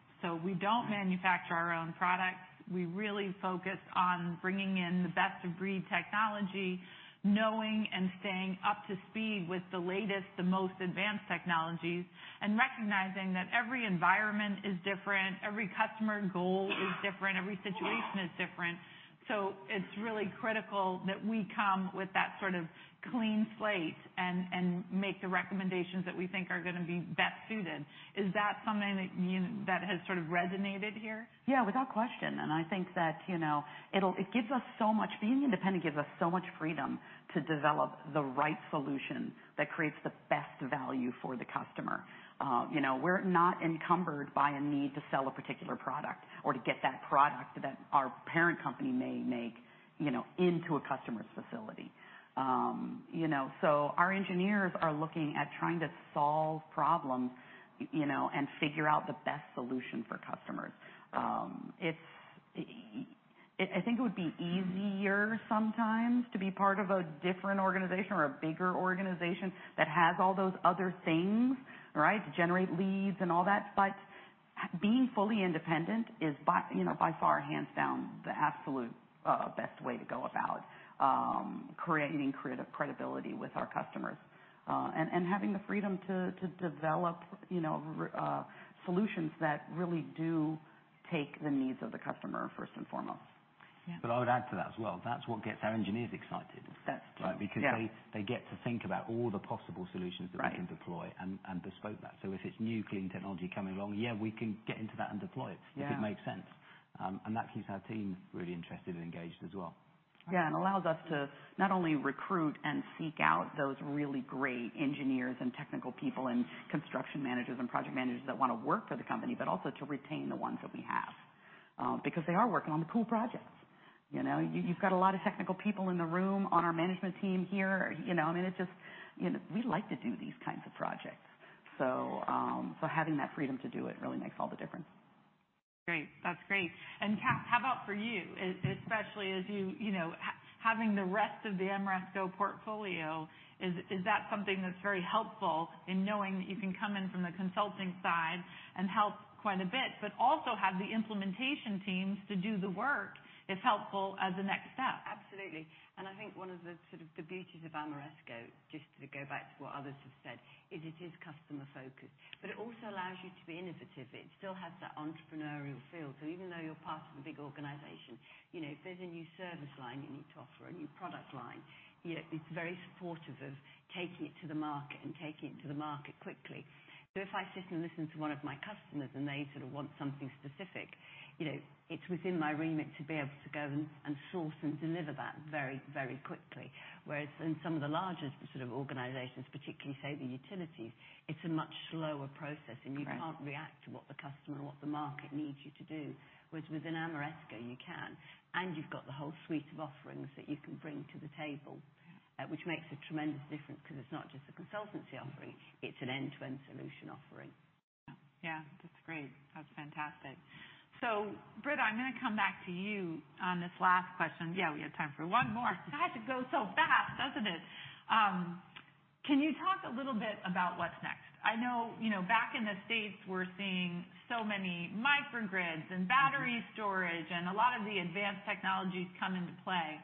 Speaker 1: We don't manufacture our own products. We really focus on bringing in the best-of-breed technology, knowing and staying up to speed with the latest, the most advanced technologies, and recognizing that every environment is different, every customer goal is different, every situation is different. It's really critical that we come with that sort of clean slate and make the recommendations that we think are going to be best suited. Is that something that has sort of resonated here?
Speaker 3: Yeah, without question. I think that, you know, it gives us so much. Being independent gives us so much freedom to develop the right solution that creates the best value for the customer. You know, we're not encumbered by a need to sell a particular product or to get that product that our parent company may make, you know, into a customer's facility. You know, our engineers are looking at trying to solve problems, you know, and figure out the best solution for customers. I think it would be easier sometimes to be part of a different organization or a bigger organization that has all those other things, right? To generate leads and all that. Being fully independent is by, you know, by far, hands down, the absolute best way to go about creating credibility with our customers, and having the freedom to develop, you know, solutions that really do take the needs of the customer first and foremost.
Speaker 1: Yeah.
Speaker 13: I would add to that as well. That's what gets our engineers excited. Right? Because they get to think about all the possible solutions that we can deploy and bespoke that. If it's new clean technology coming along, yeah, we can get into that and deploy it. If it makes sense. That keeps our team really interested and engaged as well.
Speaker 3: Yeah. And allows us to not only recruit and seek out those really great engineers and technical people and construction managers and project managers that wanna work for the company, but also to retain the ones that we have. Because they are working on the cool projects, you know. You've got a lot of technical people in the room on our management team here. You know, I mean, it's just, you know, we like to do these kinds of projects. Having that freedom to do it really makes all the difference.
Speaker 1: Great. That's great. Kath, how about for you, especially as you know, having the rest of the Ameresco portfolio, is that something that's very helpful in knowing that you can come in from the consulting side and help quite a bit, but also have the implementation teams to do the work as helpful as a next step?
Speaker 12: Absolutely. I think one of the sort of the beauties of Ameresco, just to go back to what others have said, is it is customer focused. It also allows you to be innovative. It still has that entrepreneurial feel. Even though you're part of a big organization, you know, if there's a new service line you need to offer, a new product line, you know, it's very supportive of taking it to the market and taking it to the market quickly. If I sit and listen to one of my customers and they sort of want something specific, you know, it's within my remit to be able to go and source and deliver that very, very quickly. Whereas in some of the larger sort of organizations, particularly say the utilities, it's a much slower process. You can't react to what the customer or what the market needs you to do. Whereas within Ameresco, you can, and you've got the whole suite of offerings that you can bring to the table. Which makes a tremendous difference because it's not just a consultancy offering, it's an end-to-end solution offering.
Speaker 1: That's great. That's fantastic. Britta, I'm gonna come back to you on this last question. We have time for one more. It's got to go so fast, doesn't it? Can you talk a little bit about what's next? I know, you know, back in the States, we're seeing so many microgrids and battery storage and a lot of the advanced technologies come into play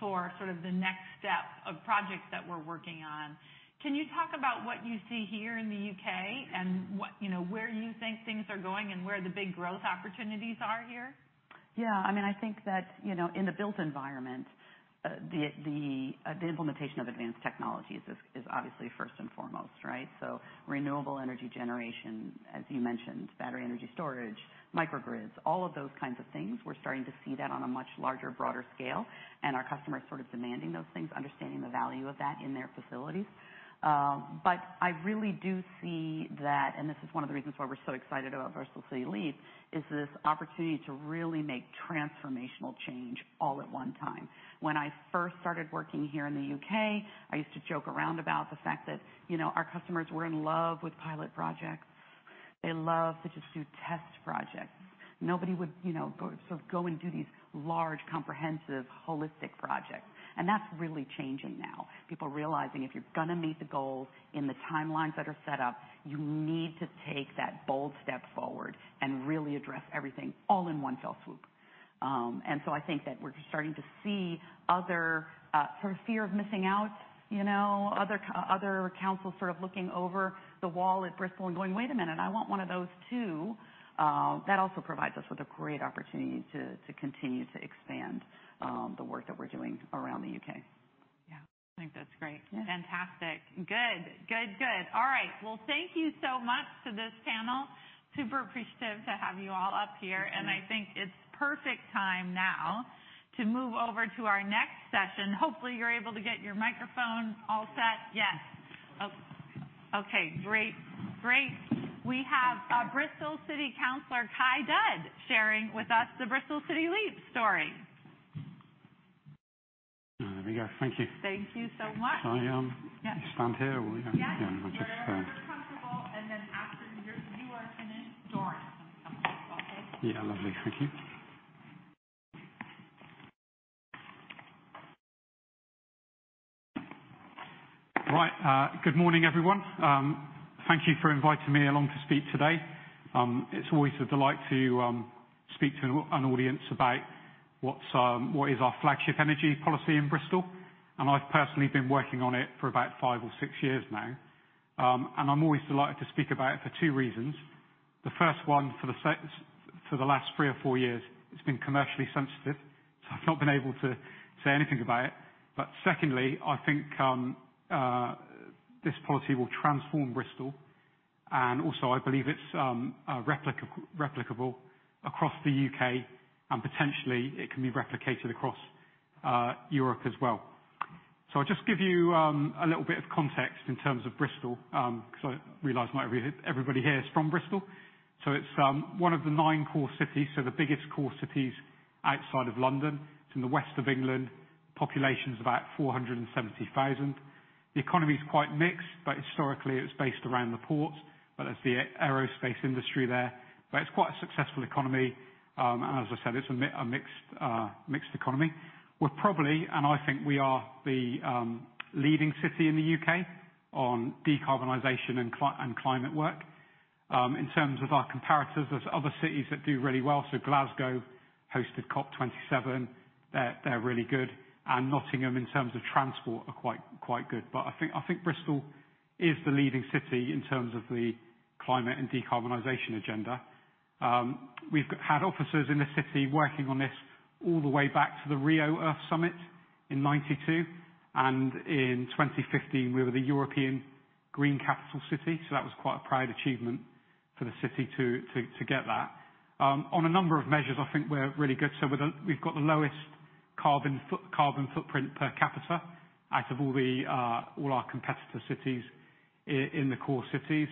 Speaker 1: for sort of the next step of projects that we're working on. Can you talk about what you see here in the U.K. and what, you know, where you think things are going, and where the big growth opportunities are here?
Speaker 3: Yeah. I mean, I think that, you know, in the built environment, the implementation of advanced technologies is obviously first and foremost, right? Renewable energy generation, as you mentioned, battery energy storage, microgrids, all of those kinds of things, we're starting to see that on a much larger, broader scale, and our customers sort of demanding those things, understanding the value of that in their facilities. I really do see that, and this is one of the reasons why we're so excited about Bristol City Leap, is this opportunity to really make transformational change all at one time. When I first started working here in the U.K., I used to joke around about the fact that, you know, our customers were in love with pilot projects. They love to just do test projects. Nobody would, you know, go and do these large, comprehensive, holistic projects. That's really changing now. People realizing if you're gonna meet the goals in the timelines that are set up, you need to take that bold step forward and really address everything all in one fell swoop. I think that we're just starting to see other sort of fear of missing out, you know, other councils sort of looking over the wall at Bristol and going, "Wait a minute, I want one of those too." That also provides us with a great opportunity to continue to expand the work that we're doing around the U.K.
Speaker 1: Yeah. I think that's great.
Speaker 3: Yeah.
Speaker 1: Fantastic. Good. Good, good. All right. Well, thank you so much to this panel. Super appreciative to have you all up here. I think it's perfect time now to move over to our next session. Hopefully, you're able to get your microphone all set. Yes. Oh. Okay, great. Great. We have Bristol City Councillor, Kye Dudd, sharing with us the Bristol City Leap story.
Speaker 13: There we go. Thank you.
Speaker 1: Thank you so much.
Speaker 13: Stand here or we go down?
Speaker 1: Yeah. Wherever you're comfortable, after you are finished, Doran comes, okay?
Speaker 13: Yeah, lovely. Thank you. Right. Good morning, everyone. Thank you for inviting me along to speak today. It's always a delight to speak to an audience about what is our flagship energy policy in Bristol. I've personally been working on it for about five or six years now. I'm always delighted to speak about it for two reasons. The first one, for the last three or four years, it's been commercially sensitive, I've not been able to say anything about it. Secondly, I think this policy will transform Bristol, also I believe it's replicable across the U.K., potentially it can be replicated across Europe as well. I'll just give you a little bit of context in terms of Bristol because I realize not everybody here is from Bristol. It's one of the nine Core Cities, so the biggest Core Cities outside of London. It's in the west of England. Population's about 470,000. The economy is quite mixed, but historically it was based around the port, but there's the aerospace industry there. It's quite a successful economy. As I said, it's a mixed economy. We're probably, and I think we are the leading city in the U.K. on decarbonization and climate work. In terms of our comparatives, there's other cities that do really well. Glasgow hosted COP27. They're really good. Nottingham in terms of transport are quite good. I think Bristol is the leading city in terms of the climate and decarbonization agenda. We've had officers in the city working on this all the way back to the Rio Earth Summit in 1992, and in 2015, we were the European Green Capital city, that was quite a proud achievement for the city to get that. On a number of measures, I think we're really good. We've got the lowest carbon footprint per capita out of all our competitor cities in the core cities.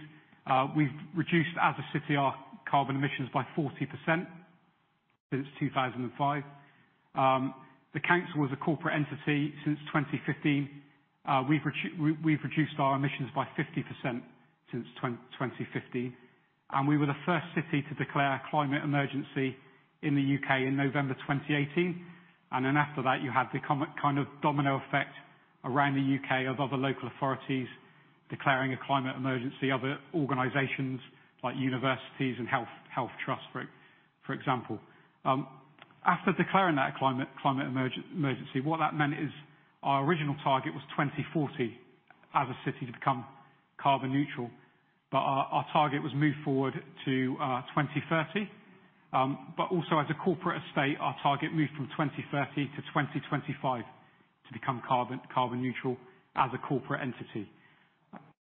Speaker 13: We've reduced as a city our carbon emissions by 40% since 2005. The council was a corporate entity since 2015. We've reduced our emissions by 50% since 2015. We were the first city to declare a climate emergency in the U.K. in November 2018. After that, you had the kind of domino effect around the U.K. of other local authorities declaring a climate emergency, other organizations like universities and health trusts for example. After declaring that climate emergency, what that meant is our original target was 2040 as a city to become carbon neutral. Our target was moved forward to 2030. Also as a corporate estate, our target moved from 2030 to 2025 to become carbon neutral as a corporate entity.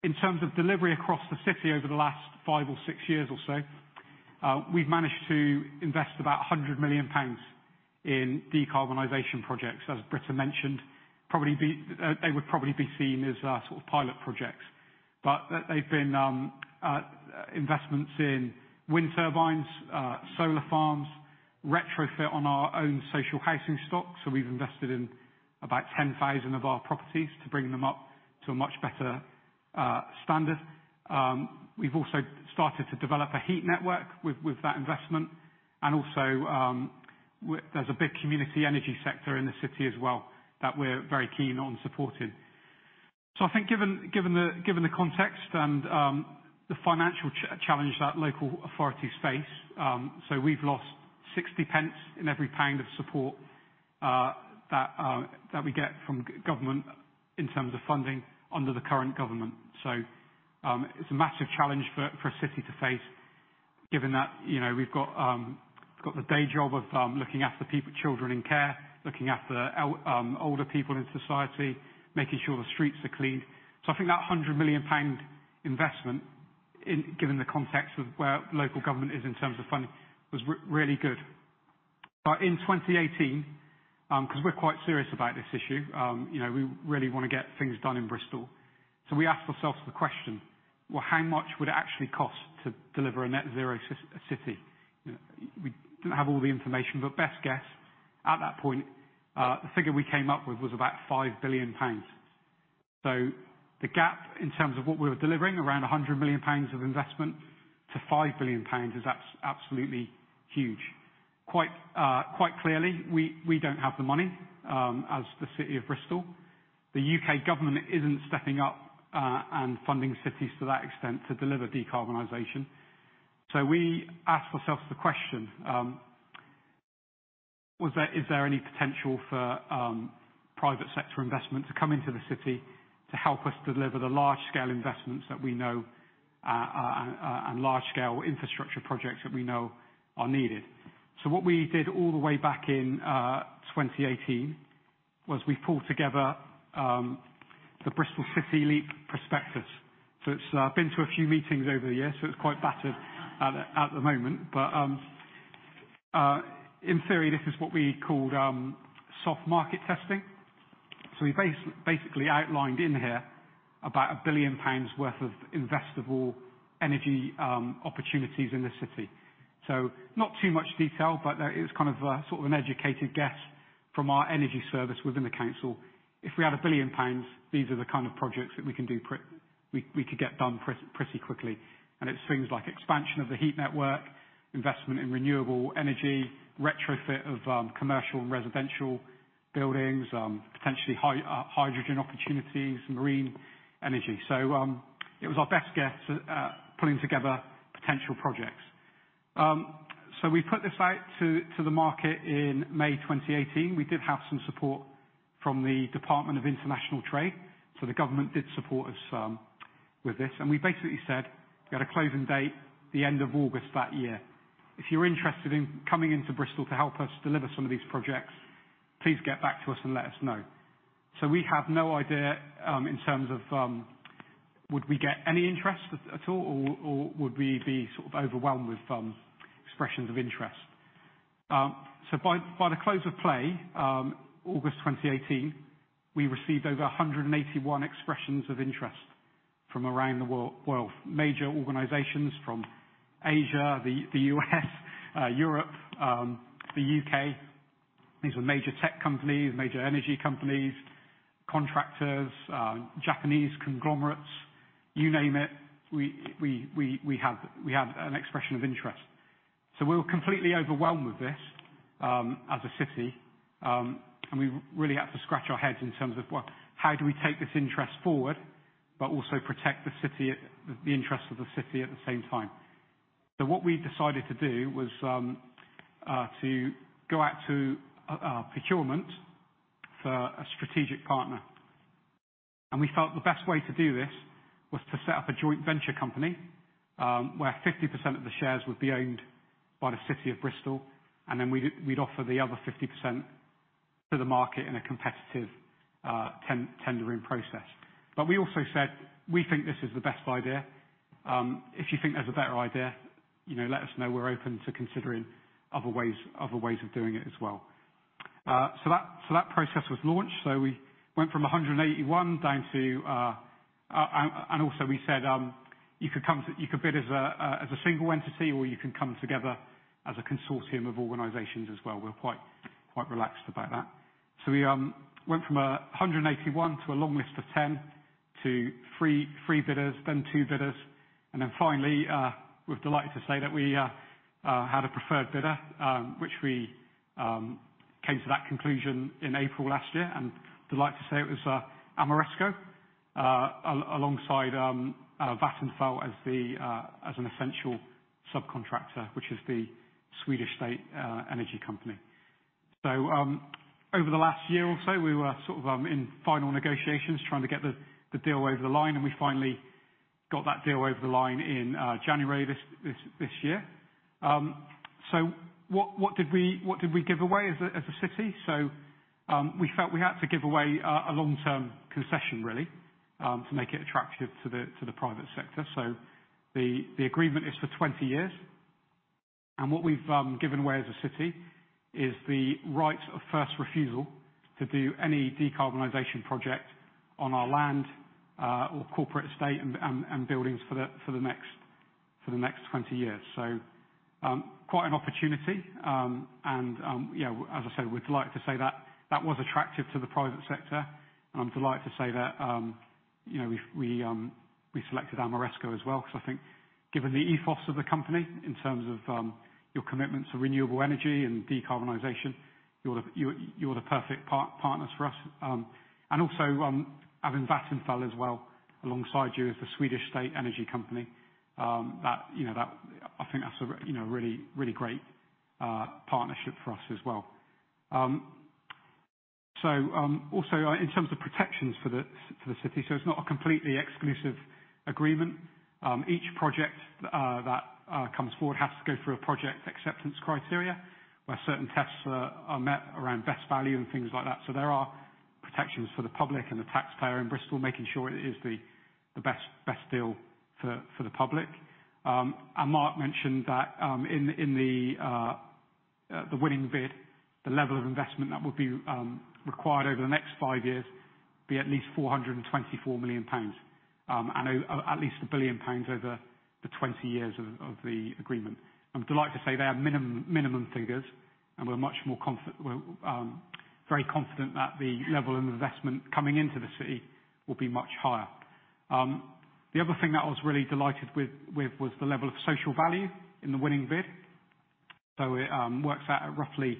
Speaker 13: In terms of delivery across the city over the last five or six years or so, we've managed to invest about 100 million pounds in decarbonization projects. As Britta mentioned, they would probably be seen as sort of pilot projects. They've been investments in wind turbines, solar farms, retrofit on our own social housing stock, so we've invested in about 10,000 of our properties to bring them up to a much better standard. We've also started to develop a heat network with that investment. Also, there's a big community energy sector in the city as well that we're very keen on supporting. I think given the context and the financial challenge that local authorities face, we've lost 0.60 in every pound of support that we get from government in terms of funding under the current government. It's a massive challenge for a city to face, given that, you know, we've got the day job of looking after people, children in care, looking after older people in society, making sure the streets are cleaned. I think that 100 million pound investment, given the context of where local government is in terms of funding, was really good. In 2018, 'cause we're quite serious about this issue, you know, we really wanna get things done in Bristol, so we asked ourselves the question, "Well, how much would it actually cost to deliver a net zero city?" We didn't have all the information, but best guess at that point, the figure we came up with was about 5 billion pounds. The gap in terms of what we were delivering, around 100 million pounds of investment to 5 billion pounds, is absolutely huge. Quite clearly, we don't have the money, as the city of Bristol. The U.K. government isn't stepping up and funding cities to that extent to deliver decarbonization. We asked ourselves the question, is there any potential for private sector investment to come into the city to help us deliver the large-scale investments that we know and large-scale infrastructure projects that we know are needed? What we did all the way back in 2018 was we pulled together the Bristol City Leap prospectus. It's been to a few meetings over the years, so it's quite battered at the moment. In theory, this is what we called soft market testing. We basically outlined in here about 1 billion pounds worth of investable energy opportunities in the city. Not too much detail, but that is kind of a sort of an educated guess from our energy service within the council. If we had 1 billion pounds, these are the kind of projects that we can do we could get done pretty quickly. It's things like expansion of the heat network, investment in renewable energy, retrofit of commercial and residential buildings, potentially hydrogen opportunities, marine energy. It was our best guess at putting together potential projects. We put this out to the market in May 2018. We did have some support from the Department of International Trade, so the government did support us with this. We basically said, got a closing date the end of August that year. If you're interested in coming into Bristol to help us deliver some of these projects, please get back to us and let us know. we have no idea, in terms of, would we get any interest at all, or would we be sort of overwhelmed with expressions of interest. by the close of play, August 2018, we received over 181 expressions of interest from around the world. Major organizations from Asia, the U.S., Europe, the U.K. These were major tech companies, major energy companies, contractors, Japanese conglomerates. You name it, we had an expression of interest. We were completely overwhelmed with this as a city, and we really had to scratch our heads in terms of, well, how do we take this interest forward but also protect the interest of the city at the same time? What we decided to do was to go out to procurement for a strategic partner. We felt the best way to do this was to set up a joint venture company, where 50% of the shares would be owned by the city of Bristol, and then we'd offer the other 50% to the market in a competitive 10-tendering process. We also said, we think this is the best idea. If you think there's a better idea, you know, let us know. We're open to considering other ways, other ways of doing it as well. That, so that process was launched. We went from 181 down to. Also we said, you could bid as a single entity, or you can come together as a consortium of organizations as well. We're quite relaxed about that. We went from 181 to a long list of 10, to three bidders, then two bidders. Finally, we're delighted to say that we had a preferred bidder, which we came to that conclusion in April last year, and delighted to say it was Ameresco alongside Vattenfall as the as an essential subcontractor, which is the Swedish State energy company. Over the last year or so, we were in final negotiations trying to get the deal over the line, and we finally got that deal over the line in January this year. What did we give away as a city? We felt we had to give away a long-term concession really, to make it attractive to the private sector. The agreement is for 20 years. What we've given away as a city is the right of first refusal to do any decarbonization project on our land, or corporate estate and buildings for the next 20 years. Quite an opportunity. You know, as I say, we're delighted to say that that was attractive to the private sector. I'm delighted to say that, you know, we've, we selected Ameresco as well, because I think given the ethos of the company in terms of your commitment to renewable energy and decarbonization, you're the perfect partners for us. Also, having Vattenfall as well alongside you as the Swedish State energy company, that, you know, I think that's a, you know, really, really great partnership for us as well. Also in terms of protections for the city, so it's not a completely exclusive agreement. Each project that comes forward has to go through a project acceptance criteria, where certain tests are met around best value and things like that. There are protections for the public and the taxpayer in Bristol, making sure it is the best deal for the public. Mark mentioned that in the winning bid, the level of investment that would be required over the next five years be at least 424 million pounds. At least 1 billion pounds over the 20 years of the agreement. I'm delighted to say they are minimum figures, and we're much more We're very confident that the level of investment coming into the city will be much higher. The other thing that I was really delighted with was the level of social value in the winning bid. It works out at roughly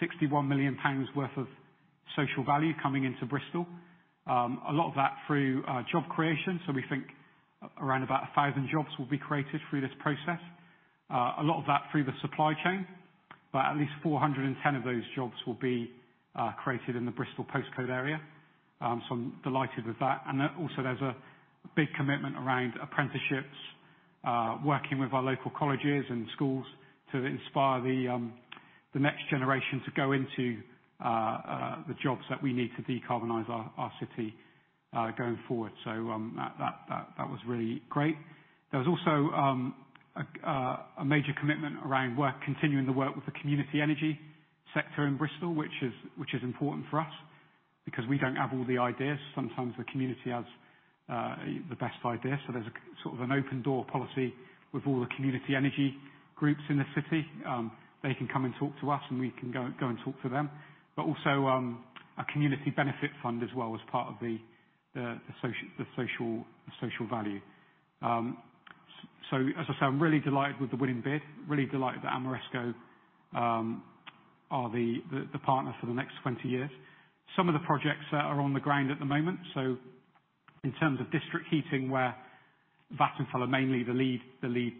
Speaker 13: 61 million pounds worth of social value coming into Bristol. A lot of that through job creation. We think around about 1,000 jobs will be created through this process. A lot of that through the supply chain, but at least 410 of those jobs will be created in the Bristol postcode area. I'm delighted with that. Also there's a big commitment around apprenticeships, working with our local colleges and schools to inspire the next generation to go into the jobs that we need to decarbonize our city going forward. That was really great. There was also a major commitment around work, continuing the work with the community energy sector in Bristol, which is important for us because we don't have all the ideas. Sometimes the community has the best idea. There's a sort of an open door policy with all the community energy groups in the city. They can come and talk to us, and we can go and talk to them. Also, a community benefit fund as well as part of the social value. As I say, I'm really delighted with the winning bid, really delighted that Ameresco are the partner for the next 20 years. Some of the projects that are on the ground at the moment. In terms of district heating, where Vattenfall are mainly the lead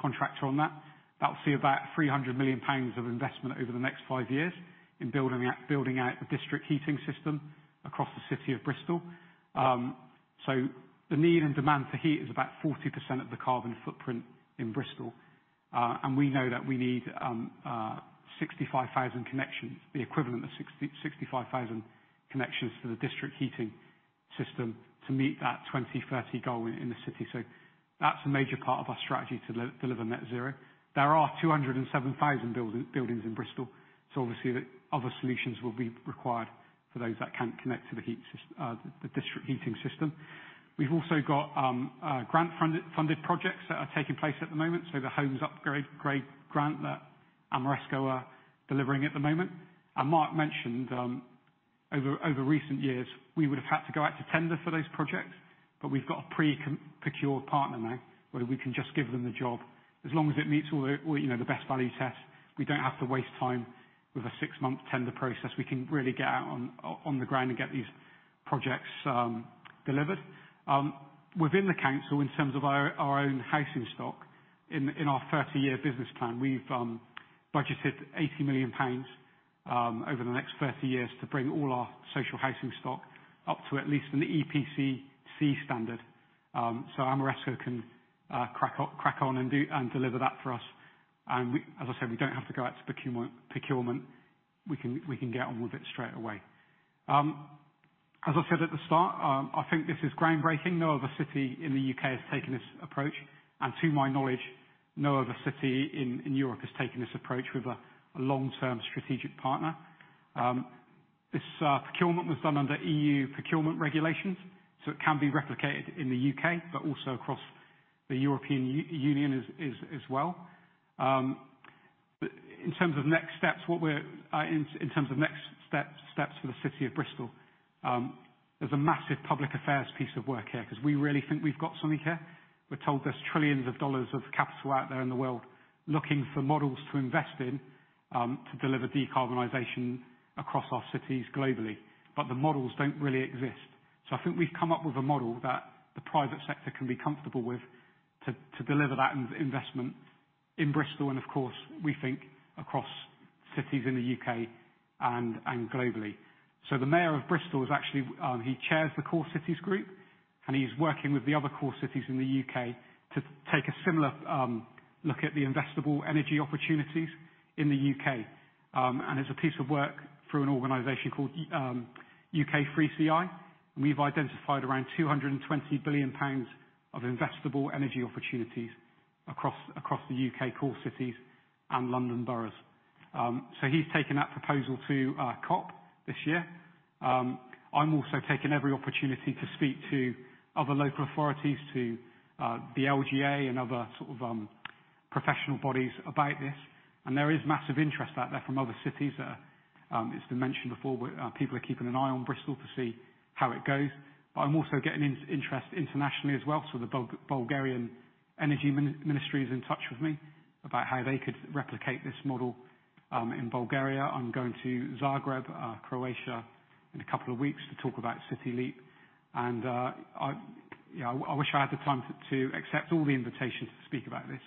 Speaker 13: contractor on that will see about 300 million pounds of investment over the next five years in building out the district heating system across the city of Bristol. The need and demand for heat is about 40% of the carbon footprint in Bristol. We know that we need 65,000 connections, the equivalent of 65,000 connections to the district heating system to meet that 2030 goal in the city. That's a major part of our strategy to deliver net zero. There are 207,000 buildings in Bristol, obviously other solutions will be required for those that can't connect to the district heating system. We've also got grant funded projects that are taking place at the moment. The Home Upgrade Grant that Ameresco are delivering at the moment. Mark mentioned, over recent years, we would have had to go out to tender for those projects, but we've got a procured partner now, where we can just give them the job. As long as it meets all the, you know, the best value test, we don't have to waste time with a six-month tender process. We can really get out on the ground and get these projects delivered. Within the council, in terms of our own housing stock, in our 30-year business plan, we've budgeted 80 million pounds over the next 30 years to bring all our social housing stock up to at least an EPC C-standard. Ameresco can crack on and deliver that for us. We, as I said, we don't have to go out to procurement. We can get on with it straight away. As I said at the start, I think this is groundbreaking. No other city in the U.K. has taken this approach, and to my knowledge, no other city in Europe has taken this approach with a long-term strategic partner. This procurement was done under EU procurement regulations, so it can be replicated in the U.K. but also across the European Union as well. In terms of next steps for the city of Bristol, there's a massive public affairs piece of work here 'cause we really think we've got something here. We're told there's $ trillions of capital out there in the world looking for models to invest in to deliver decarbonization across our cities globally. The models don't really exist. I think we've come up with a model that the private sector can be comfortable with to deliver that in-investment in Bristol, and of course, we think across cities in the U.K. and globally. The mayor of Bristol is actually, he chairs the Core Cities U.K., and he's working with the other core cities in the UK to take a similar look at the investable energy opportunities in the U.K. It's a piece of work through an organization called UK3CI. We've identified around 220 billion pounds of investable energy opportunities across the U.K. core cities and London boroughs. He's taken that proposal to COP this year. I'm also taking every opportunity to speak to other local authorities, to the LGA and other sort of professional bodies about this. There is massive interest out there from other cities. It's been mentioned before, but people are keeping an eye on Bristol to see how it goes. I'm also getting interest internationally as well, so the Bulgarian Energy Ministry is in touch with me about how they could replicate this model in Bulgaria. I'm going to Zagreb, Croatia in two weeks to talk about City Leap. I, you know, I wish I had the time to accept all the invitations to speak about this.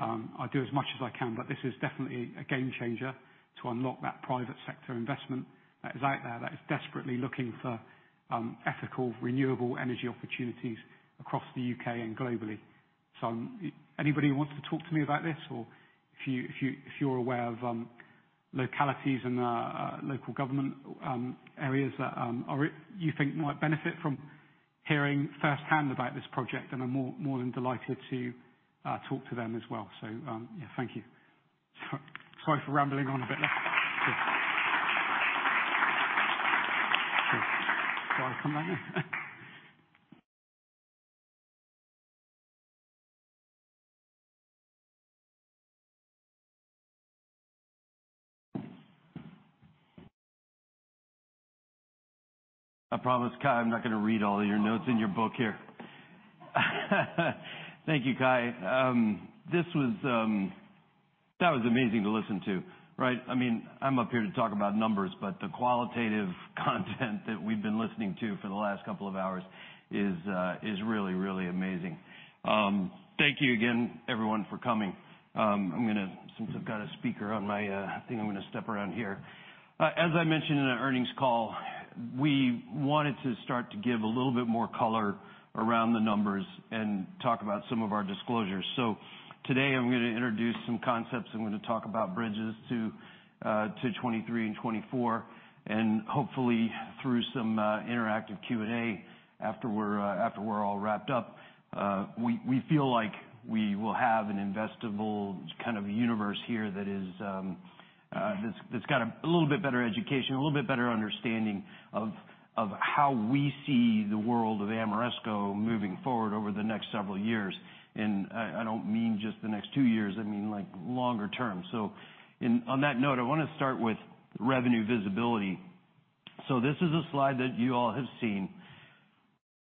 Speaker 13: I do as much as I can, this is definitely a game changer to unlock that private sector investment that is out there that is desperately looking for ethical, renewable energy opportunities across the U.K. and globally. Anybody who wants to talk to me about this or if you're aware of localities and local government areas that are, you think might benefit from hearing firsthand about this project, then I'm more than delighted to talk to them as well. Yeah, thank you. Sorry for rambling on a bit there. Shall I come back now?
Speaker 5: I promise, Kye, I'm not gonna read all your notes in your book here. Thank you, Kye. This was amazing to listen to, right? I mean, I'm up here to talk about numbers, but the qualitative content that we've been listening to for the last couple of hours is really, really amazing. Thank you again, everyone, for coming. I'm gonna, since I've got a speaker on my, I think I'm gonna step around here. As I mentioned in the earnings call, we wanted to start to give a little bit more color around the numbers and talk about some of our disclosures. Today I'm gonna introduce some concepts. I'm gonna talk about bridges to 2023 and 2024. Hopefully, through some interactive Q&A after we're all wrapped up, we feel like we will have an investable kind of universe here that is that's got a little bit better education, a little bit better understanding of how we see the world of Ameresco moving forward over the next several years. I don't mean just the next two years, I mean, like, longer term. On that note, I wanna start with revenue visibility. This is a slide that you all have seen.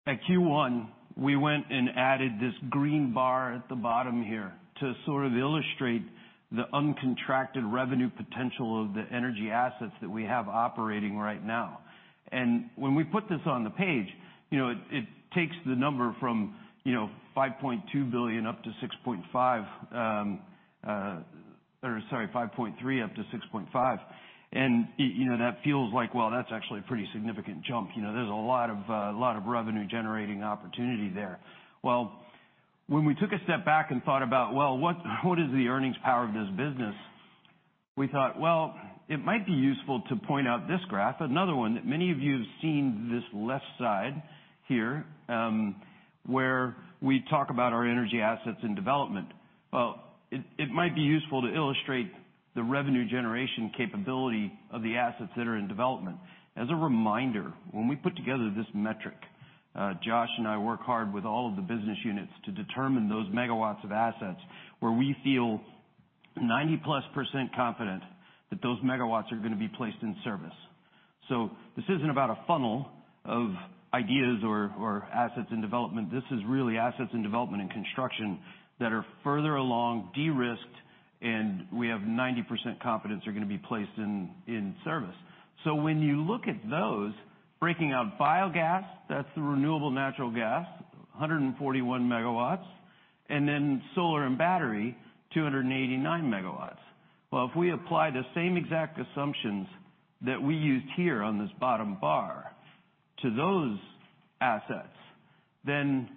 Speaker 5: At Q1, we went and added this green bar at the bottom here to sort of illustrate the uncontracted revenue potential of the energy assets that we have operating right now. When we put this on the page, you know, it takes the number from, you know, $5.2 billion up to $6.5 billion, or sorry, $5.3 billion up to $6.5 billion. You know, that feels like, well, that's actually a pretty significant jump, you know. There's a lot of, lot of revenue-generating opportunity there. Well, when we took a step back and thought about, well, what is the earnings power of this business? We thought, well, it might be useful to point out this graph, another one that many of you have seen this left side here, where we talk about our energy assets and development. Well, it might be useful to illustrate the revenue generation capability of the assets that are in development. As a reminder, when we put together this metric, Josh and I work hard with all of the business units to determine those megawatts of assets, where we feel 90%+ confident that those megawatts are gonna be placed in service. This isn't about a funnel of ideas or assets in development. This is really assets in development and construction that are further along de-risked, and we have 90% confidence they're gonna be placed in service. When you look at those, breaking out biogas, that's the renewable natural gas, 141 MW. Solar and battery, 289 MW. If we apply the same exact assumptions that we used here on this bottom bar to those assets, then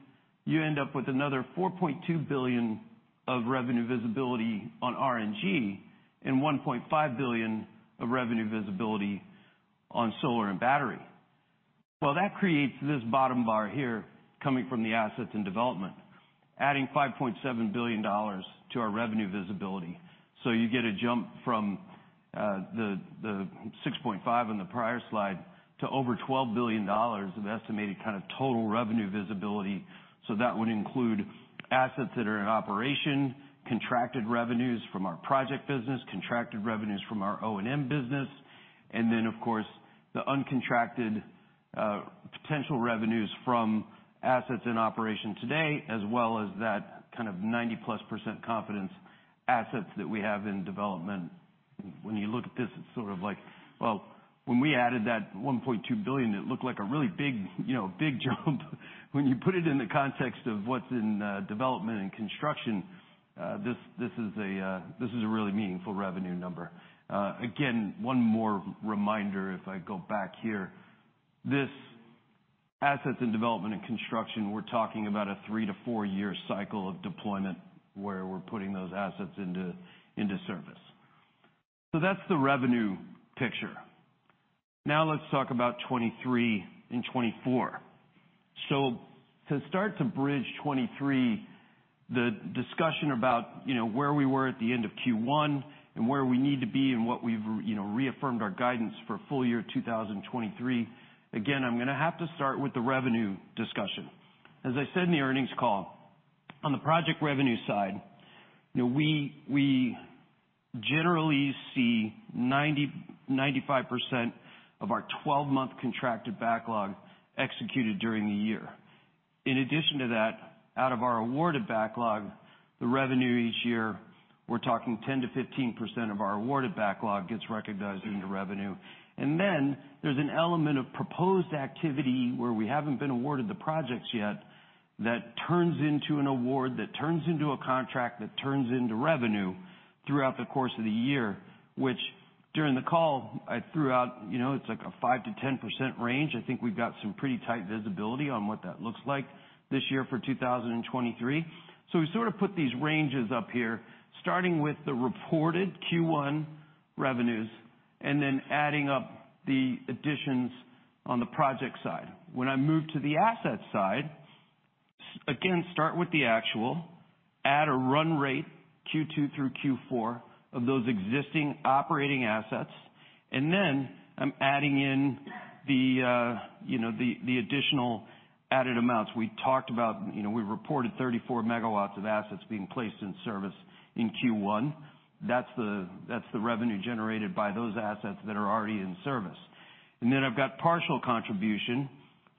Speaker 5: you end up with another $4.2 billion of revenue visibility on RNG and $1.5 billion of revenue visibility on solar and battery. That creates this bottom bar here coming from the assets and development, adding $5.7 billion to our revenue visibility. You get a jump from the $6.5 billion in the prior slide to over $12 billion of estimated kind of total revenue visibility. That would include assets that are in operation, contracted revenues from our project business, contracted revenues from our O&M business, and then of course, the uncontracted potential revenues from assets in operation today, as well as that kind of 90%+ confidence assets that we have in development. When you look at this, it's sort of like, well, when we added that $1.2 billion, it looked like a really big, you know, big jump. When you put it in the context of what's in development and construction, this is a really meaningful revenue number. Again, one more reminder if I go back here. This assets in development and construction, we're talking about a three to four-year cycle of deployment where we're putting those assets into service. That's the revenue picture. Let's talk about 2023 and 2024. To start to bridge 2023, the discussion about, you know, where we were at the end of Q1 and where we need to be and what we've, you know, reaffirmed our guidance for full year 2023. I'm gonna have to start with the revenue discussion. As I said in the earnings call, on the project revenue side, you know, we generally see 90%-95% of our 12-month contracted backlog executed during the year. In addition to that, out of our awarded backlog, the revenue each year, we're talking 10%-15% of our awarded backlog gets recognized into revenue. There's an element of proposed activity where we haven't been awarded the projects yet that turns into an award, that turns into a contract, that turns into revenue throughout the course of the year, which during the call I threw out, you know, it's like a 5%-10% range. I think we've got some pretty tight visibility on what that looks like this year for 2023. We sort of put these ranges up here, starting with the reported Q1 revenues and then adding up the additions on the project side. When I move to the asset side, again, start with the actual, add a run rate Q2 through Q4 of those existing operating assets, and then I'm adding in the, you know, the additional added amounts. We talked about, you know, we reported 34 MW of assets being placed in service in Q1. That's the revenue generated by those assets that are already in service. I've got partial contribution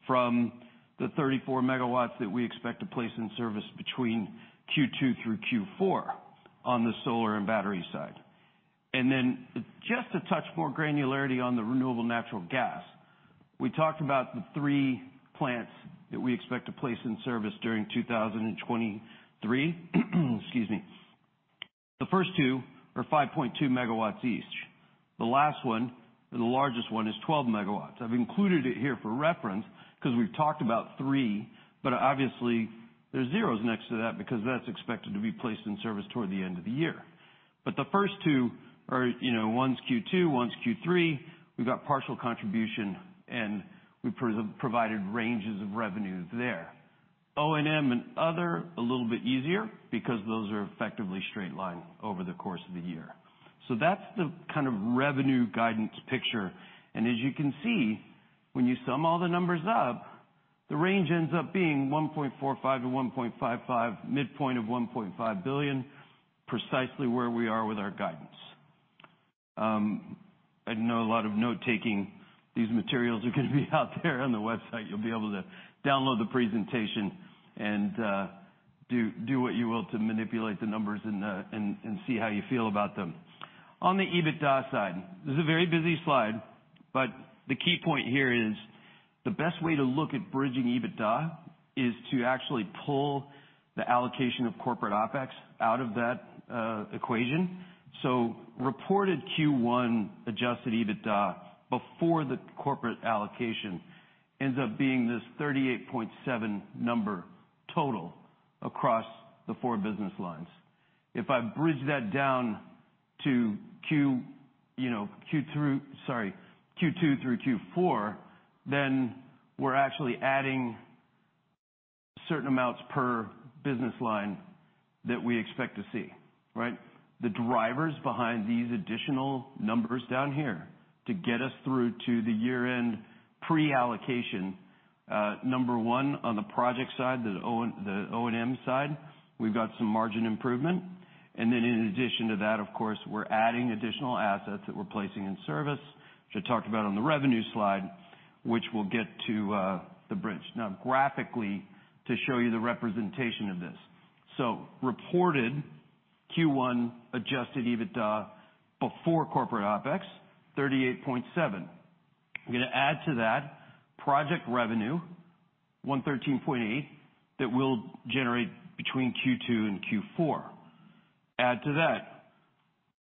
Speaker 5: from the 34 MW that we expect to place in service between Q2 through Q4 on the solar and battery side. Just a touch more granularity on the renewable natural gas. We talked about the three plants that we expect to place in service during 2023. Excuse me. The first two are 5.2 MW each. The last one, the largest one, is 12 MW. I've included it here for reference because we've talked about three, obviously there's zeros next to that because that's expected to be placed in service toward the end of the year. The first two are, you know, one's Q2, one's Q3. We've got partial contribution, we provided ranges of revenues there. O&M and other, a little bit easier because those are effectively straight line over the course of the year. That's the kind of revenue guidance picture. As you can see, when you sum all the numbers up, the range ends up being $1.45 billion-$1.55 billion, midpoint of $1.5 billion, precisely where we are with our guidance. I know a lot of note-taking. These materials are gonna be out there on the website. You'll be able to download the presentation and do what you will to manipulate the numbers and see how you feel about them. On the EBITDA side, this is a very busy slide, but the key point here is the best way to look at bridging EBITDA is to actually pull the allocation of corporate OpEx out of that equation. Reported Q1 adjusted EBITDA before the corporate allocation ends up being this $38.7 number total across the four business lines. If I bridge that down to Q2 through Q4, then we're actually adding certain amounts per business line that we expect to see, right? The drivers behind these additional numbers down here to get us through to the year-end pre-allocation, number one, on the project side, the O&M side, we've got some margin improvement. In addition to that, of course, we're adding additional assets that we're placing in service, which I talked about on the revenue slide, which we'll get to the bridge. Now graphically, to show you the representation of this. Reported Q1 adjusted EBITDA before corporate OpEx, $38.7 million. I'm gonna add to that project revenue, $113.8 million that will generate between Q2 and Q4. Add to that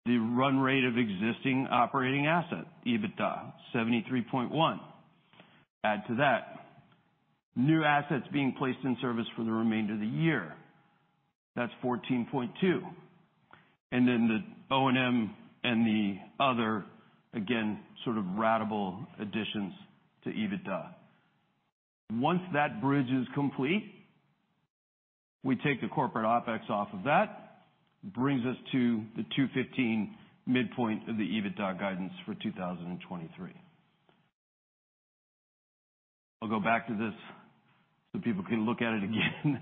Speaker 5: the run rate of existing operating assets, EBITDA $73.1 million. Add to that new assets being placed in service for the remainder of the year. That's $14.2 million. The O&M and the other, again, sort of ratable additions to EBITDA. Once that bridge is complete, we take the corporate OpEx off of that, brings us to the $215 million midpoint of the EBITDA guidance for 2023. I'll go back to this so people can look at it again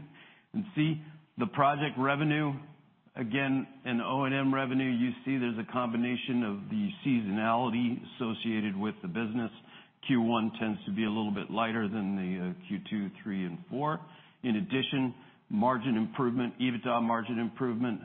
Speaker 5: and see the project revenue again and O&M revenue. You see there's a combination of the seasonality associated with the business. Q1 tends to be a little bit lighter than the Q2, Q3, and Q4. In addition, margin improvement, EBITDA margin improvement,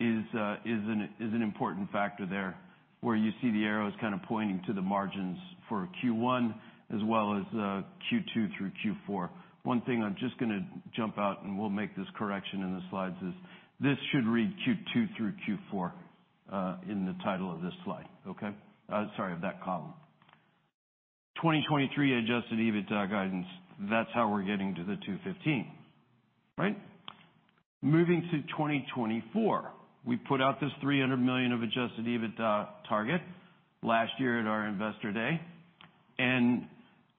Speaker 5: is an important factor there, where you see the arrows kind of pointing to the margins for Q1 as well as Q2 through Q4. One thing I'm just gonna jump out, and we'll make this correction in the slides, is this should read Q2 through Q4 in the title of this slide, okay? Sorry, of that column. 2023 adjusted EBITDA guidance, that's how we're getting to the $215 million. Right? Moving to 2024. We put out this $300 million of adjusted EBITDA target last year at our Investor Day.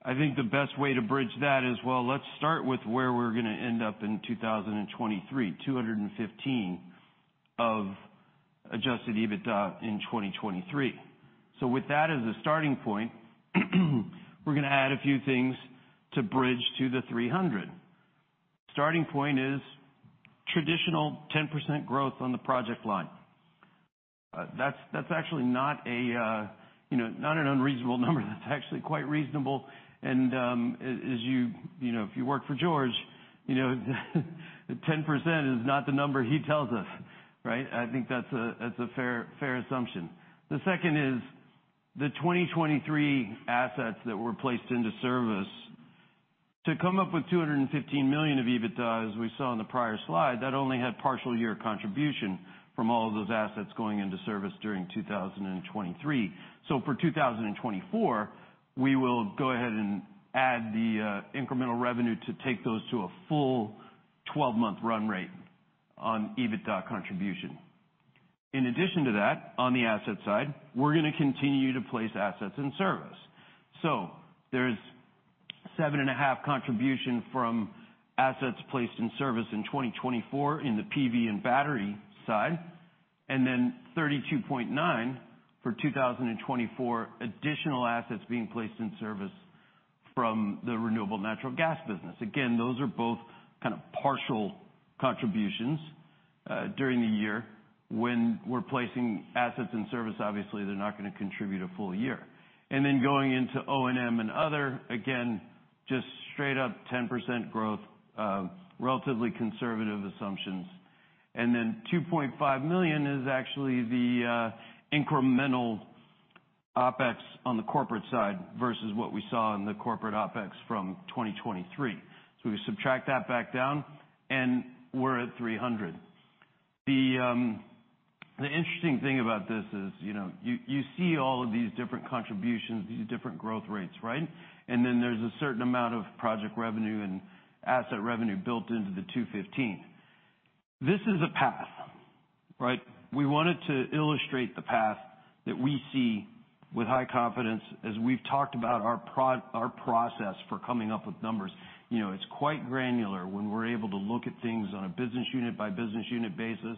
Speaker 5: I think the best way to bridge that is, well, let's start with where we're gonna end up in 2023, $215 million of adjusted EBITDA in 2023. With that as a starting point, we're gonna add a few things to bridge to the $300 million. Starting point is traditional 10% growth on the project line. That's actually not a, you know, not an unreasonable number. That's actually quite reasonable. You know, if you work for George, you know, 10% is not the number he tells us, right? I think that's a fair assumption. The second is the 2023 assets that were placed into service. To come up with $215 million of EBITDA, as we saw in the prior slide, that only had partial year contribution from all of those assets going into service during 2023. For 2024, we will go ahead and add the incremental revenue to take those to a full 12-month run rate on EBITDA contribution. In addition to that, on the asset side, we're gonna continue to place assets in service. There's 7.5 contribution from assets placed in service in 2024 in the PV and battery side, and then $32.9 million for 2024 additional assets being placed in service from the renewable natural gas business. Those are both kind of partial contributions during the year. When we're placing assets in service, obviously, they're not going to contribute a full year. Going into O&M and other, again, just straight up 10% growth, relatively conservative assumptions. $2.5 million is actually the incremental OpEx on the corporate side versus what we saw in the corporate OpEx from 2023. We subtract that back down, and we're at $300. The interesting thing about this is, you know, you see all of these different contributions, these different growth rates, right? There's a certain amount of project revenue and asset revenue built into the 215. This is a path, right? We wanted to illustrate the path that we see with high confidence as we've talked about our process for coming up with numbers. You know, it's quite granular when we're able to look at things on a business unit by business unit basis,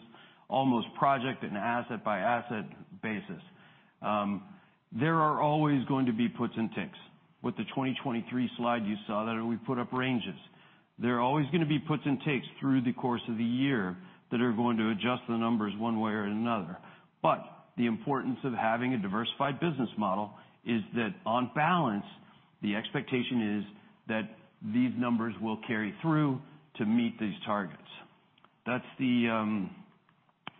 Speaker 5: almost project and asset by asset basis. There are always going to be puts and takes. With the 2023 slide you saw that we put up ranges. There are always gonna be puts and takes through the course of the year that are going to adjust the numbers one way or another. The importance of having a diversified business model is that on balance, the expectation is that these numbers will carry through to meet these targets.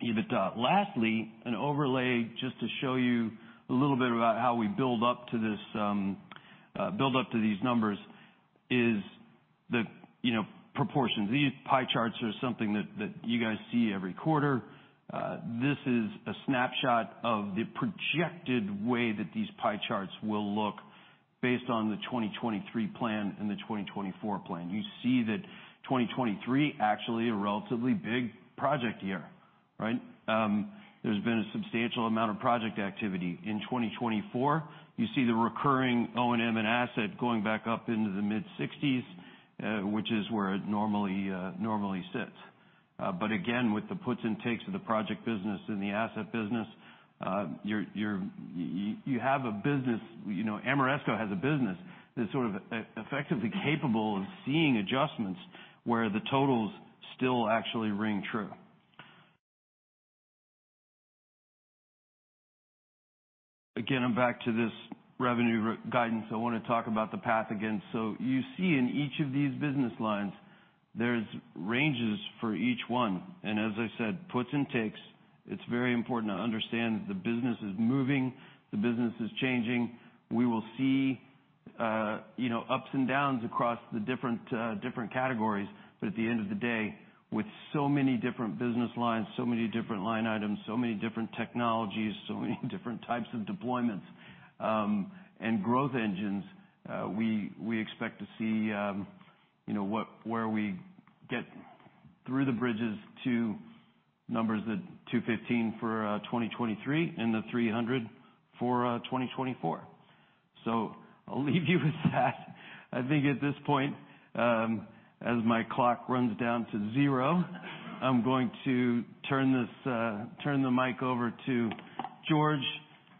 Speaker 5: That's the EBITDA. Lastly, an overlay just to show you a little bit about how we build up to these numbers is the, you know, proportions. These pie charts are something that you guys see every quarter. This is a snapshot of the projected way that these pie charts will look based on the 2023 plan and the 2024 plan. You see that 2023, actually a relatively big project year, right? There's been a substantial amount of project activity. In 2024, you see the recurring O&M and asset going back up into the mid-60s, which is where it normally sits. Again, with the puts and takes of the project business and the asset business, you have a business, you know, Ameresco has a business that's sort of effectively capable of seeing adjustments where the totals still actually ring true. Again, I'm back to this revenue guidance. I wanna talk about the path again. You see in each of these business lines. There's ranges for each one, and as I said, puts and takes. It's very important to understand the business is moving, the business is changing. We will see, you know, ups and downs across the different different categories. At the end of the day, with so many different business lines, so many different line items, so many different technologies, so many different types of deployments, and growth engines, we expect to see, you know, where we get through the bridges to numbers that $215 million for 2023 and $300 million for 2024. I'll leave you with that. I think at this point, as my clock runs down to 0, I'm going to turn this, turn the mic over to George,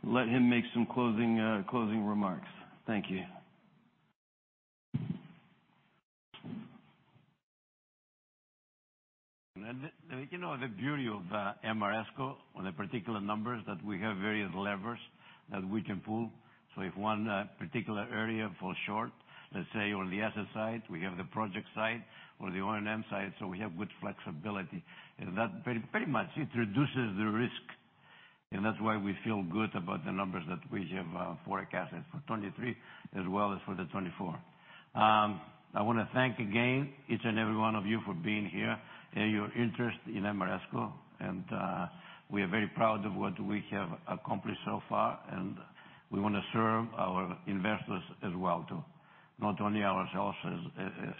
Speaker 5: let him make some closing remarks. Thank you.
Speaker 2: You know, the beauty of Ameresco on the particular numbers, that we have various levers that we can pull. If one particular area falls short, let's say on the asset side, we have the project side or the O&M side, so we have good flexibility. That pretty much it reduces the risk, and that's why we feel good about the numbers that we have forecasted for 2023 as well as for the 2024. I wanna thank again each and every one of you for being here and your interest in Ameresco. We are very proud of what we have accomplished so far, and we wanna serve our investors as well too. Not only ourselves,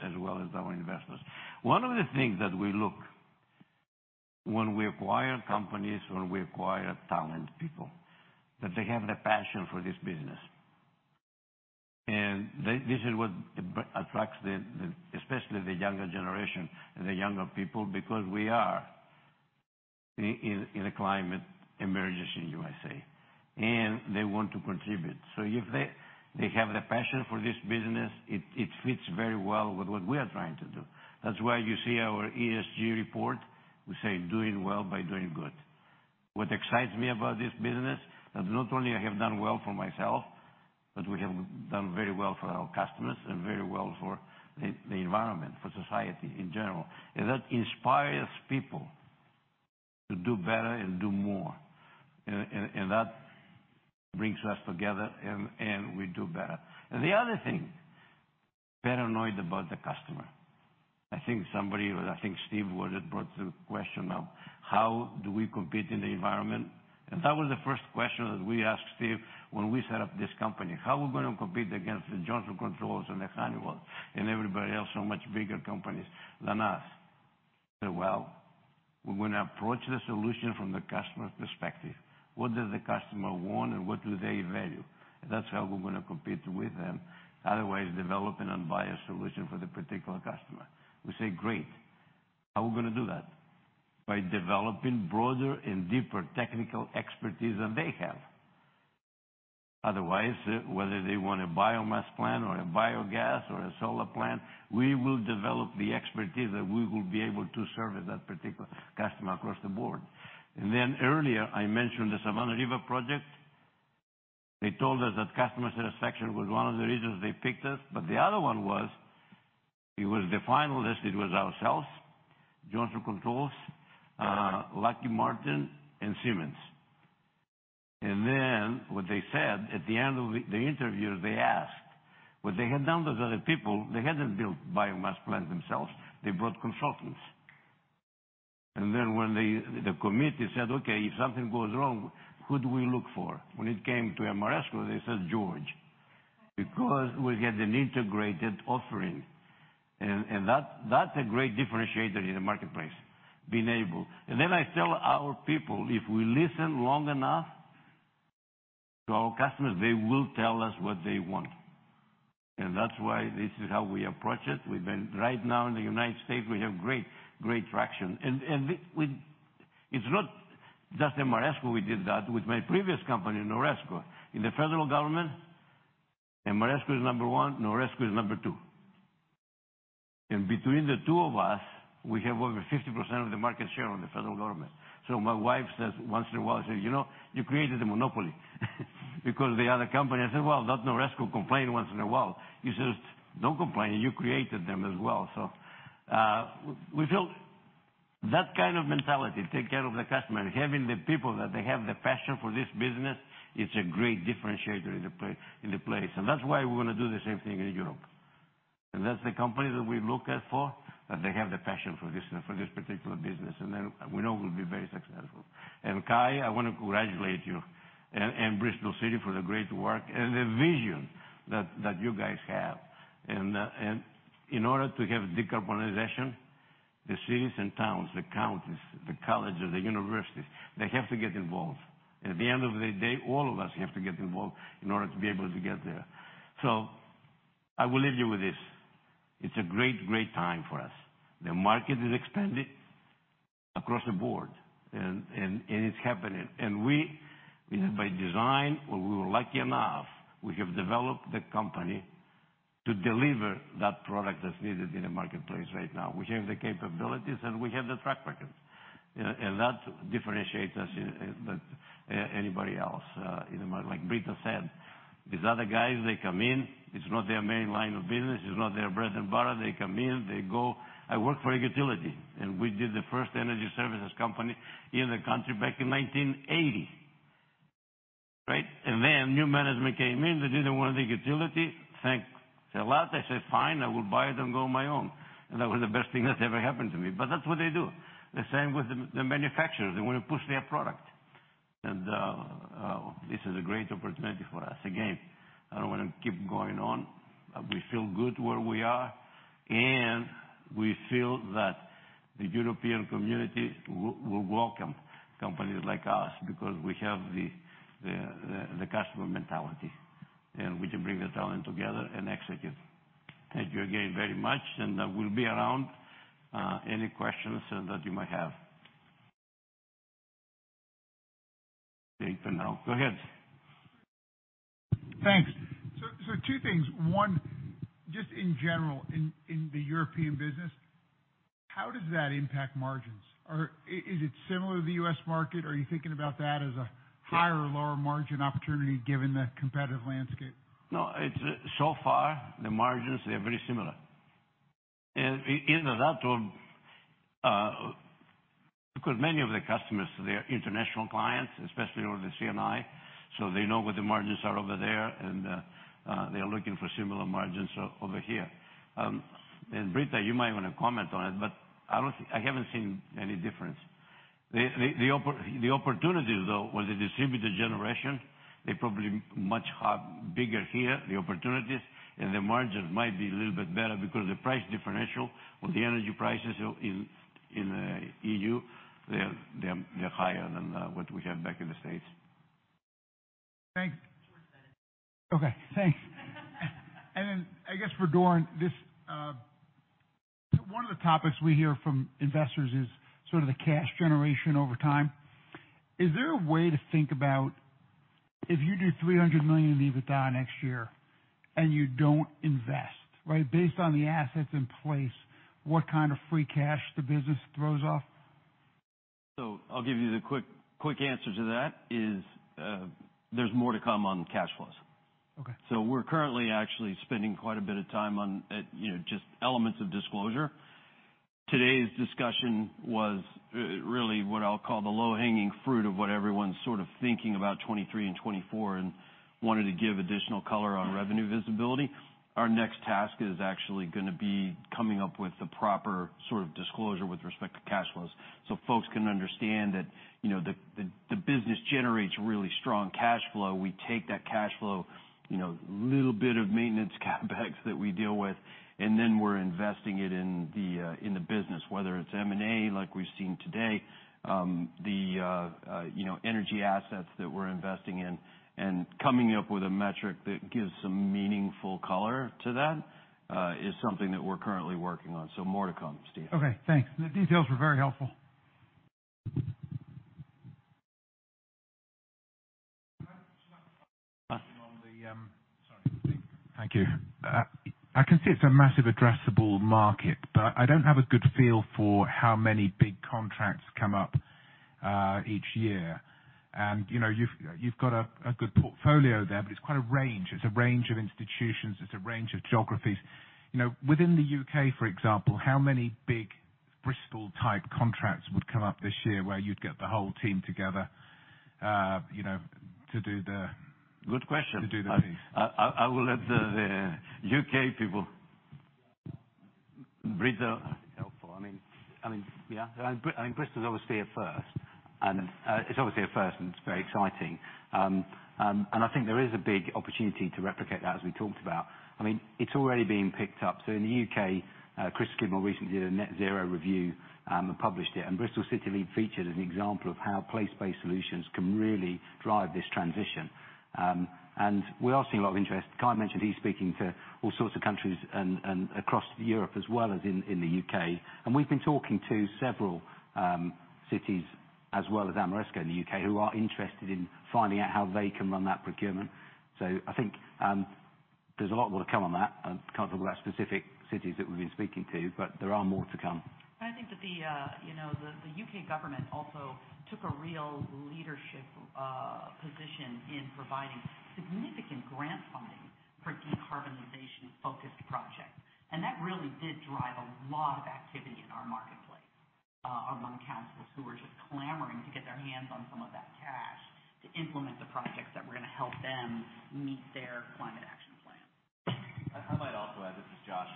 Speaker 2: as well as our investors. One of the things that we look when we acquire companies, when we acquire talent people, that they have the passion for this business. This is what attracts the especially the younger generation and the younger people, because we are in a climate emergency in USA, and they want to contribute. If they have the passion for this business, it fits very well with what we are trying to do. That's why you see our ESG report. We say, "Doing well by doing good." What excites me about this business, that not only I have done well for myself, but we have done very well for our customers and very well for the environment, for society in general. That inspires people to do better and do more. And that brings us together and we do better. The other thing, paranoid about the customer. I think Steve Wood had brought the question of how do we compete in the environment? That was the first question that we asked Steve when we set up this company. "How are we gonna compete against the Johnson Controls and the Honeywell and everybody else, so much bigger companies than us?" He said, "Well, we're gonna approach the solution from the customer's perspective. What does the customer want and what do they value? That's how we're gonna compete with them. Otherwise, develop an unbiased solution for the particular customer." We say, "Great. How are we gonna do that?" By developing broader and deeper technical expertise than they have. Otherwise, whether they want a biomass plant or a biogas or a solar plant, we will develop the expertise that we will be able to service that particular customer across the board. Earlier I mentioned the Savannah River project. They told us that customer satisfaction was one of the reasons they picked us, but the other one was, it was the final list. It was ourselves, Johnson Controls, Lockheed Martin, and Siemens. What they said at the end of the interview, they asked what they had done with other people, they hadn't built biomass plant themselves. They brought consultants. When the committee said, "Okay, if something goes wrong, who do we look for?" When it came to Ameresco, they said, "George," because we had an integrated offering. That's a great differentiator in the marketplace, being able. Then I tell our people, "If we listen long enough to our customers, they will tell us what they want." That's why this is how we approach it. We've been right now in the United States, we have great traction. We -- It's not just Ameresco we did that, with my previous company, NORESCO. In the federal government, Ameresco is number one, NORESCO is number two. Between the two of us, we have over 50% of the market share on the federal government. My wife says once in a while, says, "You know, you created a monopoly," because the other company-- I said, "Well, let NORESCO complain once in a while." She says, "Don't complain, you created them as well." We built that kind of mentality, take care of the customer, having the people that they have the passion for this business. It's a great differentiator in the in the place, and that's why we wanna do the same thing in Europe. That's the company that we look at for, that they have the passion for this, for this particular business. We know we'll be very successful. Kye, I wanna congratulate you and Bristol City for the great work and the vision that you guys have. In order to have decarbonization, the cities and towns, the counties, the colleges, the universities, they have to get involved. At the end of the day, all of us have to get involved in order to be able to get there. I will leave you with this. It's a great time for us. The market is expanding across the board, and it's happening. We, by design or we were lucky enough, we have developed the company to deliver that product that's needed in the marketplace right now. We have the capabilities, and we have the track record. That differentiates us than anybody else, you know. Like Britta said, these other guys, they come in, it's not their main line of business, it's not their bread and butter. They come in, they go. I worked for a utility, and we did the first energy services company in the country back in 1980, right? New management came in, they didn't want the utility. Thank the Lord, I said, "Fine, I will buy it and go on my own." That was the best thing that's ever happened to me. That's what they do. The same with the manufacturers, they wanna push their product. This is a great opportunity for us. Again, I don't wanna keep going on. We feel good where we are, and we feel that the European community will welcome companies like us because we have the, the customer mentality, and we can bring the talent together and execute. Thank you again very much, I will be around, any questions that you might have. Steve Panello, go ahead.
Speaker 10: Thanks. Two things. onw, just in general, in the European business, how does that impact margins? Is it similar to the U.S. market? Are you thinking about that as a higher or lower margin opportunity given the competitive landscape?
Speaker 2: No, it's, so far the margins, they're very similar. Either that or, because many of the customers, they're international clients, especially over the C&I, so they know what the margins are over there, they're looking for similar margins over here. Britta, you might wanna comment on it, but I haven't seen any difference. The opportunities though, with the distributed generation, they probably much have bigger here, the opportunities, and the margins might be a little bit better because the price differential or the energy prices in E.U., they're higher than what we have back in the States.
Speaker 10: Thanks.
Speaker 14: Two more sentences.
Speaker 10: Okay, thanks. I guess for Doran, this, one of the topics we hear from investors is sort of the cash generation over time. Is there a way to think about if you do $300 million in EBITDA next year and you don't invest, right? Based on the assets in place, what kind of free cash the business throws off?
Speaker 5: I'll give you the quick answer to that is, there's more to come on cash flows.
Speaker 10: Okay.
Speaker 5: We're currently actually spending quite a bit of time on, you know, just elements of disclosure. Today's discussion was really what I'll call the low-hanging fruit of what everyone's sort of thinking about 2023 and 2024, and wanted to give additional color on revenue visibility. Our next task is actually gonna be coming up with the proper sort of disclosure with respect to cash flows, so folks can understand that, you know, the business generates really strong cash flow. We take that cash flow, you know, little bit of maintenance CapEx that we deal with, and then we're investing it in the business, whether it's M&A, like we've seen today, you know, energy assets that we're investing in. Coming up with a metric that gives some meaningful color to that is something that we're currently working on. More to come, Steve.
Speaker 10: Okay, thanks. The details were very helpful.
Speaker 5: Okay.
Speaker 10: Can I just ask a question on the. Sorry. Thank you. I can see it's a massive addressable market. I don't have a good feel for how many big contracts come up each year. You know, you've got a good portfolio there, but it's quite a range. It's a range of institutions. It's a range of geographies. You know, within the U.K., for example, how many big Bristol-type contracts would come up this year where you'd get the whole team together, you know--
Speaker 2: Good question. I will let the U.K. people, Britta?
Speaker 11: Helpful. I mean, yeah. I mean, Bristol is obviously a first, and it's obviously a first, and it's very exciting. I think there is a big opportunity to replicate that, as we talked about. I mean, it's already been picked up. In the U.K., Chris Skidmore recently did a Mission Zero: Independent Review of Net Zero, and published it. Bristol City Leap featured as an example of how place-based solutions can really drive this transition. We are seeing a lot of interest. Kye mentioned he's speaking to all sorts of countries and across Europe as well as in the U.K. We've been talking to several cities as well as Ameresco in the U.K., who are interested in finding out how they can run that procurement. I think there's a lot more to come on that. I can't talk about specific cities that we've been speaking to, but there are more to come.
Speaker 3: I think that the, you know, the U.K. government also took a real leadership position in providing significant grant funding for decarbonization-focused projects. That really did drive a lot of activity in our marketplace, among councils who were just clamoring to get their hands on some of that cash to implement the projects that were gonna help them meet their climate action plan.
Speaker 4: I might also add, this is Josh,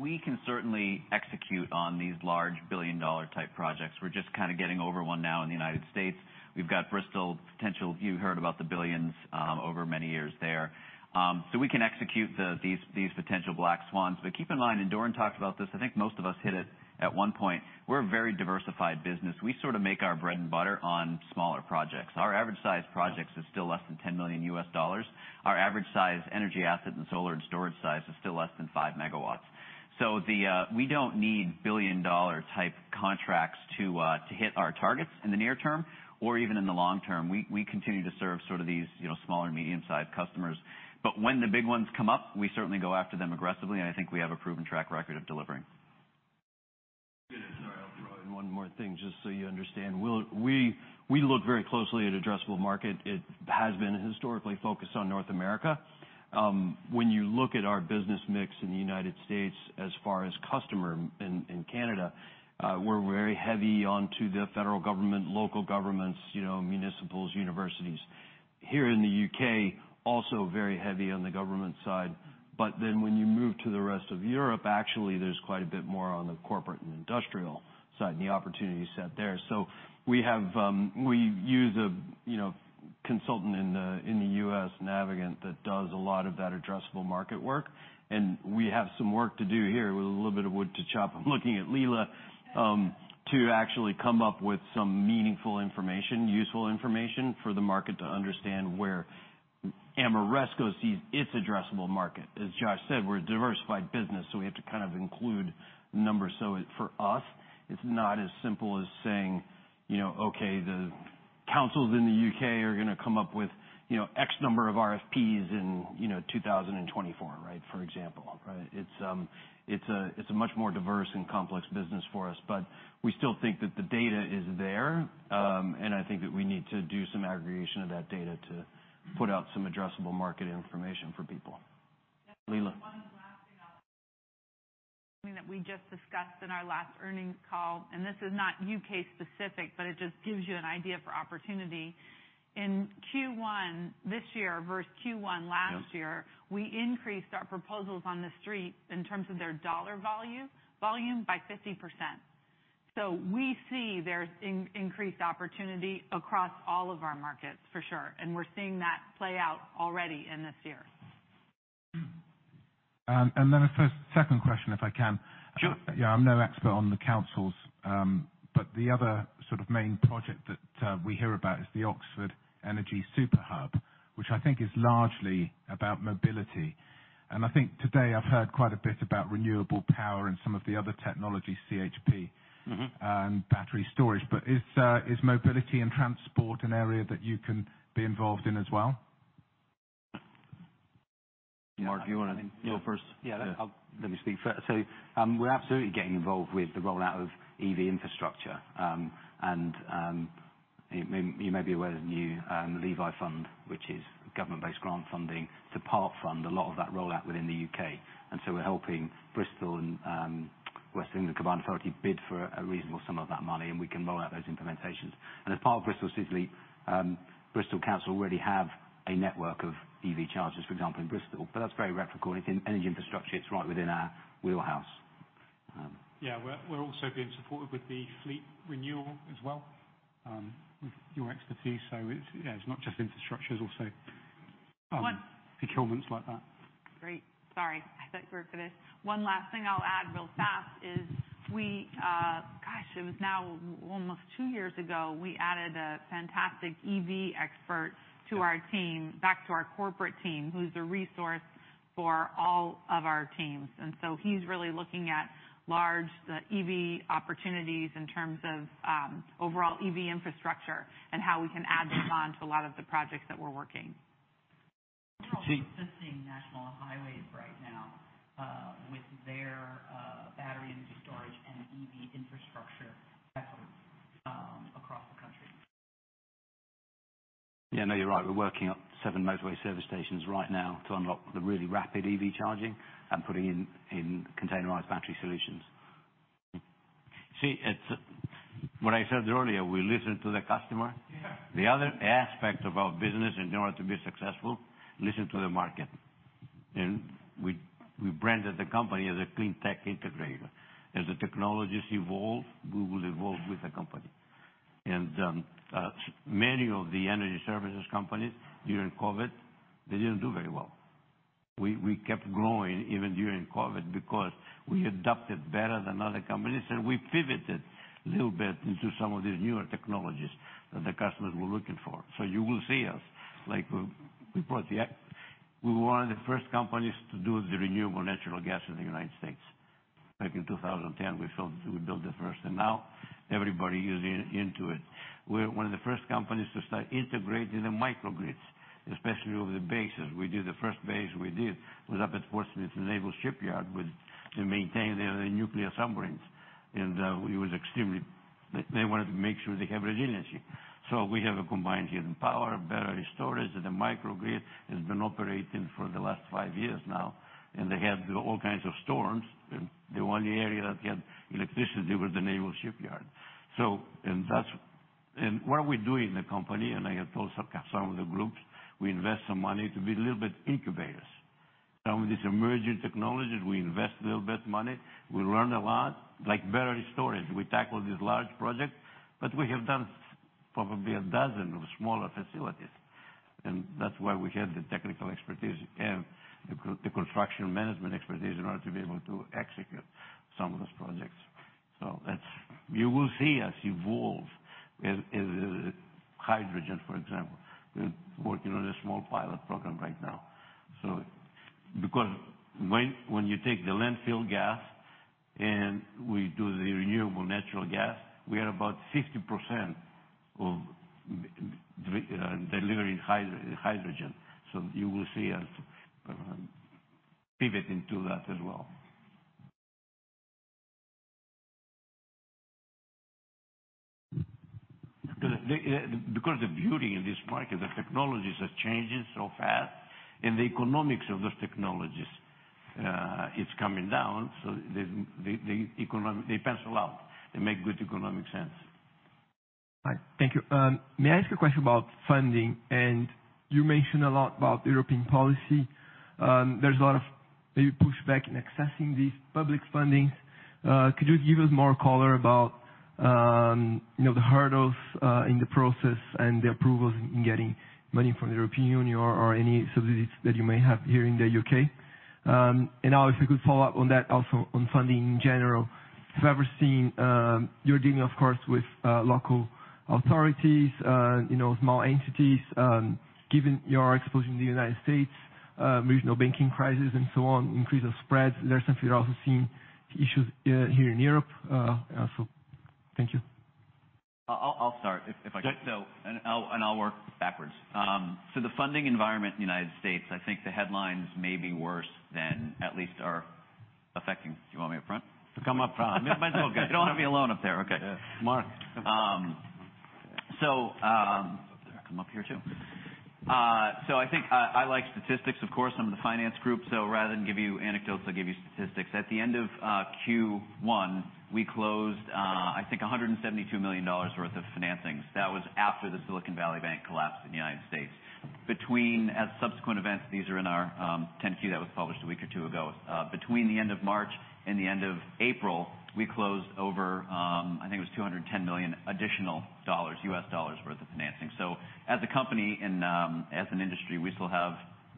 Speaker 4: we can certainly execute on these large billion-dollar type projects. We're just kinda getting over one now in the United States. We've got Bristol potential. You heard about the billions over many years there. We can execute these potential black swans. Keep in mind, Doran talked about this, I think most of us hit it at one point. We're a very diversified business. We sorta make our bread and butter on smaller projects. Our average size projects is still less than $10 million. Our average size energy asset and solar and storage size is still less than 5 MW. We don't need billion-dollar type contracts to hit our targets in the near term or even in the long term. We continue to serve sort of these, you know, small or medium-sized customers. When the big ones come up, we certainly go after them aggressively, and I think we have a proven track record of delivering.
Speaker 2: Sorry, I'll throw in one more thing just so you understand. We look very closely at addressable market. It has been historically focused on North America. When you look at our business mix in the United States as far as customer in Canada, we're very heavy onto the federal government, local governments, you know, municipals, universities. Here in the U.K., also very heavy on the government side. When you move to the rest of Europe, actually there's quite a bit more on the corporate and industrial side and the opportunity set there. We have-- We use a, you know, consultant in the U.S., Navigant, that does a lot of that addressable market work. We have some work to do here with a little bit of wood to chop, I'm looking at Leila, to actually come up with some meaningful information, useful information for the market to understand where Ameresco sees its addressable market. As Josh said, we're a diversified business, so we have to kind of include numbers. For us, it's not as simple as saying, you know, "Okay, the councils in the U.K. are gonna come up with, you know, X number of RFPs in, you know, 2024, right?" For example, right? It's a much more diverse and complex business for us. We still think that the data is there, and I think that we need to do some aggregation of that data to put out some addressable market information for people. Leila.
Speaker 1: One last thing that we just discussed in our last earnings call, and this is not U.K.-specific, but it just gives you an idea for opportunity. In Q1 this year versus Q1 last year-- We increased our proposals on the street in terms of their dollar volume by 50%. We see there's increased opportunity across all of our markets for sure, and we're seeing that play out already in this year.
Speaker 10: Then a second question, if I can.
Speaker 2: Sure.
Speaker 10: Yeah, I'm no expert on the councils, but the other sort of main project that we hear about is the Energy Superhub Oxford, which I think is largely about mobility. I think today I've heard quite a bit about renewable power and some of the other technologies and battery storage. Is mobility and transport an area that you can be involved in as well?
Speaker 2: Mark, you wanna go first?
Speaker 11: Yeah. Let me speak first. We're absolutely getting involved with the rollout of EV infrastructure, and you may be aware of the new LEVI fund, which is government-based grant funding to part-fund a lot of that rollout within the U.K. We're helping Bristol and West England Combined Authority bid for a reasonable sum of that money, and we can roll out those implementations. As part of Bristol City Leap, Bristol Council already have a network of EV chargers, for example, in Bristol, but that's very replicable. In energy infrastructure, it's right within our wheelhouse.
Speaker 13: Yeah. We're also being supported with the fleet renewal as well, with your expertise. It's, yeah, it's not just infrastructure, it's also procurements like that.
Speaker 1: Great. Sorry, I thought you were finished. One last thing I'll add real fast is we, gosh, it was now almost two years ago, we added a fantastic EV expert to our team, back to our corporate team, who's a resource for all of our teams. He's really looking at large, EV opportunities in terms of, overall EV infrastructure and how we can add them on to a lot of the projects that we're working.
Speaker 10: We're also assisting National Highways right now, with their battery energy storage and EV infrastructure efforts, across the country.
Speaker 11: Yeah, no, you're right. We're working at seven motorway service stations right now to unlock the really rapid EV charging and putting in containerized battery solutions.
Speaker 2: It's what I said earlier, we listen to the customer. The other aspect of our business in order to be successful, listen to the market. We branded the company as a cleantech integrator. As the technologies evolve, we will evolve with the company. Many of the energy services companies during COVID, they didn't do very well. We kept growing even during COVID because we adapted better than other companies, and we pivoted a little bit into some of these newer technologies that the customers were looking for. You will see us, like we brought the X. We were one of the first companies to do the renewable natural gas in the United States back in 2010. We built the first, and now everybody is into it. We're one of the first companies to start integrating the microgrids, especially over the bases. We did the first base we did, was up at Portsmouth Naval Shipyard with, to maintain the nuclear submarines. They wanted to make sure they have resiliency. We have a combined heat and power battery energy storage, and the microgrid has been operating for the last 5 years now. They had all kinds of storms, and the only area that had electricity was the naval shipyard. What we do in the company, and I have told some of the groups, we invest some money to be a little bit incubators. Some of these emerging technologies, we invest a little bit money, we learn a lot, like battery energy storage. We tackle these large projects, but we have done probably a dozen of smaller facilities, and that's why we have the technical expertise and the construction management expertise in order to be able to execute some of those projects. That's. You will see us evolve as hydrogen, for example. We're working on a small pilot program right now. Because when you take the landfill gas and we do the renewable natural gas, we are about 60% of delivering hydro-hydrogen. You will see us pivot into that as well. Because the beauty in this market, the technologies are changing so fast and the economics of those technologies is coming down. The economic. They pencil out, they make good economic sense.
Speaker 10: Right. Thank you. May I ask a question about funding? You mentioned a lot about European policy. There's a lot of maybe pushback in accessing these public fundings. Could you give us more color about, you know, the hurdles, in the process and the approvals in getting money from the European Union or any subsidies that you may have here in the U.K.? Now if I could follow up on that also on funding in general, have you ever seen-- You're dealing of course, with, local authorities, you know, small entities. Given your exposure in the United States, regional banking crisis and so on, increase of spreads, there are some you're also seeing issues, here in Europe. Thank you.
Speaker 4: I'll start if I could.
Speaker 7: Yes.
Speaker 4: I'll work backwards. The funding environment in the United States, I think the headlines may be worse than at least are affecting. Do you want me up front?
Speaker 7: Come up front.
Speaker 4: I don't wanna be alone up there. Okay. I think I like statistics, of course, I'm in the finance group, so rather than give you anecdotes, I'll give you statistics. At the end of Q1, we closed, I think $172 million worth of financings. That was after the Silicon Valley Bank collapsed in the United States. Between, as subsequent events, these are in our 10-Q that was published a week or two ago. Between the end of March and the end of April, we closed over, I think it was $210 million additional U.S. dollars worth of financing. As a company and, as an industry, we still have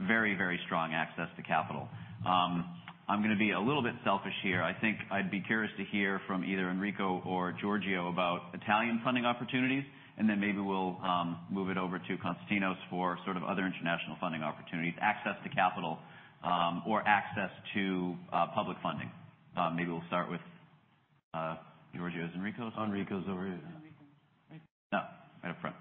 Speaker 4: very, very strong access to capital. I'm gonna be a little bit selfish here. I think I'd be curious to hear from either Enrico or Giorgio about Italian funding opportunities. Then maybe we'll move it over to Konstantinos for sort of other international funding opportunities, access to capital, or access to public funding. Maybe we'll start with Giorgio.
Speaker 7: Enrico's over here.
Speaker 4: No, right up front.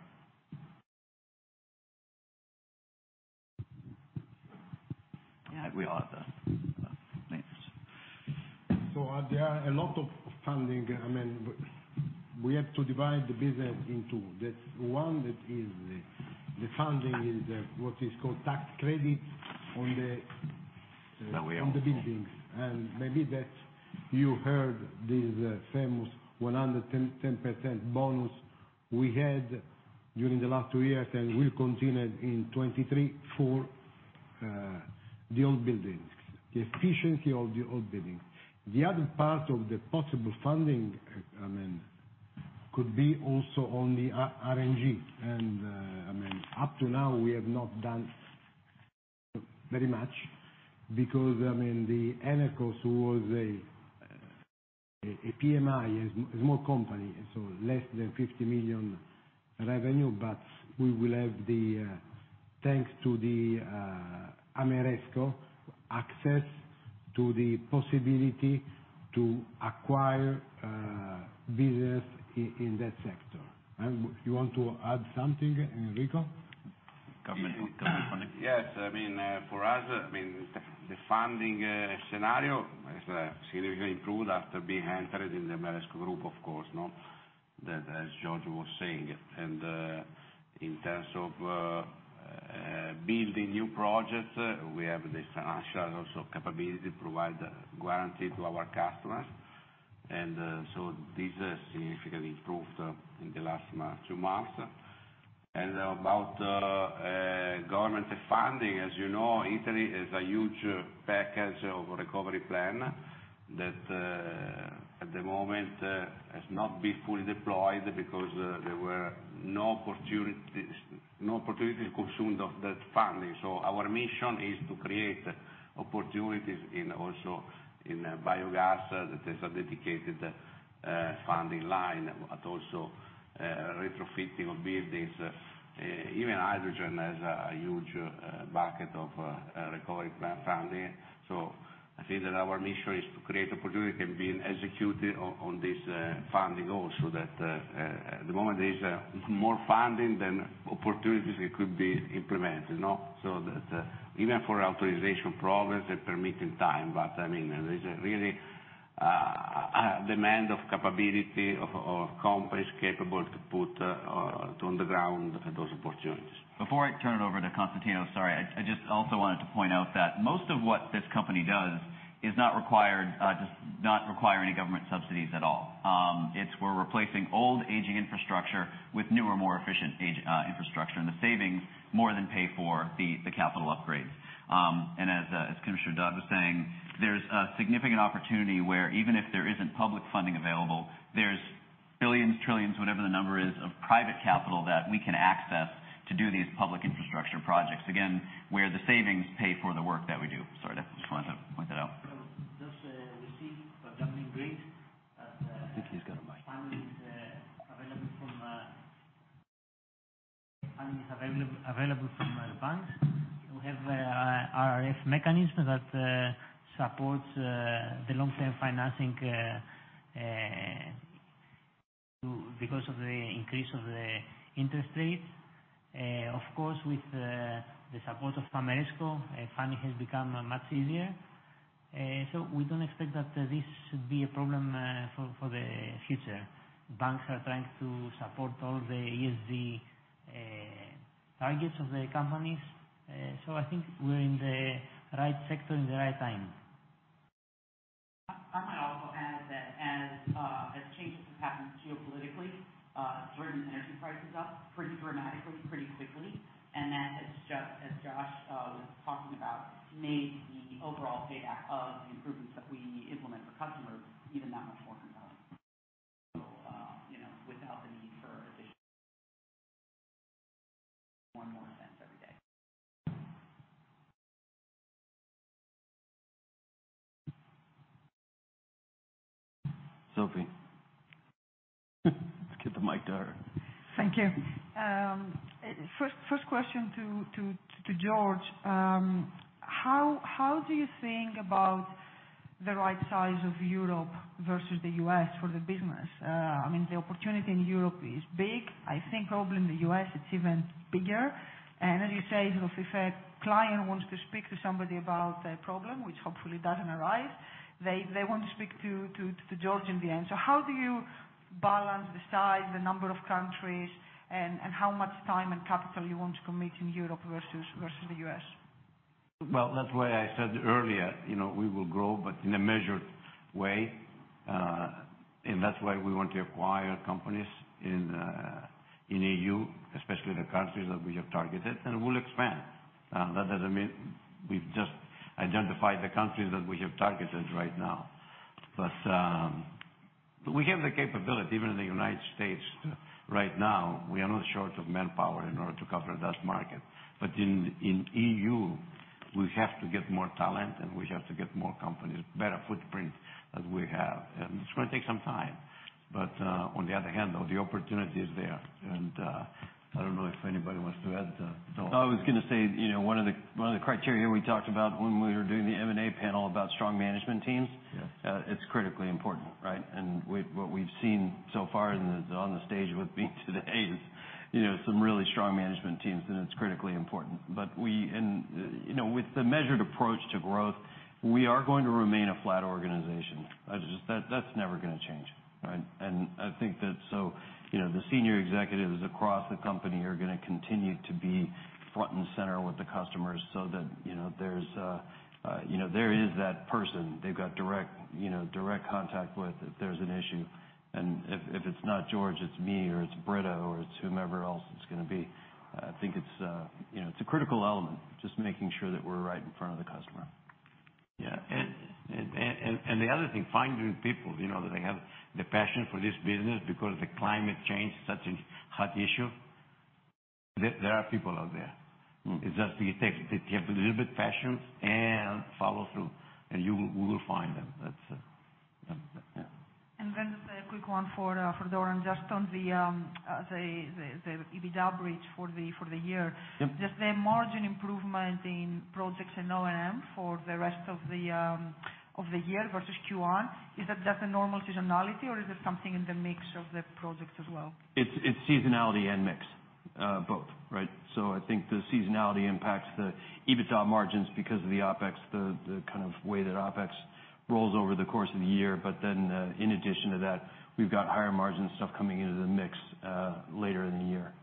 Speaker 4: Yeah, we all have to manage.
Speaker 7: There are a lot of funding. I mean, we have to divide the business in two. The one that is the funding is what is called tax credit.
Speaker 4: Now we all have to.
Speaker 7: On the buildings, maybe that you heard this famous 110% bonus we had during the last two years, will continue in 2023 for the old buildings, the efficiency of the old buildings. The other part of the possible funding, I mean, could be also on the RNG. I mean, up to now, we have not done very much because I mean, the Enerqos was a PMI, a small company, so less than $50 million revenue. We will have the thanks to the Ameresco access to the possibility to acquire business in that sector. You want to add something, Enrico?
Speaker 4: Come in. Come in front.
Speaker 8: Yes. I mean, for us, I mean the funding, scenario is significantly improved after being entered in the Ameresco Group, of course, no? That as Giorgio was saying. In terms of building new projects, we have this actual also capability to provide guarantee to our customers. This significantly improved in the last month, two months. About government funding, as you know, Italy is a huge package of Recovery Plan that, at the moment, has not been fully deployed because there were no opportunities, no opportunities consumed of that funding. Our mission is to create opportunities in also in biogas, that is a dedicated funding line, but also retrofitting of buildings. Even hydrogen has a huge bucket of Recovery Plan funding. I say that our mission is to create opportunity and being executed on this funding also that at the moment there is more funding than opportunities that could be implemented, you know. The even for authorization progress and permitting time, I mean, there's a really demand of capability of companies capable to put to on the ground those opportunities.
Speaker 4: Before I turn it over to Konstantinos, sorry, I just also wanted to point out that most of what this company does is not required, does not require any government subsidies at all. It's we're replacing old aging infrastructure with newer, more efficient age infrastructure, and the savings more than pay for the capital upgrades. As Commissioner Dodd was saying, there's a significant opportunity where even if there isn't public funding available, there's billions, trillions, whatever the number is of private capital that we can access to do these public infrastructure projects. Again, where the savings pay for the work that we do. Sorry. Just wanted to point that out.
Speaker 6: Well, that's, we see the governing grade--
Speaker 4: I think he's got a mic.
Speaker 6: Funding is available from banks. We have RF mechanism that supports the long-term financing. Because of the increase of the interest rates. Of course, with the support of Ameresco, funding has become much easier. We don't expect that this should be a problem for the future. Banks are trying to support all the ESG targets of the companies. I think we're in the right sector in the right time.
Speaker 3: I might also add that as changes have happened geopolitically, it's driven energy prices up pretty dramatically, pretty quickly, and that has just, as Josh was talking about, made the overall payback of the improvements that we implement for customers even that much more compelling. You know, without the need for additional
Speaker 5: Sophie. Let's get the mic to her.
Speaker 10: Thank you. First question to George. How do you think about the right size of Europe versus the U.S. for the business? I mean, the opportunity in Europe is big. I think probably in the US it's even bigger. As you say, you know, if a client wants to speak to somebody about a problem, which hopefully doesn't arise, they want to speak to George in the end. How do you balance the size, the number of countries and how much time and capital you want to commit in Europe versus the U.S.?
Speaker 2: Well, that's why I said earlier, you know, we will grow, but in a measured way. That's why we want to acquire companies in E.U., especially the countries that we have targeted, and we'll expand. That doesn't mean we've just identified the countries that we have targeted right now. We have the capability, even in the United States right now, we are not short of manpower in order to cover that market. In E.U., we have to get more talent, and we have to get more companies, better footprint than we have. It's gonna take some time. On the other hand, though, the opportunity is there. I don't know if anybody wants to add to all that.
Speaker 5: I was gonna say, you know, one of the criteria we talked about when we were doing the M&A panel about strong management teams. It's critically important, right? What we've seen so far in the, on the stage with me today is, you know, some really strong management teams, and it's critically important. We, you know, with the measured approach to growth, we are going to remain a flat organization. Just that's never gonna change, right? I think that's so, you know, the senior executives across the company are gonna continue to be front and center with the customers so that, you know, there's, you know, there is that person they've got direct, you know, direct contact with if there's an issue. If it's not George, it's me, or it's Britta, or it's whomever else it's gonna be. I think it's, you know, it's a critical element, just making sure that we're right in front of the customer.
Speaker 2: Yeah. The other thing, finding people, you know, that they have the passion for this business because the climate change is such a hot issue. There are people out there. It just takes a little bit passion and follow through, we will find them. That's it. Yeah.
Speaker 10: Just a quick one for Doran, just on the EBITDA bridge for the year. Just the margin improvement in projects and O&M for the rest of the year versus Q1, is that just a normal seasonality, or is it something in the mix of the projects as well?
Speaker 5: It's seasonality and mix. Both, right? I think the seasonality impacts the EBITDA margins because of the OpEx, the kind of way that OpEx rolls over the course of the year. In addition to that, we've got higher margin stuff coming into the mix later in the year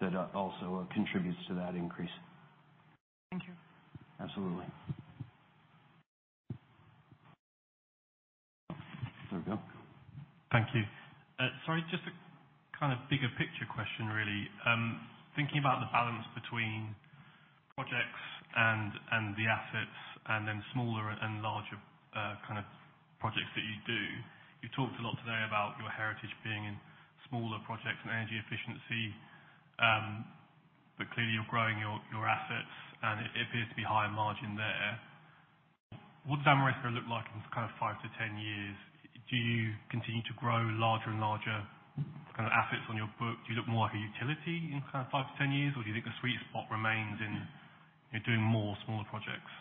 Speaker 5: that also contributes to that increase.
Speaker 10: Thank you.
Speaker 5: Absolutely. There we go.
Speaker 10: Thank you. Sorry, just a kind of bigger picture question, really. Thinking about the balance between projects and the assets and then smaller and larger kind of projects that you do, you talked a lot today about your heritage being in smaller projects and energy efficiency. Clearly you're growing your assets, and it appears to be higher margin there. What's Ameresco look like in kind of 5 to 10 years? Do you continue to grow larger and larger kind of assets on your book? Do you look more like a utility in kind of 5 to 10 years, or do you think the sweet spot remains in doing more smaller projects?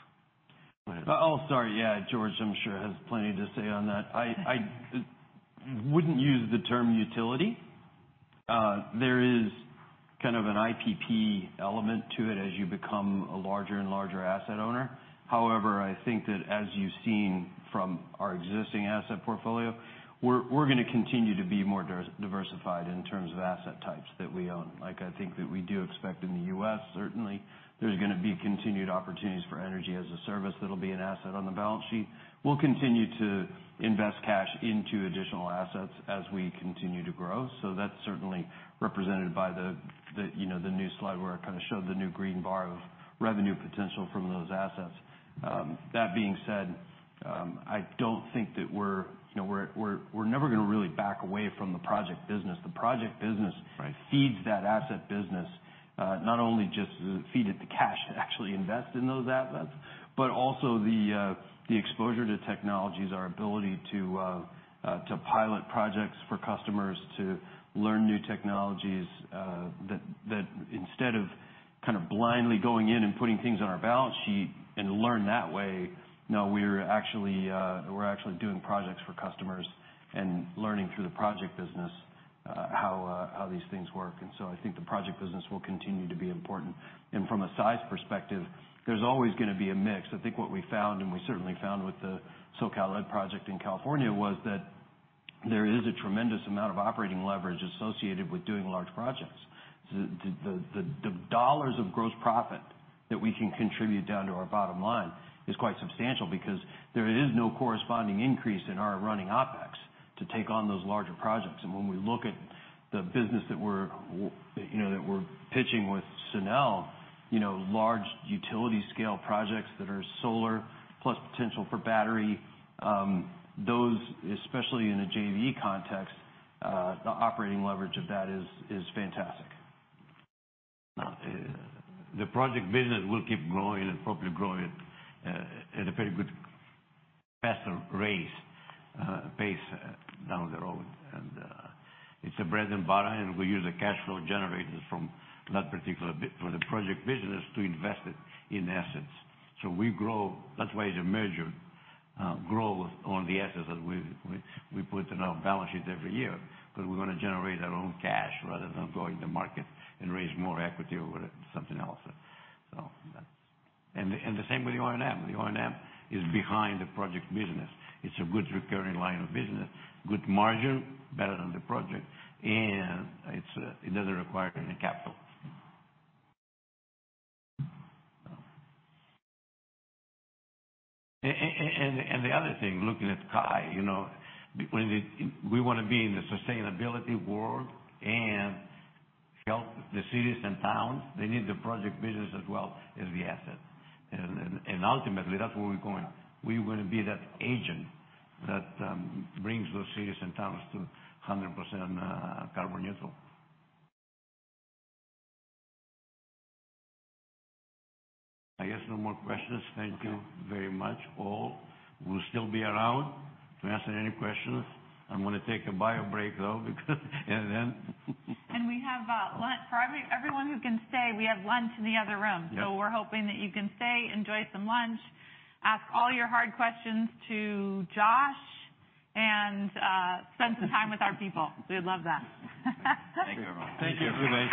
Speaker 2: Go ahead.
Speaker 5: Oh, sorry. Yeah. George, I'm sure, has plenty to say on that. I wouldn't use the term utility. There is kind of an IPP element to it as you become a larger and larger asset owner. I think that as you've seen from our existing asset portfolio, we're gonna continue to be more diversified in terms of asset types that we own. Like, I think that we do expect in the U.S., certainly, there's gonna be continued opportunities for energy as a service that'll be an asset on the balance sheet. We'll continue to invest cash into additional assets as we continue to grow. That's certainly represented by the, you know, the new slide where I kind of showed the new green bar of revenue potential from those assets. That being said, I don't think that we're, you know, we're never gonna really back away from the project business. The project business, feeds that asset business, not only just feed it the cash to actually invest in those assets, but also the exposure to technologies, our ability to pilot projects for customers, to learn new technologies, that instead of kind of blindly going in and putting things on our balance sheet and learn that way. Now we're actually, we're actually doing projects for customers and learning through the project business, how these things work. I think the project business will continue to be important. From a size perspective, there's always gonna be a mix. I think what we found, and we certainly found with the SoCal Ed project in California, was that there is a tremendous amount of operating leverage associated with doing large projects. The dollars of gross profit that we can contribute down to our bottom line is quite substantial because there is no corresponding increase in our running OpEx to take on those larger projects. When we look at the business that we're, you know, that we're pitching with Sunel, you know, large utility scale projects that are solar plus potential for battery, those, especially in a JV context, the operating leverage of that is fantastic.
Speaker 2: The project business will keep growing and probably grow at a very good, faster rate, pace down the road. It's a bread and butter, and we use the cash flow generated from that particular bit for the project business to invest it in assets. We grow. That's why it's a measure, grow on the assets that we put in our balance sheet every year, because we wanna generate our own cash rather than going to market and raise more equity or whatever, something else. That's. The same with the O&M. The O&M is behind the project business. It's a good recurring line of business, good margin, better than the project, and it doesn't require any capital. The other thing, looking at Kye, you know, we wanna be in the sustainability world and help the cities and towns, they need the project business as well as the assets. Ultimately that's where we're going. We wanna be that agent that brings those cities and towns to 100% carbon neutral. I guess no more questions. Thank you very much, all. We'll still be around to answer any questions. I'm gonna take a bio break, though.
Speaker 1: We have lunch. For everyone who can stay, we have lunch in the other room. We're hoping that you can stay, enjoy some lunch, ask all your hard questions to Josh, and spend some time with our people. We would love that.
Speaker 5: Thank you very much.
Speaker 2: Thank you, everybody.